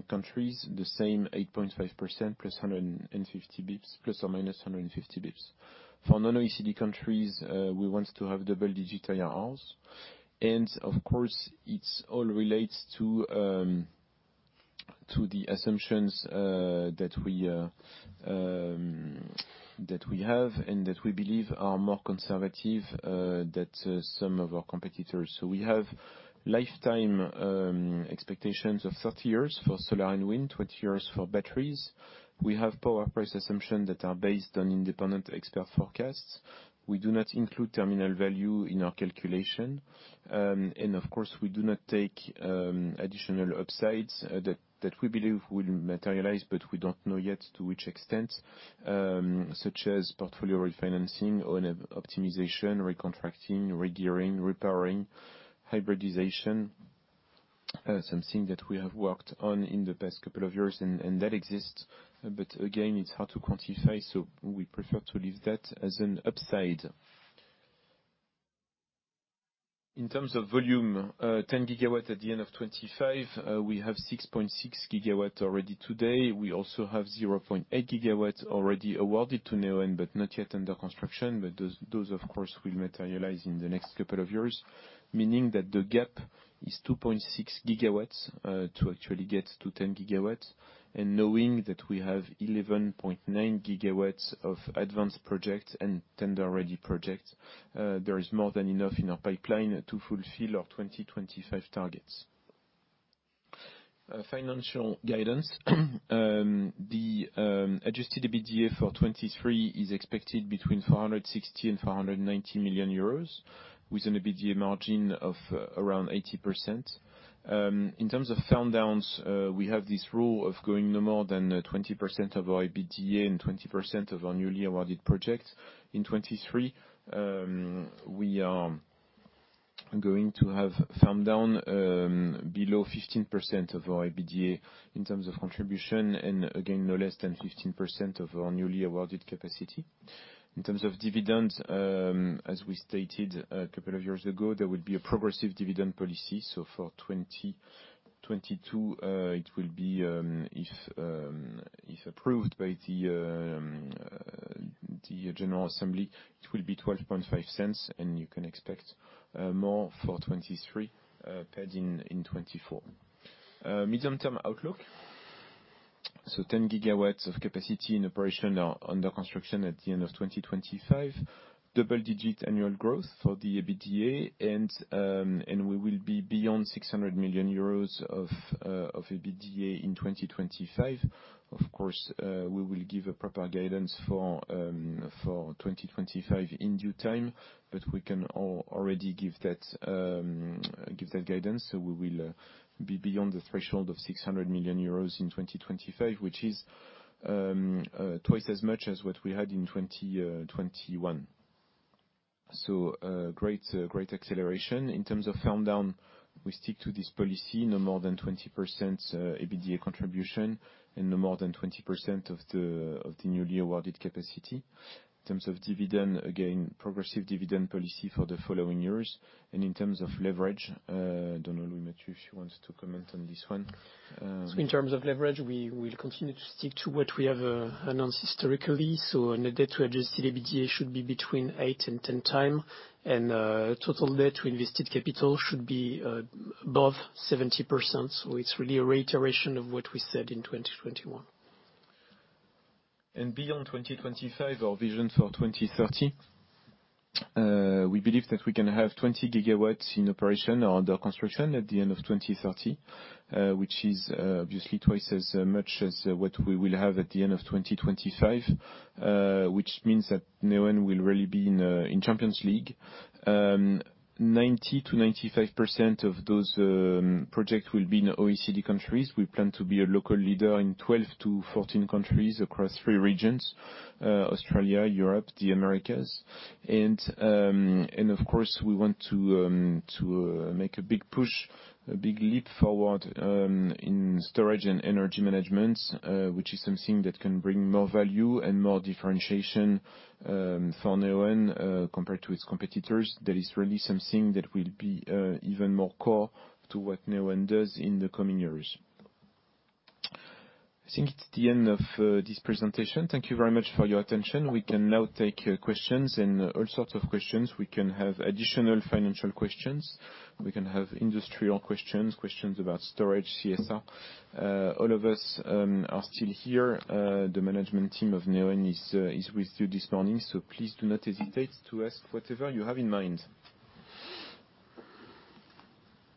S1: countries, the same 8.5% ±150 basis points. For non-OECD countries, we want to have double-digit IRRs. Of course, it's all relates to the assumptions that we have and that we believe are more conservative that some of our competitors. We have lifetime expectations of 30 years for solar and wind, 20 years for batteries. We have power price assumption that are based on independent expert forecasts. We do not include terminal value in our calculation. Of course, we do not take additional upsides that we believe will materialize, but we don't know yet to which extent. Such as portfolio refinancing or optimization, recontracting, regearing, repowering, hybridization. Something that we have worked on in the past couple of years, and that exists. Again, it's hard to quantify, so we prefer to leave that as an upside. In terms of volume, 10 GW at the end of 2025. We have 6.6 GW already today. We also have 0.8 GW already awarded to Neoen, but not yet under construction. Those, of course, will materialize in the next couple of years, meaning that the gap is 2.6 GW to actually get to 10 GW. Knowing that we have 11.9 GW of advanced projects and tender-ready projects, there is more than enough in our pipeline to fulfill our 2025 targets. Financial guidance. The adjusted EBITDA for 2023 is expected between 460 million and 490 million euros, with an EBITDA margin of around 80%. In terms of farm-downs, we have this rule of going no more than 20% of our EBITDA and 20% of our newly awarded projects. In 2023, we are going to have farm-down below 15% of our EBITDA in terms of contribution, and again, no less than 15% of our newly awarded capacity. In terms of dividends, as we stated a couple of years ago, there will be a progressive dividend policy. For 2022, it will be, if approved by the general assembly, it will be 0.125, and you can expect more for 2023, paid in 2024. Medium term outlook. 10 GW of capacity in operation are under construction at the end of 2025. Double-digit annual growth for the EBITDA and we will be beyond 600 million euros of EBITDA in 2025. Of course, we will give a proper guidance for 2025 in due time, but we can already give that guidance. We will be beyond the threshold of 600 million euros in 2025, which is twice as much as what we had in 2021. Great acceleration. In terms of farm-down, we stick to this policy, no more than 20% EBITDA contribution and no more than 20% of the newly awarded capacity. In terms of dividend, again, progressive dividend policy for the following years. In terms of leverage, I don't know, Louis-Mathieu, if you wants to comment on this one.
S2: In terms of leverage, we will continue to stick to what we have announced historically. Net debt to adjusted EBITDA should be between eight and 10 times. Total debt to invested capital should be above 70%. It's really a reiteration of what we said in 2021.
S1: Beyond 2025, our vision for 2030. We believe that we can have 20 GW in operation or under construction at the end of 2030, which is obviously twice as much as what we will have at the end of 2025. Which means that Neoen will really be in Champions League. 90%-95% of those projects will be in OECD countries. We plan to be a local leader in 12-14 countries across 3 regions, Australia, Europe, the Americas. Of course, we want to make a big push, a big leap forward in storage and energy management, which is something that can bring more value and more differentiation for Neoen, compared to its competitors. That is really something that will be even more core to what Neoen does in the coming years. I think it's the end of this presentation. Thank you very much for your attention. We can now take questions and all sorts of questions. We can have additional financial questions. We can have industrial questions about storage, CSR. All of us are still here. The management team of Neoen is with you this morning, so please do not hesitate to ask whatever you have in mind.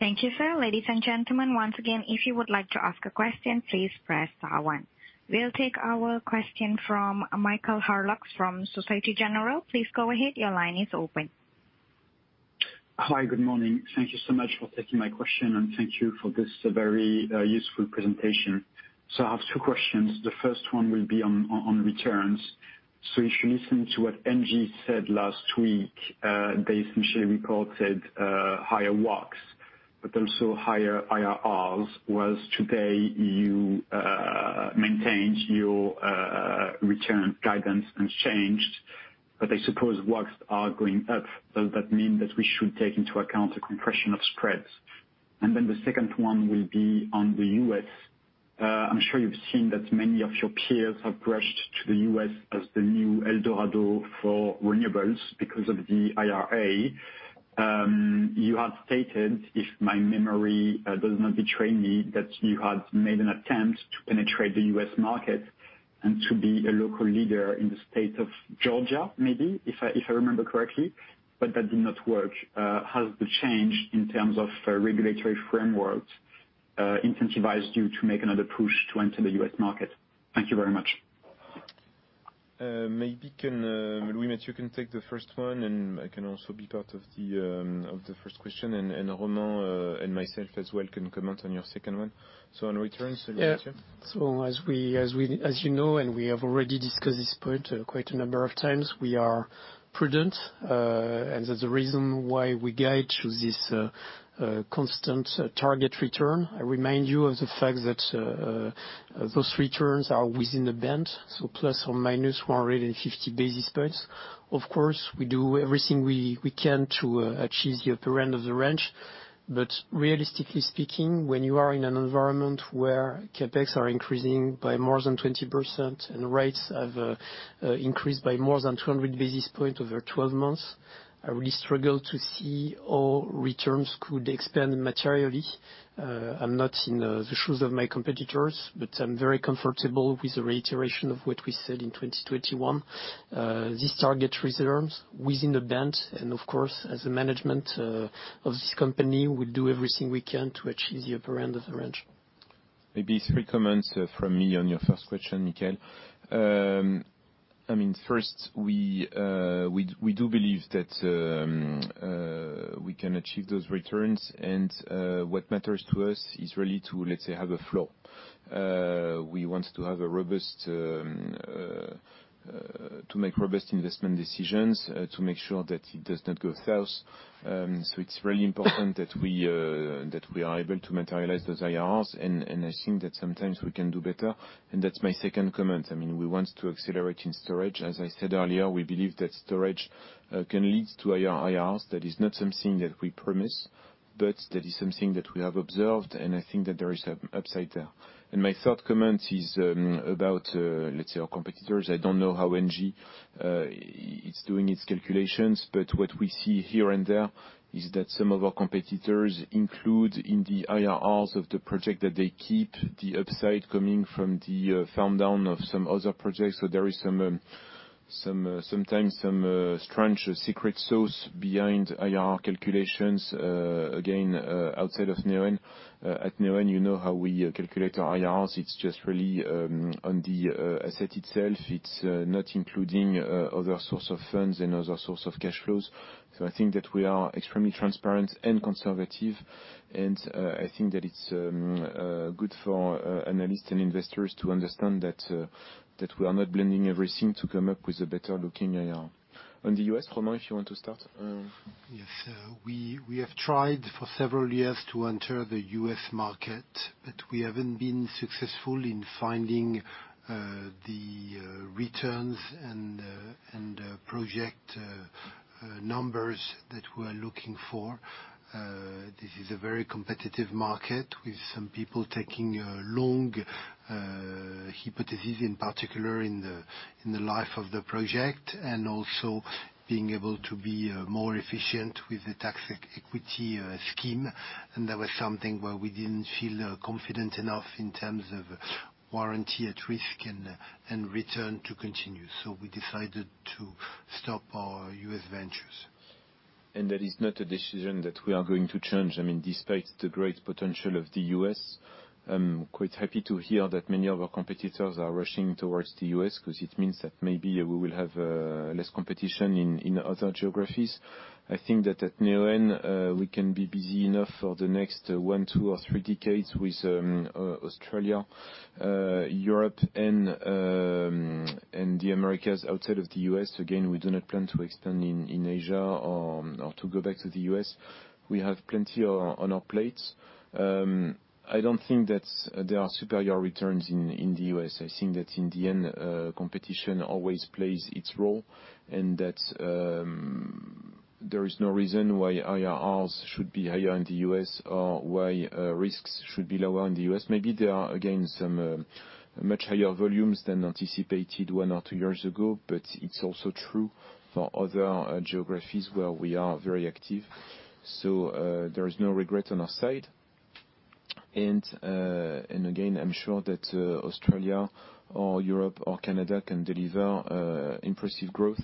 S3: Thank you, sir. Ladies and gentlemen, once again, if you would like to ask a question, please press star 1. We'll take our question from Michael Harleaux from Société Générale. Please go ahead. Your line is open.
S12: Hi. Good morning. Thank you so much for taking my question, and thank you for this very useful presentation. I have two questions. The first one will be on returns. If you listen to what Engie said last week, they essentially reported higher WACC, but also higher IRRs. Whilst today you maintained your return guidance unchanged. I suppose WACCs are going up. Does that mean that we should take into account a compression of spreads? The second one will be on the US. I'm sure you've seen that many of your peers have rushed to the U.S. as the new El Dorado for renewables because of the IRA. You have stated, if my memory does not betray me, that you had made an attempt to penetrate the U.S. market and to be a local leader in the state of Georgia, maybe, if I remember correctly, but that did not work. Has the change in terms of regulatory framework incentivized you to make another push to enter the U.S. market? Thank you very much.
S1: Maybe Louis-Mathieu can take the first one, and I can also be part of the first question, and Romain and myself as well can comment on your second one. On returns, Louis-Mathieu.
S2: Yeah. As we, as you know, and we have already discussed this point quite a number of times, we are prudent. That's the reason why we guide to this constant target return. I remind you of the fact that those returns are within a band, so plus or minus 150 basis points. Of course, we do everything we can to achieve the upper end of the range. Realistically speaking, when you are in an environment where CapEx are increasing by more than 20% and rates have increased by more than 200 basis points over 12 months, I really struggle to see how returns could expand materially. I'm not in the shoes of my competitors, but I'm very comfortable with the reiteration of what we said in 2021. This target returns within the band. Of course, as a management of this company, we do everything we can to achieve the upper end of the range.
S1: Maybe three comments from me on your first question, Michael. I mean, first, we do believe that we can achieve those returns. What matters to us is really to, let's say, have a flow. We want to have a robust to make robust investment decisions to make sure that it does not go south. So it's really important that we that we are able to materialize those IRRs, and I think that sometimes we can do better. That's my second comment. I mean, we want to accelerate in storage. As I said earlier, we believe that storage can lead to IRRs. That is not something that we promise, but that is something that we have observed, and I think that there is an upside there. My third comment is about, let's say our competitors. I don't know how NG is doing its calculations, but what we see here and there is that some of our competitors include in the IRRs of the project that they keep the upside coming from the farm-down of some other projects. There is sometimes some strange secret sauce behind IRR calculations, again, outside of Neoen. At Neoen you know how we calculate our IRRs. It's just really on the asset itself. It's not including other source of funds and other source of cash flows. I think that we are extremely transparent and conservative, I think that it's good for analysts and investors to understand that we are not blending everything to come up with a better-looking IRR. The US, Romain, if you want to start.
S8: Yes. We have tried for several years to enter the U.S. market. We haven't been successful in finding the returns and project numbers that we're looking for. This is a very competitive market with some people taking a long hypothesis, in particular in the life of the project, and also being able to be more efficient with the tax equity scheme. That was something where we didn't feel confident enough in terms of warranty at risk and return to continue. We decided to stop our U.S. ventures.
S1: That is not a decision that we are going to change. I mean, despite the great potential of the U.S., I'm quite happy to hear that many of our competitors are rushing towards the U.S. 'cause it means that maybe we will have less competition in other geographies. I think that at Neoen, we can be busy enough for the next one, two, or three decades with Australia, Europe, and the Americas outside of the U.S. Again, we do not plan to extend in Asia or to go back to the U.S. We have plenty on our plates. I don't think that there are superior returns in the U.S. I think that in the end, competition always plays its role and that there is no reason why IRRs should be higher in the U.S., or why risks should be lower in the U.S. Maybe there are, again, some much higher volumes than anticipated one or two years ago, but it's also true for other geographies where we are very active. There is no regret on our side. Again, I'm sure that Australia or Europe or Canada can deliver impressive growth.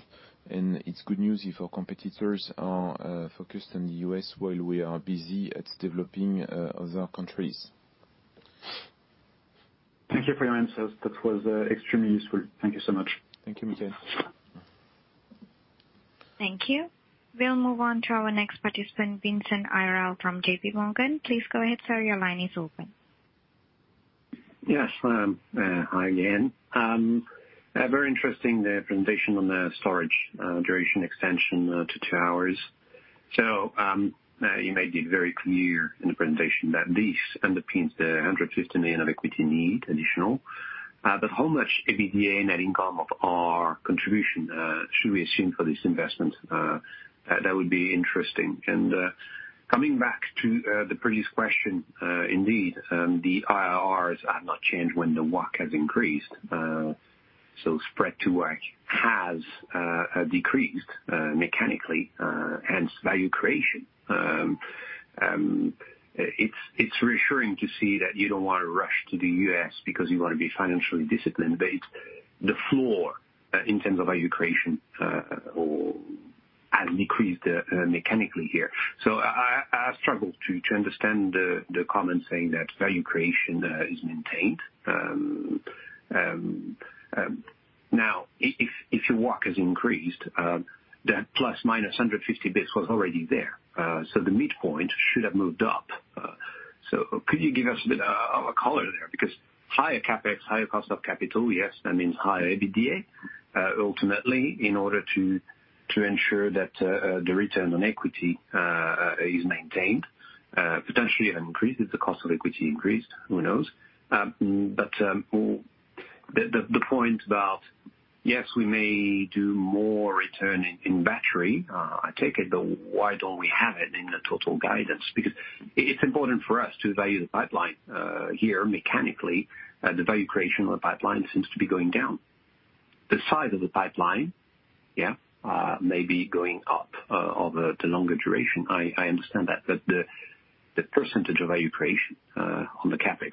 S1: It's good news if our competitors are focused on the U.S. while we are busy at developing other countries.
S12: Thank you for your answers. That was, extremely useful. Thank you so much.
S1: Thank you, Michael.
S3: Thank you. We'll move on to our next participant, Vincent Ayral from JP Morgan. Please go ahead, sir. Your line is open.
S4: Yes. Hi again. A very interesting presentation on the storage duration extension to 2 hours. You made it very clear in the presentation that this underpins the 150 million of equity need additional. How much EBITDA net income of our contribution should we assume for this investment? That would be interesting. Coming back to the previous question, indeed, the IRRs have not changed when the WACC has increased. Spread to WACC has decreased mechanically, hence value creation. It's reassuring to see that you don't wanna rush to the U.S. because you wanna be financially disciplined, but it's the floor in terms of value creation, or has decreased mechanically here. I struggle to understand the comment saying that value creation is maintained. Now if your WACC has increased, that ±150 basis was already there. The midpoint should have moved up. Could you give us a bit of color there? Because higher CapEx, higher cost of capital, yes, that means higher EBITDA, ultimately in order to ensure that the return on equity is maintained, potentially even increases, the cost of equity increased, who knows? But the point about, yes, we may do more return in battery, I take it, but why don't we have it in the total guidance? It's important for us to value the pipeline, here mechanically, the value creation of the pipeline seems to be going down. The size of the pipeline may be going up over the longer duration. I understand that, the percentage of value creation on the CapEx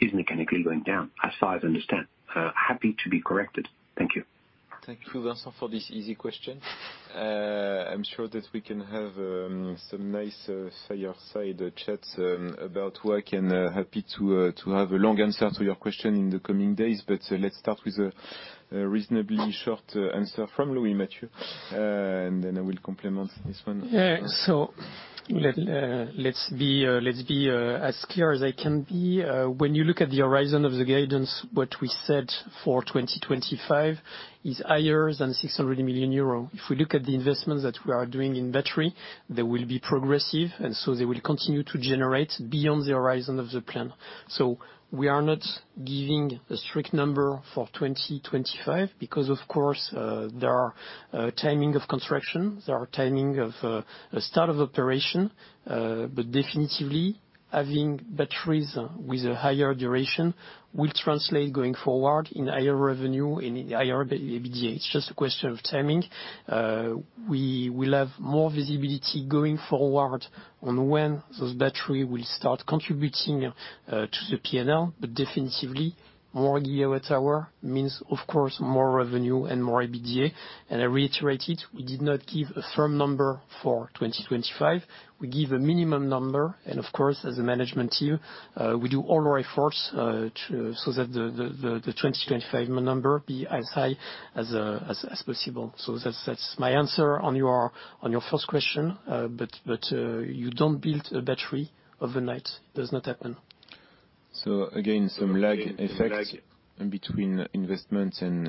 S4: is mechanically going down, as far as I understand. Happy to be corrected. Thank you.
S1: Thank you, Vincent, for this easy question. I'm sure that we can have some nice fireside chat about WACC, and happy to have a long answer to your question in the coming days. Let's start with a reasonably short answer from Louis-Mathieu, and then I will complement this one.
S2: Yeah. Let's be as clear as I can be. When you look at the horizon of the guidance, what we said for 2025 is higher than 600 million euro. If we look at the investments that we are doing in battery, they will be progressive, and so they will continue to generate beyond the horizon of the plan. We are not giving a strict number for 2025 because, of course, there are timing of construction, there are timing of start of operation, but definitively, having batteries with a higher duration will translate going forward in higher revenue, in higher EBITDA. It's just a question of timing. We will have more visibility going forward on when those battery will start contributing to the P&L. Definitively, more gigawatt hour means, of course, more revenue and more EBITDA. I reiterate it, we did not give a firm number for 2025. We give a minimum number, and of course, as a management team, we do all our efforts to so that the 2025 number be as high as possible. That's my answer on your first question. you don't build a battery overnight. Does not happen.
S1: Again, some lag effects in between investment and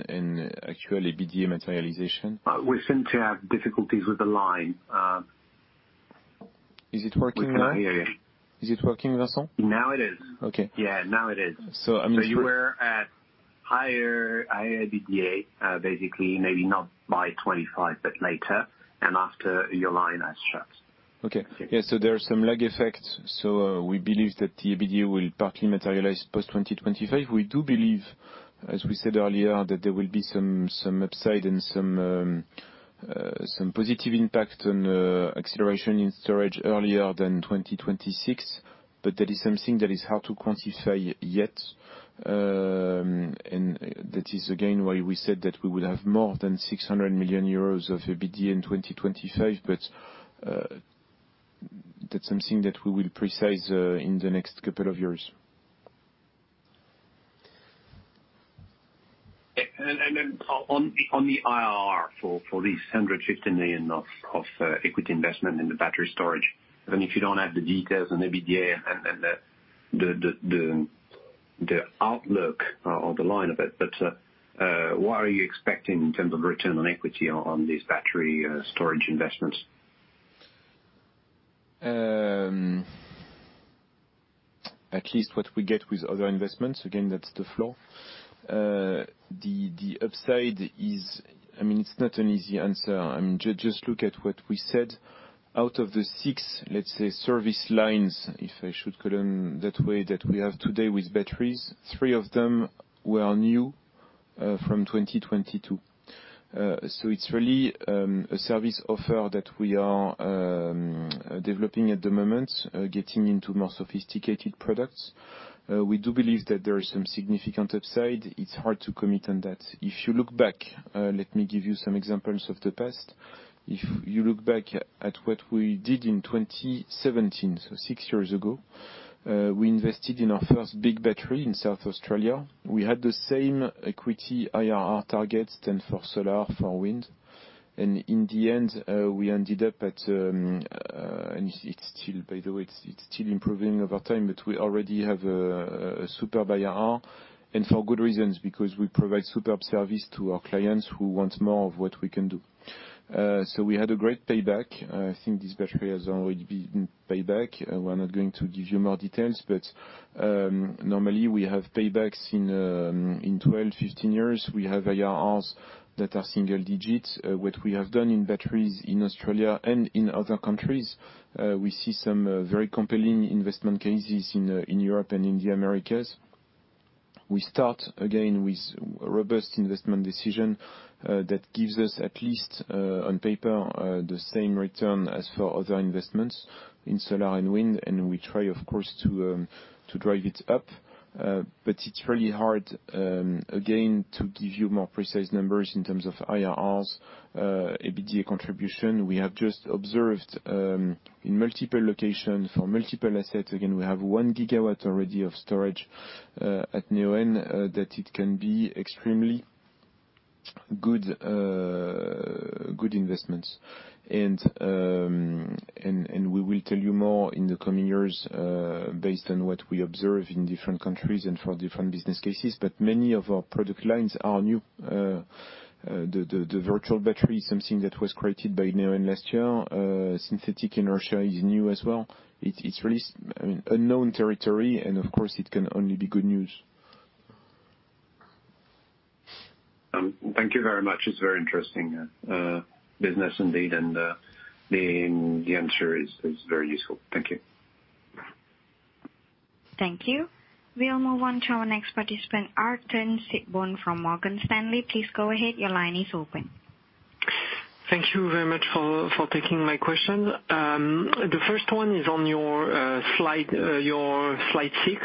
S1: actual EBITDA materialization.
S4: We seem to have difficulties with the line.
S1: Is it working now?
S4: We can't hear you.
S1: Is it working, Vincent?
S4: Now it is.
S1: Okay.
S4: Yeah, now it is.
S1: I mean.
S4: You were at higher EBITDA, basically, maybe not by 25, but later, and after your line has shut.
S1: Okay. Yeah. There are some lag effects. We believe that the EBITDA will partly materialize post 2025. We do believe, as we said earlier, that there will be some upside and some positive impact on acceleration in storage earlier than 2026, but that is something that is hard to quantify yet. That is again why we said that we will have more than 600 million euros of EBITDA in 2025, but that's something that we will precise in the next couple of years.
S4: Yeah. Then on the IRR for these 150 million of equity investment in the battery storage, even if you don't have the details on EBITDA and then the outlook on the line of it, what are you expecting in terms of return on equity on these battery storage investments?
S1: At least what we get with other investments, again, that's the floor. The upside is, I mean, it's not an easy answer. I mean, just look at what we said. Out of the six, let's say, service lines, if I should call them that way, that we have today with batteries, three of them were new from 2022. So it's really a service offer that we are developing at the moment, getting into more sophisticated products. We do believe that there is some significant upside. It's hard to commit on that. If you look back, let me give you some examples of the past. If you look back at what we did in 2017, so six years ago, we invested in our first big battery in South Australia. We had the same equity IRR targets than for solar, for wind. In the end, we ended up at, and it's still, by the way, it's still improving over time, but we already have a superb IRR and for good reasons, because we provide superb service to our clients who want more of what we can do. We had a great payback. I think this battery has already been paid back. We're not going to give you more details, but normally we have paybacks in 12-15 years. We have IRRs that are single digits. What we have done in batteries in Australia and in other countries, we see some very compelling investment cases in Europe and in the Americas. We start again with robust investment decision that gives us at least on paper the same return as for other investments in solar and wind, and we try of course, to drive it up. But it's really hard again, to give you more precise numbers in terms of IRRs, EBITDA contribution. We have just observed in multiple locations for multiple assets. Again, we have one gigawatt already of storage at Neoen that it can be extremely good good investments. We will tell you more in the coming years, based on what we observe in different countries and for different business cases. Many of our product lines are new, the virtual battery is something that was created by Neoen last year. Synthetic inertia is new as well. It's really, I mean, unknown territory, and of course it can only be good news.
S4: Thank you very much. It's very interesting business indeed. The answer is very useful. Thank you.
S3: Thank you. We'll move on to our next participant, Arthur Sitbon from Morgan Stanley. Please go ahead. Your line is open.
S13: Thank you very much for taking my question. The first one is on your slide, your slide 6,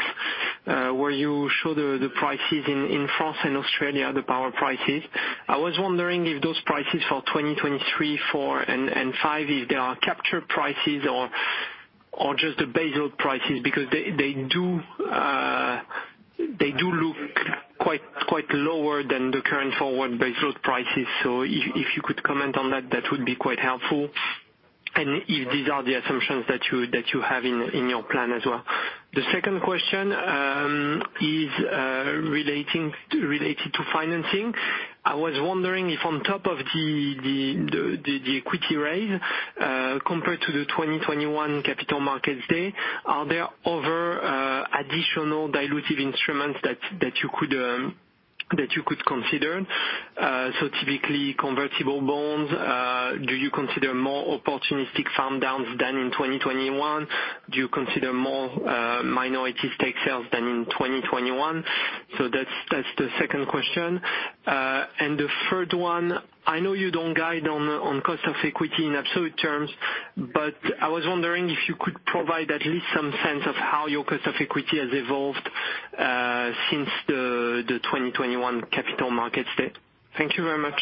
S13: where you show the prices in France and Australia, the power prices. I was wondering if those prices for 2023, 2024 and 2025, if they are capture prices or just the baseload prices, because they do look quite lower than the current forward baseload prices. If you could comment on that would be quite helpful. If these are the assumptions that you have in your plan as well. The second question is related to financing. I was wondering if on top of the equity raise, compared to the 2021 capital markets day, are there other additional dilutive instruments that you could consider? Typically convertible bonds. Do you consider more opportunistic farm-downs than in 2021? Do you consider more minority stake sales than in 2021? That's the second question. The third one, I know you don't guide on cost of equity in absolute terms, but I was wondering if you could provide at least some sense of how your cost of equity has evolved since the 2021 capital markets date. Thank you very much.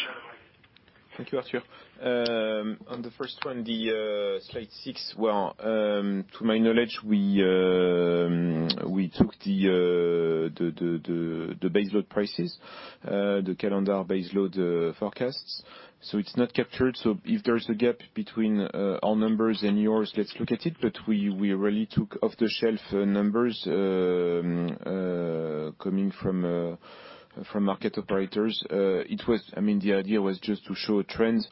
S1: Thank you, Arthur. On the first one, the slide 6, to my knowledge, we took the baseload prices, the calendar baseload forecasts. It's not captured. If there's a gap between our numbers and yours, let's look at it, but we really took off the shelf numbers coming from market operators. I mean, the idea was just to show trends,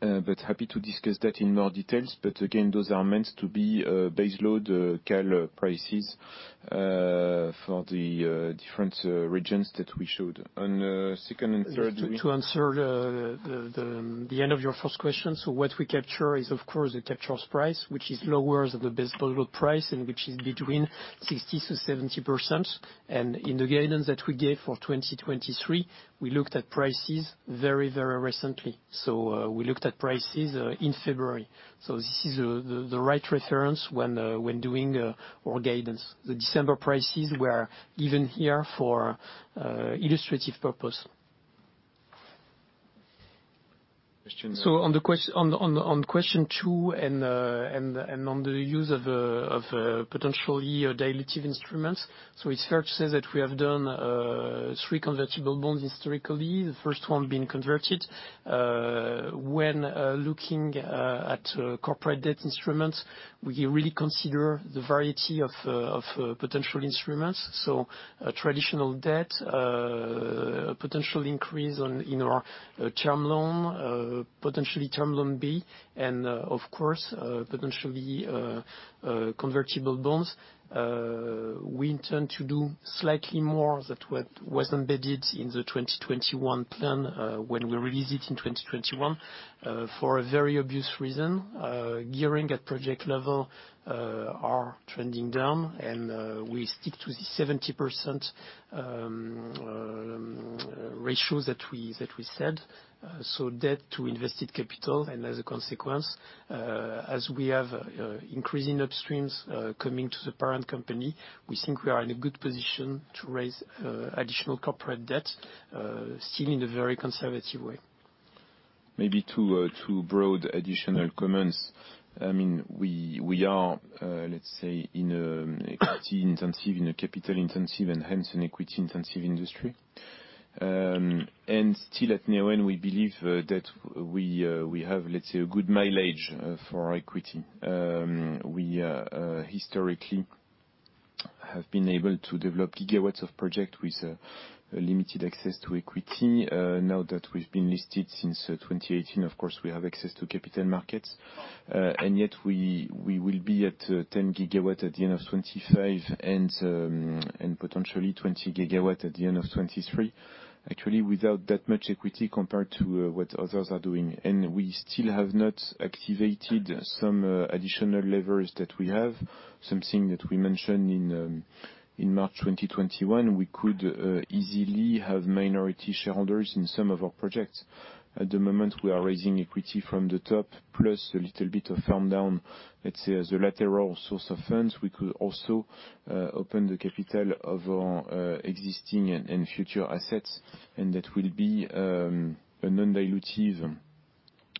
S1: but happy to discuss that in more details. Again, those are meant to be baseload cal prices for the different regions that we showed. On 2nd and 3rd-
S2: To answer the end of your first question. What we capture is of course the capture price, which is lower than the baseload price, and which is between 60%-70%. In the guidance that we gave for 2023, we looked at prices very, very recently. We looked at prices in February. This is the right reference when doing our guidance. The December pr ices were given here for illustrative purpose.
S1: Question-
S2: On the question two and on the use of potentially dilutive instruments. It's fair to say that we have done 3 convertible bonds historically, the first one being converted. When looking at corporate debt instruments, we really consider the variety of potential instruments. Traditional debt, potential increase in our term loan, potentially term loan B and, of course, potentially convertible bonds. We intend to do slightly more that what was embedded in the 2021 plan, when we released it in 2021, for a very obvious reason. Gearing at project level are trending down, and we stick to the 70% ratios that we said. Debt to invested capital, and as a consequence, as we have, increasing upstreams, coming to the parent company, we think we are in a good position to raise, additional corporate debt, still in a very conservative way.
S1: Maybe two broad additional comments. I mean, we are, let's say in a equity intensive, in a capital intensive and hence an equity intensive industry. Still at Neoen, we believe that we have, let's say, a good mileage for our equity. We historically have been able to develop gigawatts of project with limited access to equity. Now that we've been listed since 2018, of course, we have access to capital markets. Yet we will be at 10 GW at the end of 25, and potentially 20 GW at the end of 23. Actually, without that much equity compared to what others are doing. We still have not activated some additional levers that we have, something that we mentioned in March 2021. We could easily have minority shareholders in some of our projects. At the moment, we are raising equity from the top, plus a little bit of farm down. Let's say as a lateral source of funds, we could also open the capital of our existing and future assets, and that will be a non-dilutive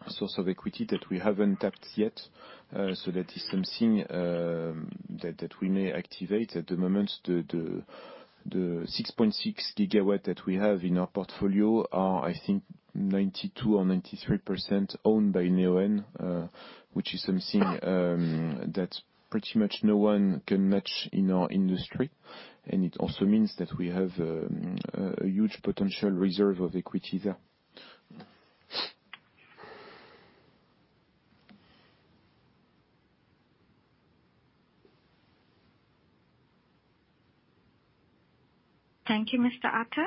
S1: source of equity that we haven't tapped yet. So that is something that we may activate. At the moment, the 6.6 GW that we have in our portfolio are, I think, 92% or 93% owned by Neoen, which is something that pretty much no one can match in our industry. It also means that we have a huge potential reserve of equity there.
S3: Thank you, Mr. Xavier.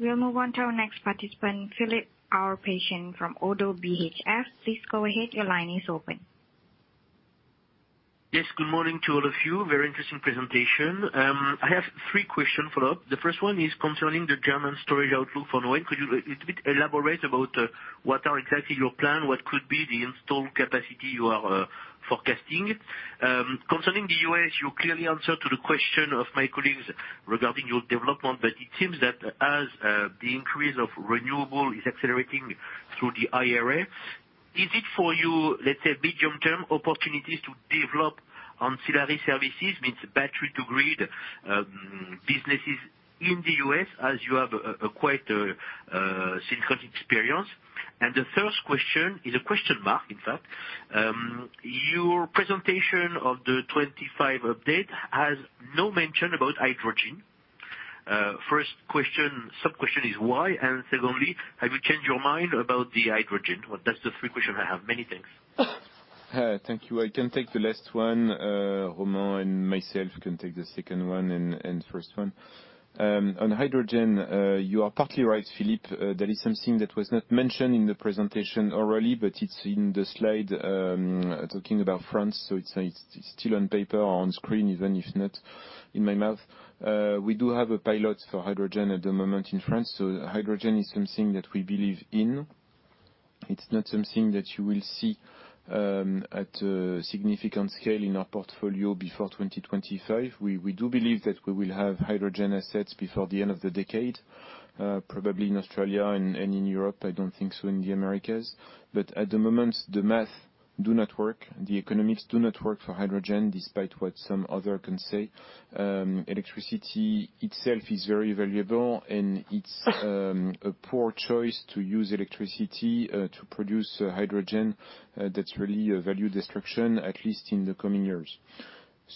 S3: We'll move on to our next participant, Philippe Ourpatian from ODDO BHF Please go ahead. Your line is open.
S14: Yes. Good morning to all of you. Very interesting presentation. I have three question follow-up. The first one is concerning the German storage outlook for Neoen. Could you a little bit elaborate about what are exactly your plan? What could be the installed capacity you are forecasting? Concerning the US, you clearly answered to the question of my colleagues regarding your development, but it seems that as the increase of renewable is accelerating through the IRA, is it for you, let's say medium term, opportunities to develop ancillary services, means battery to grid businesses in the US as you have acquired significant experience? The third question is a question mark, in fact. Your presentation of the 25 update has no mention about hydrogen. First sub-question is why? Secondly, have you changed your mind about the hydrogen? That's the 3 question I have. Many thanks.
S1: Thank you. I can take the last one. Romain and myself can take the second one and first one. On hydrogen, you are partly right, Philippe. That is something that was not mentioned in the presentation orally, but it's in the slide, talking about France. It's still on paper, on screen, even if not in my mouth. We do have a pilot for hydrogen at the moment in France, so hydrogen is something that we believe in. It's not something that you will see at a significant scale in our portfolio before 2025. We do believe that we will have hydrogen assets before the end of the decade, probably in Australia and in Europe. I don't think so in the Americas. At the moment, the math do not work, the economics do not work for hydrogen, despite what some other can say. electricity itself is very valuable, and it's a poor choice to use electricity to produce hydrogen. That's really a value destruction, at least in the coming years.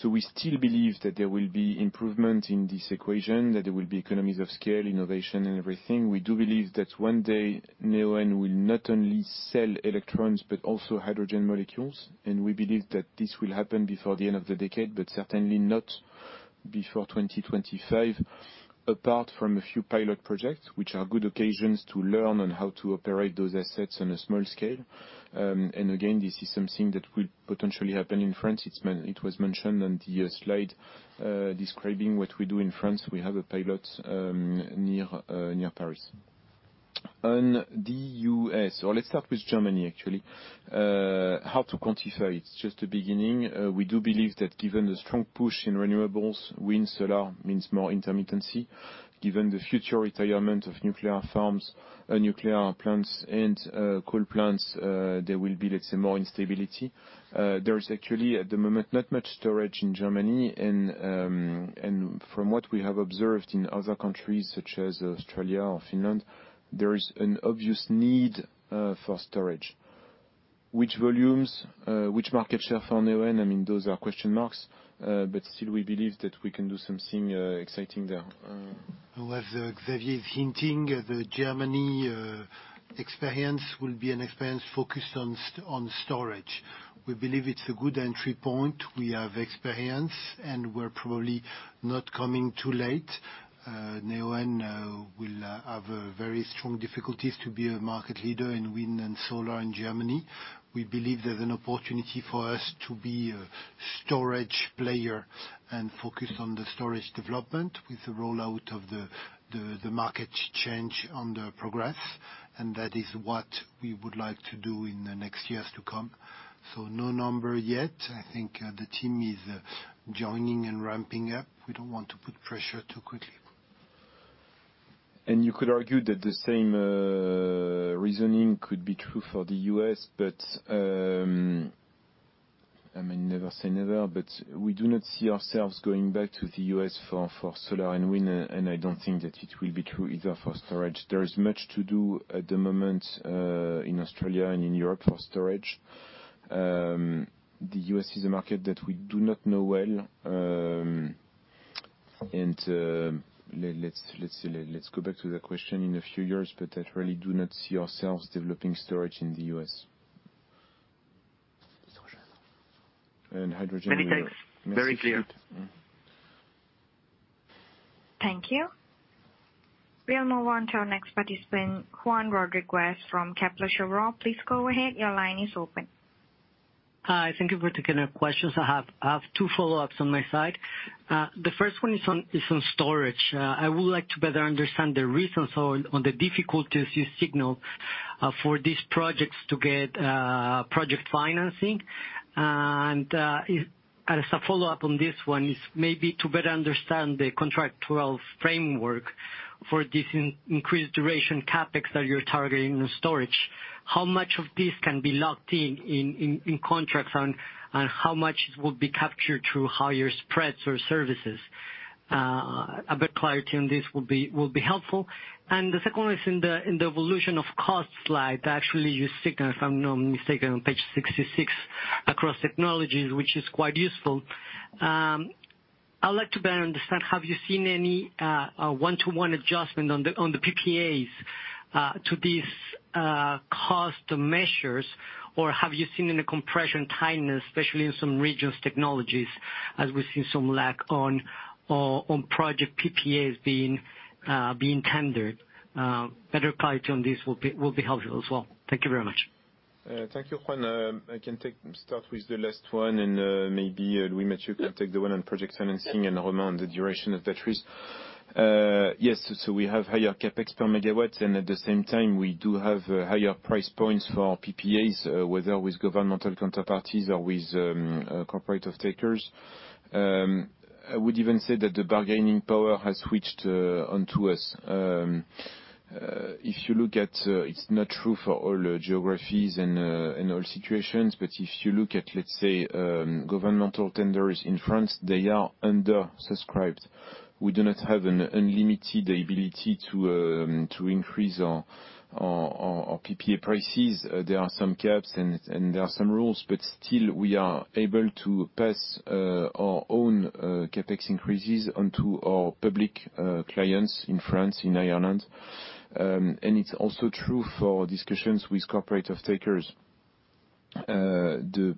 S1: We still believe that there will be improvement in this equation, that there will be economies of scale, innovation and everything. We do believe that one day Neoen will not only sell electrons, but also hydrogen molecules. We believe that this will happen before the end of the decade, but certainly not before 2025, apart from a few pilot projects, which are good occasions to learn on how to operate those assets on a small scale. Again, this is something that will potentially happen in France. It was mentioned on the slide describing what we do in France. We have a pilot near Paris. On the U.S., or let's start with Germany, actually. How to quantify? It's just the beginning. We do believe that given the strong push in renewables, wind, solar means more intermittency. Given the future retirement of nuclear farms, nuclear plants and coal plants, there will be, let's say, more instability. There is actually, at the moment, not much storage in Germany. From what we have observed in other countries such as Australia or Finland, there is an obvious need for storage. Which volumes, which market share for Neoen? I mean, those are question marks, but still we believe that we can do something exciting there.
S8: As Xavier is hinting, the Germany experience will be an experience focused on storage. We believe it's a good entry point. We have experience, and we're probably not coming too late. Neoen will have a very strong difficulties to be a market leader in wind and solar in Germany. We believe there's an opportunity for us to be a storage player and focus on the storage development with the rollout of the market change on the progress, and that is what we would like to do in the next years to come. No number yet. I think the team is joining and ramping up. We don't want to put pressure too quickly.
S1: You could argue that the same reasoning could be true for the U.S. I mean, never say never, but we do not see ourselves going back to the U.S. for solar and wind, and I don't think that it will be true either for storage. There is much to do at the moment in Australia and in Europe for storage. The U.S. is a market that we do not know well. Let's go back to the question. In a few years, but I really do not see ourselves developing storage in the U.S. Hydrogen-
S14: Many thanks. Very clear.
S1: Mm.
S3: Thank you. We'll move on to our next participant, Juan Rodriguez from Kepler Cheuvreux. Please go ahead. Your line is open.
S15: Hi. Thank you for taking our questions. I have two follow-ups on my side. The first one is on storage. I would like to better understand the reasons on the difficulties you signal for these projects to get project financing. As a follow-up on this one is maybe to better understand the contractual framework for this increased duration CapEx that you're targeting in storage. How much of this can be locked in contracts? And how much will be captured through higher spreads or services? A bit clarity on this will be helpful. The second one is in the evolution of cost slide. Actually, you signal, if I'm not mistaken, on page 66 across technologies, which is quite useful. I'd like to better understand. Have you seen any one-to-one adjustment on the PPAs to these cost measures? Have you seen any compression tightness, especially in some regions' technologies, as we've seen some lack on project PPAs being tendered? Better clarity on this will be helpful as well. Thank you very much.
S1: Thank you, Juan. I can start with the last one, and maybe Louis-Mathieu can take the one on project financing and Romain on the duration of batteries. Yes, we have higher CapEx per MW. At the same time, we do have higher price points for PPAs, whether with governmental counterparties or with corporate off-takers. I would even say that the bargaining power has switched onto us. If you look at, it's not true for all geographies and all situations, but if you look at, let's say, governmental tenders in France, they are undersubscribed. We do not have an unlimited ability to increase our PPA prices. There are some caps, and there are some rules, but still, we are able to pass, our own, CapEx increases onto our public, clients in France, in Ireland. It's also true for discussions with corporate off-takers. The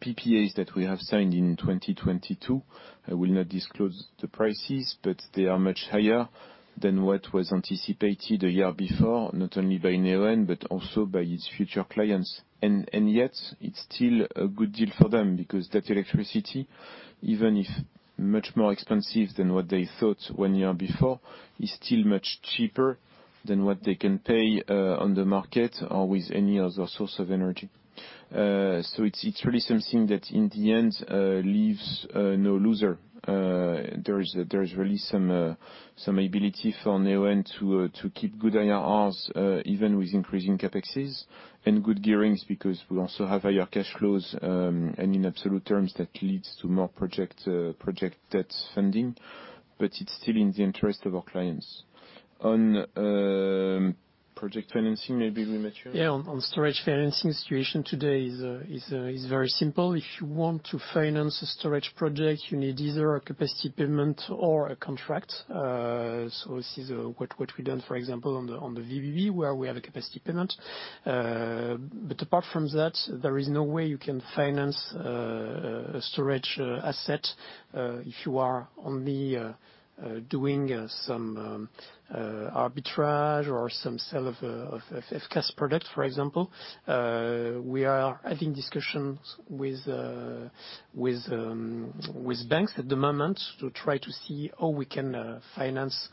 S1: PPAs that we have signed in 2022, I will not disclose the prices, but they are much higher than what was anticipated a year before, not only by Neoen but also by its future clients. Yet, it's still a good deal for them, because that electricity, even if much more expensive than what they thought one year before, is still much cheaper than what they can pay, on the market or with any other source of energy. It's really something that in the end, leaves, no loser. There is really some ability for Neoen to keep good IRRs even with increasing CapExes and good gearings, because we also have higher cash flows. In absolute terms, that leads to more project debt funding, it's still in the interest of our clients. On project financing, maybe Louis-Mathieu?
S2: Yeah. On storage financing, situation today is very simple. If you want to finance a storage project, you need either a capacity payment or a contract. This is what we've done, for example, on the VBB, where we have a capacity payment. Apart from that, there is no way you can finance a storage asset if you are only doing some arbitrage or some sell of gas product, for example. We are having discussions with banks at the moment to try to see how we can finance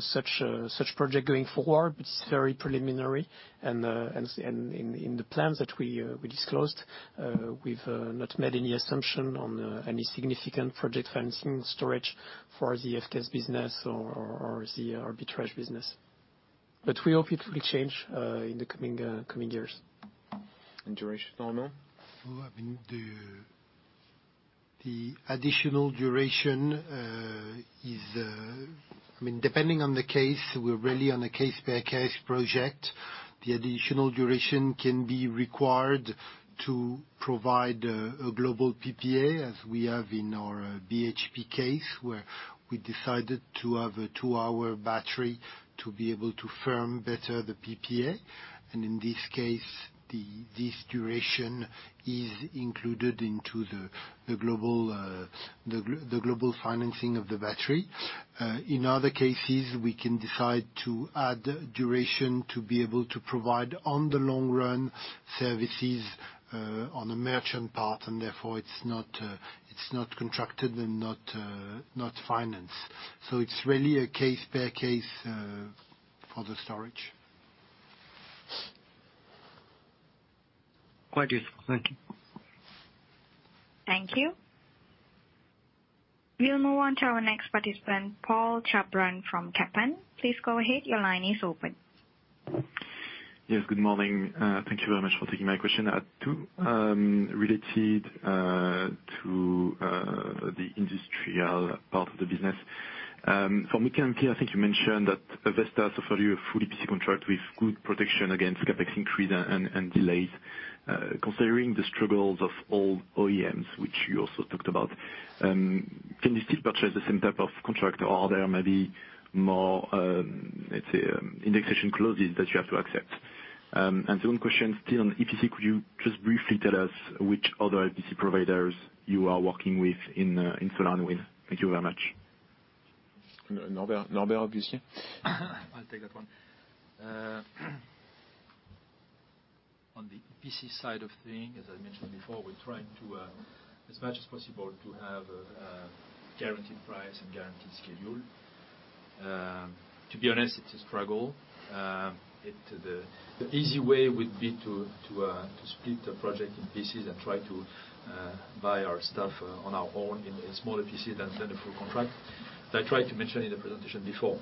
S2: such a project going forward. It's very preliminary, and in the plans that we disclosed, we've not made any assumption on any significant project financing storage for the FGS business or the arbitrage business. We hope it will change in the coming years.
S1: Duration, Romain?
S8: Well, I mean, the additional duration. I mean, depending on the case, we're really on a case-by-case project. The additional duration can be required to provide a global PPA, as we have in our BHP case, where we decided to have a 2-hour battery to be able to firm better the PPA. In this case, this duration is included into the global financing of the battery. In other cases, we can decide to add duration to be able to provide, on the long run, services on a merchant part, and therefore it's not contracted and not financed. It's really a case-by-case for the storag
S15: .Quite useful. Thank you.
S3: Thank you. We'll move on to our next participant, Paul Chapron from Kempen. Please go ahead your line is open.
S16: Yes, good morning. Thank you very much for taking my question. I have two related to the industrial part of the business. For Mutkalampi, I think you mentioned that Vestas suffered a full EPC contract with good protection against CapEx increase and delays. Considering the struggles of all OEMs, which you also talked about, can you still purchase the same type of contract or are there maybe more, let's say, indexation clauses that you have to accept? The 1 question still on EPC, could you just briefly tell us which other EPC providers you are working with in Solanwe? Thank you very much.
S1: Norbert, obviously.
S10: I'll take that one. On the EPC side of things, as I mentioned before, we're trying to as much as possible to have guaranteed price and guaranteed schedule. To be honest, it's a struggle. The easy way would be to split the project in pieces and try to buy our stuff on our own in a smaller EPC than a full contract. As I tried to mention in the presentation before,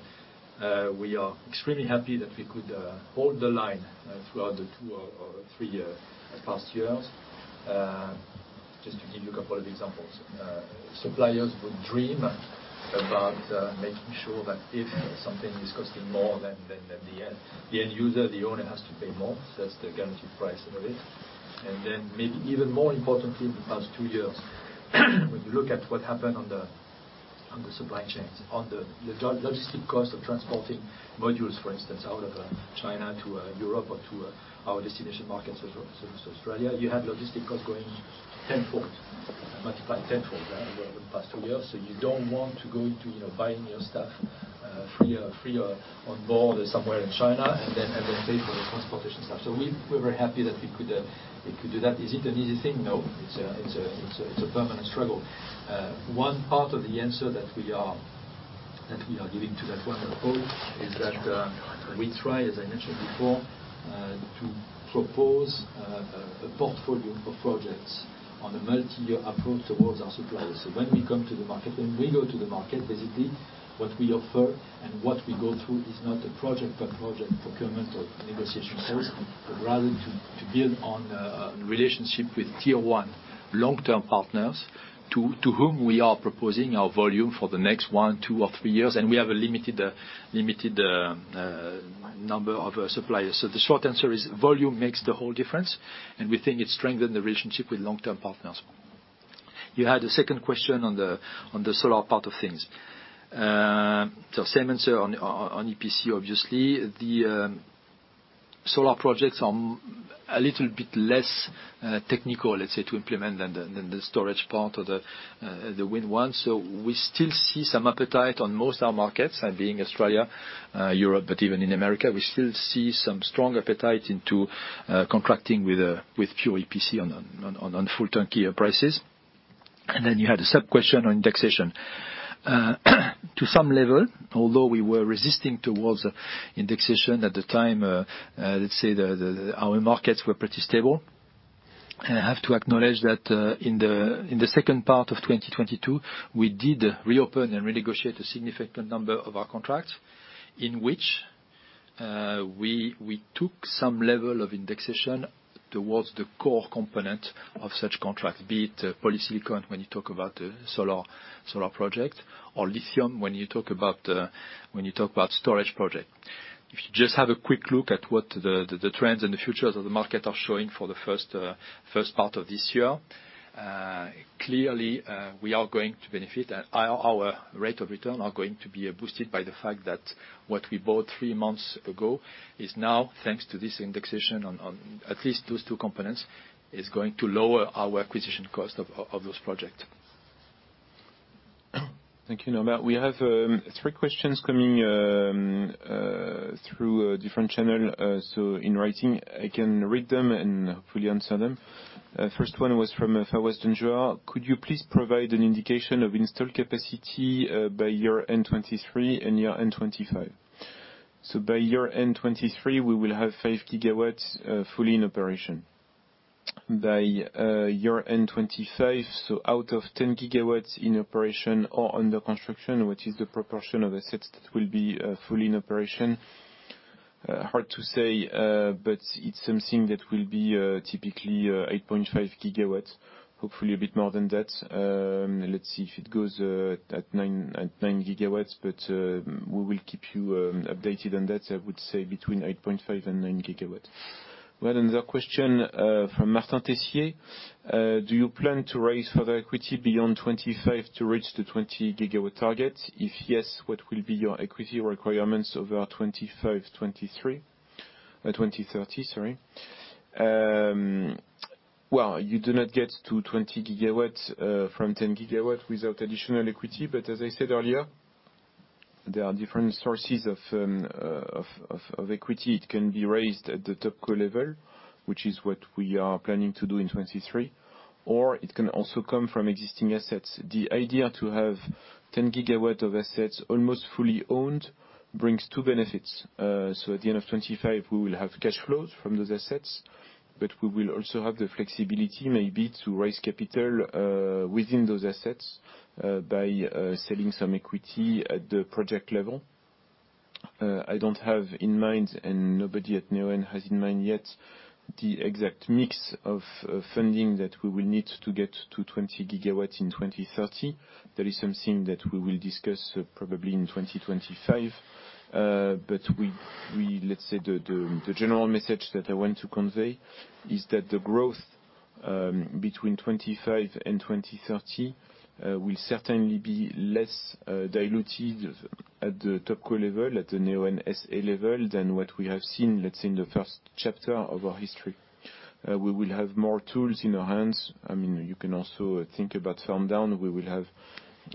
S10: we are extremely happy that we could hold the line throughout the two or three past years. Just to give you a couple of examples, suppliers would dream about making sure that if something is costing more than the end user, the owner has to pay more. That's the guaranteed price of it. Then maybe even more importantly in the past 2 years, when you look at what happened on the supply chains, on the logistic cost of transporting modules, for instance, out of China to Europe or to our destination markets as well, so as Australia, you have logistic costs going 10-fold, multiplied 10-fold over the past 2 years. You don't want to go into, you know, buying your stuff, free on board somewhere in China and then, and then pay for the transportation stuff. We're very happy that we could do that. Is it an easy thing? No. It's a permanent struggle. One part of the answer that we are giving to that one approach is that we try, as I mentioned before, to propose a portfolio of projects on a multi-year approach towards our suppliers. When we come to the market, when we go to the market, basically, what we offer and what we go through is not a project-by-project procurement or negotiation approach, but rather to build on relationship with tier one long-term partners to whom we are proposing our volume for the next 1, 2 or 3 years, and we have a limited number of suppliers. The short answer is volume makes the whole difference, and we think it strengthened the relationship with long-term partners. You had a second question on the solar part of things. Same answer on EPC, obviously. The solar projects are a little bit less technical, let's say, to implement than the storage part or the wind ones. We still see some appetite on most our markets, that being Australia, Europe, but even in America, we still see some strong appetite into contracting with pure EPC on full turnkey prices. You had a sub-question on indexation. To some level, although we were resisting towards indexation at the time, let's say our markets were pretty stable. I have to acknowledge that in the second part of 2022, we did reopen and renegotiate a significant number of our contracts in which we took some level of indexation towards the core component of such contracts, be it polysilicon when you talk about solar project or lithium when you talk about storage project. If you just have a quick look at what the trends and the futures of the market are showing for the first part of this year, clearly, we are going to benefit and our rate of return are going to be boosted by the fact that what we bought 3 months ago is now, thanks to this indexation on at least those two components, is going to lower our acquisition cost of those project.
S1: Thank you, Norbert. We have 3 questions coming through a different channel, so in writing. I can read them and hopefully answer them. First one was from Farwest Angio. Could you please provide an indication of installed capacity by year end 2023 and year end 2025? By year end 2023, we will have 5 GW fully in operation. By year end 2025, out of 10 GW in operation or under construction, which is the proportion of assets that will be fully in operation? Hard to say, but it's something that will be typically 8.5 GW, hopefully a bit more than that. Let's see if it goes at 9 GW, but we will keep you updated on that. I would say between 8.5 and 9 GW. We have another question from Martin Tessier. Do you plan to raise further equity beyond 2025 to reach the 20 GW target? If yes, what will be your equity requirements over 2025, 2023, 2030? Sorry. You do not get to 20 GW from 10 GW without additional equity. As I said earlier, there are different sources of equity. It can be raised at the topco level, which is what we are planning to do in 2023, or it can also come from existing assets. The idea to have 10 GW of assets almost fully owned brings two benefits. At the end of 2025, we will have cash flows from those assets, but we will also have the flexibility maybe to raise capital within those assets by selling some equity at the project level. I don't have in mind, and nobody at Neoen has in mind yet, the exact mix of funding that we will need to get to 20 GW in 2030. That is something that we will discuss probably in 2025. Let's say, the general message that I want to convey is that the growth between 2025 and 2030 will certainly be less diluted at top level, at the Neoen SA level, than what we have seen, let's say, in the first chapter of our history. We will have more tools in our hands. I mean, you can also think about farm-down. We will have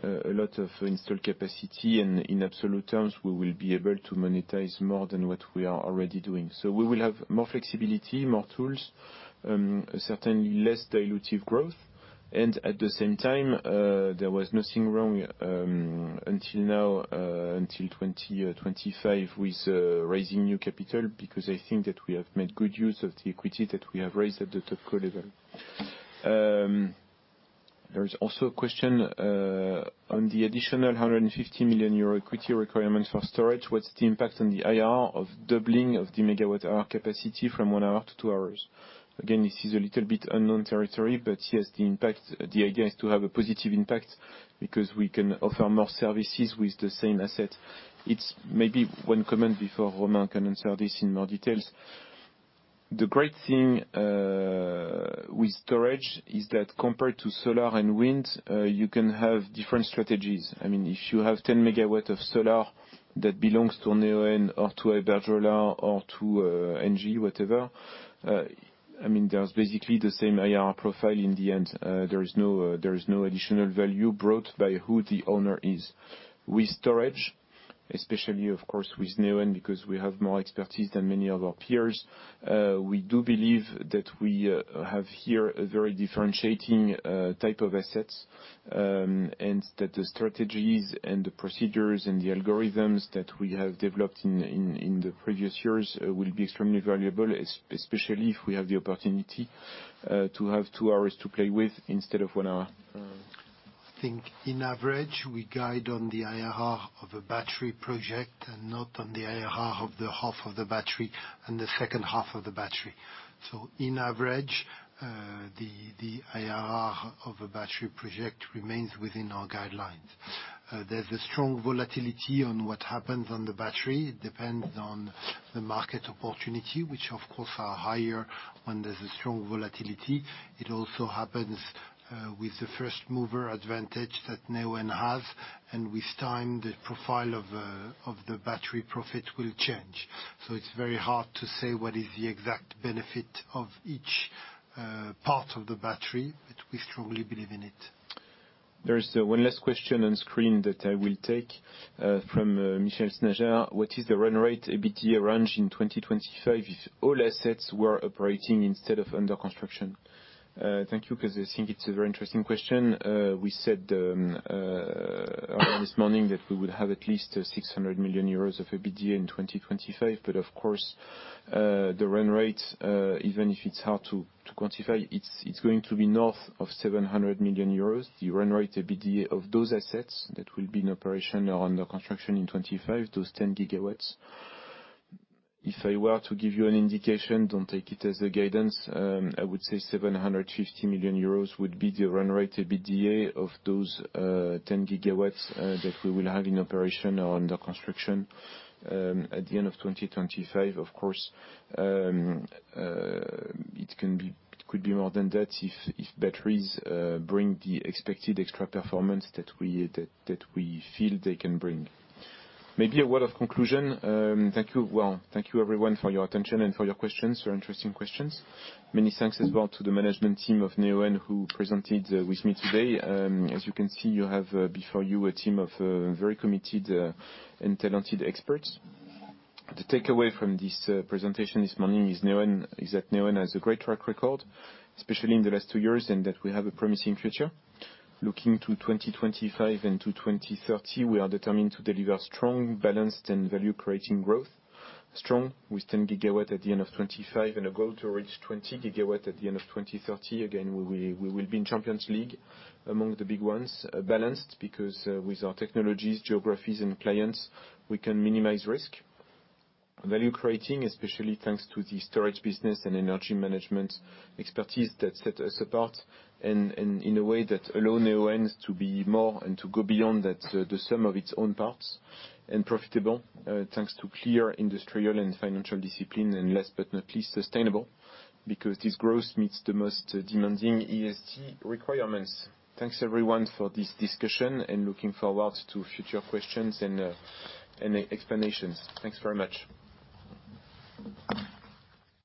S1: a lot of installed capacity and in absolute terms, we will be able to monetize more than what we are already doing. We will have more flexibility, more tools, certainly less dilutive growth, and at the same time, there was nothing wrong until now, until 2025 with raising new capital, because I think that we have made good use of the equity that we have raised at the top level. There is also a question on the additional 150 million euro equity requirement for storage. What's the impact on the IRR of doubling of the MWh capacity from 1 hour to 2 hours? This is a little bit unknown territory, but yes, the impact, the idea is to have a positive impact because we can offer more services with the same asset. It's maybe one comment before Romain can answer this in more details. The great thing with storage is that compared to solar and wind, you can have different strategies. I mean, if you have 10 MW of solar that belongs to Neoen or to Iberdrola or to NG, whatever, I mean, there's basically the same IRR profile in the end. There is no additional value brought by who the owner is. With storage, especially, of course, with Neoen, because we have more expertise than many of our peers, we do believe that we have here a very differentiating type of assets, and that the strategies and the procedures and the algorithms that we have developed in the previous years, will be extremely valuable, especially if we have the opportunity to have 2 hours to play with instead of 1 hour.
S7: I think on average, we guide on the IRR of a battery project and not on the IRR of the half of the battery and the second half of the battery. On average, the IRR of a battery project remains within our guidelines. There's a strong volatility on what happens on the battery. It depends on the market opportunity, which of course are higher when there's a strong volatility. It also happens with the first mover advantage that Neoen has, and with time, the profile of the battery profit will change. It's very hard to say what is the exact benefit of each part of the battery, but we strongly believe in it.
S1: There is one last question on screen that I will take from Xavier Nadjar: What is the run rate EBITDA range in 2025 if all assets were operating instead of under construction? Thank you, 'cause I think it's a very interesting question. We said earlier this morning that we would have at least 600 million euros of EBITDA in 2025, but of course, the run rate, even if it's hard to quantify, it's going to be north of 700 million euros. The run rate EBITDA of those assets that will be in operation or under construction in 2025, those 10 GW. If I were to give you an indication, don't take it as a guidance, I would say 750 million euros would be the run rate EBITDA of those 10 GW that we will have in operation or under construction at the end of 2025. Of course, it could be more than that if batteries bring the expected extra performance that we feel they can bring. Maybe a word of conclusion. Thank you. Well, thank you everyone for your attention and for your questions, very interesting questions. Many thanks as well to the management team of Neoen who presented with me today. As you can see, you have before you a team of very committed and talented experts. The takeaway from this presentation this morning is Neoen. is that Neoen has a great track record, especially in the last 2 years, and that we have a promising future. Looking to 2025 and to 2030, we are determined to deliver strong, balanced, and value-creating growth. Strong with 10 GW at the end of 2025 and a goal to reach 20 GW at the end of 2030. Again, we will be in Champions League among the big ones. Balanced because, with our technologies, geographies, and clients, we can minimize risk. Value creating, especially thanks to the storage business and energy management expertise that set us apart and in a way that allow Neoen to be more and to go beyond that, the sum of its own parts. Profitable, thanks to clear industrial and financial discipline. Last but not least, sustainable because this growth meets the most demanding ESG requirements. Thanks everyone for this discussion, and looking forward to future questions and explanations. Thanks very much.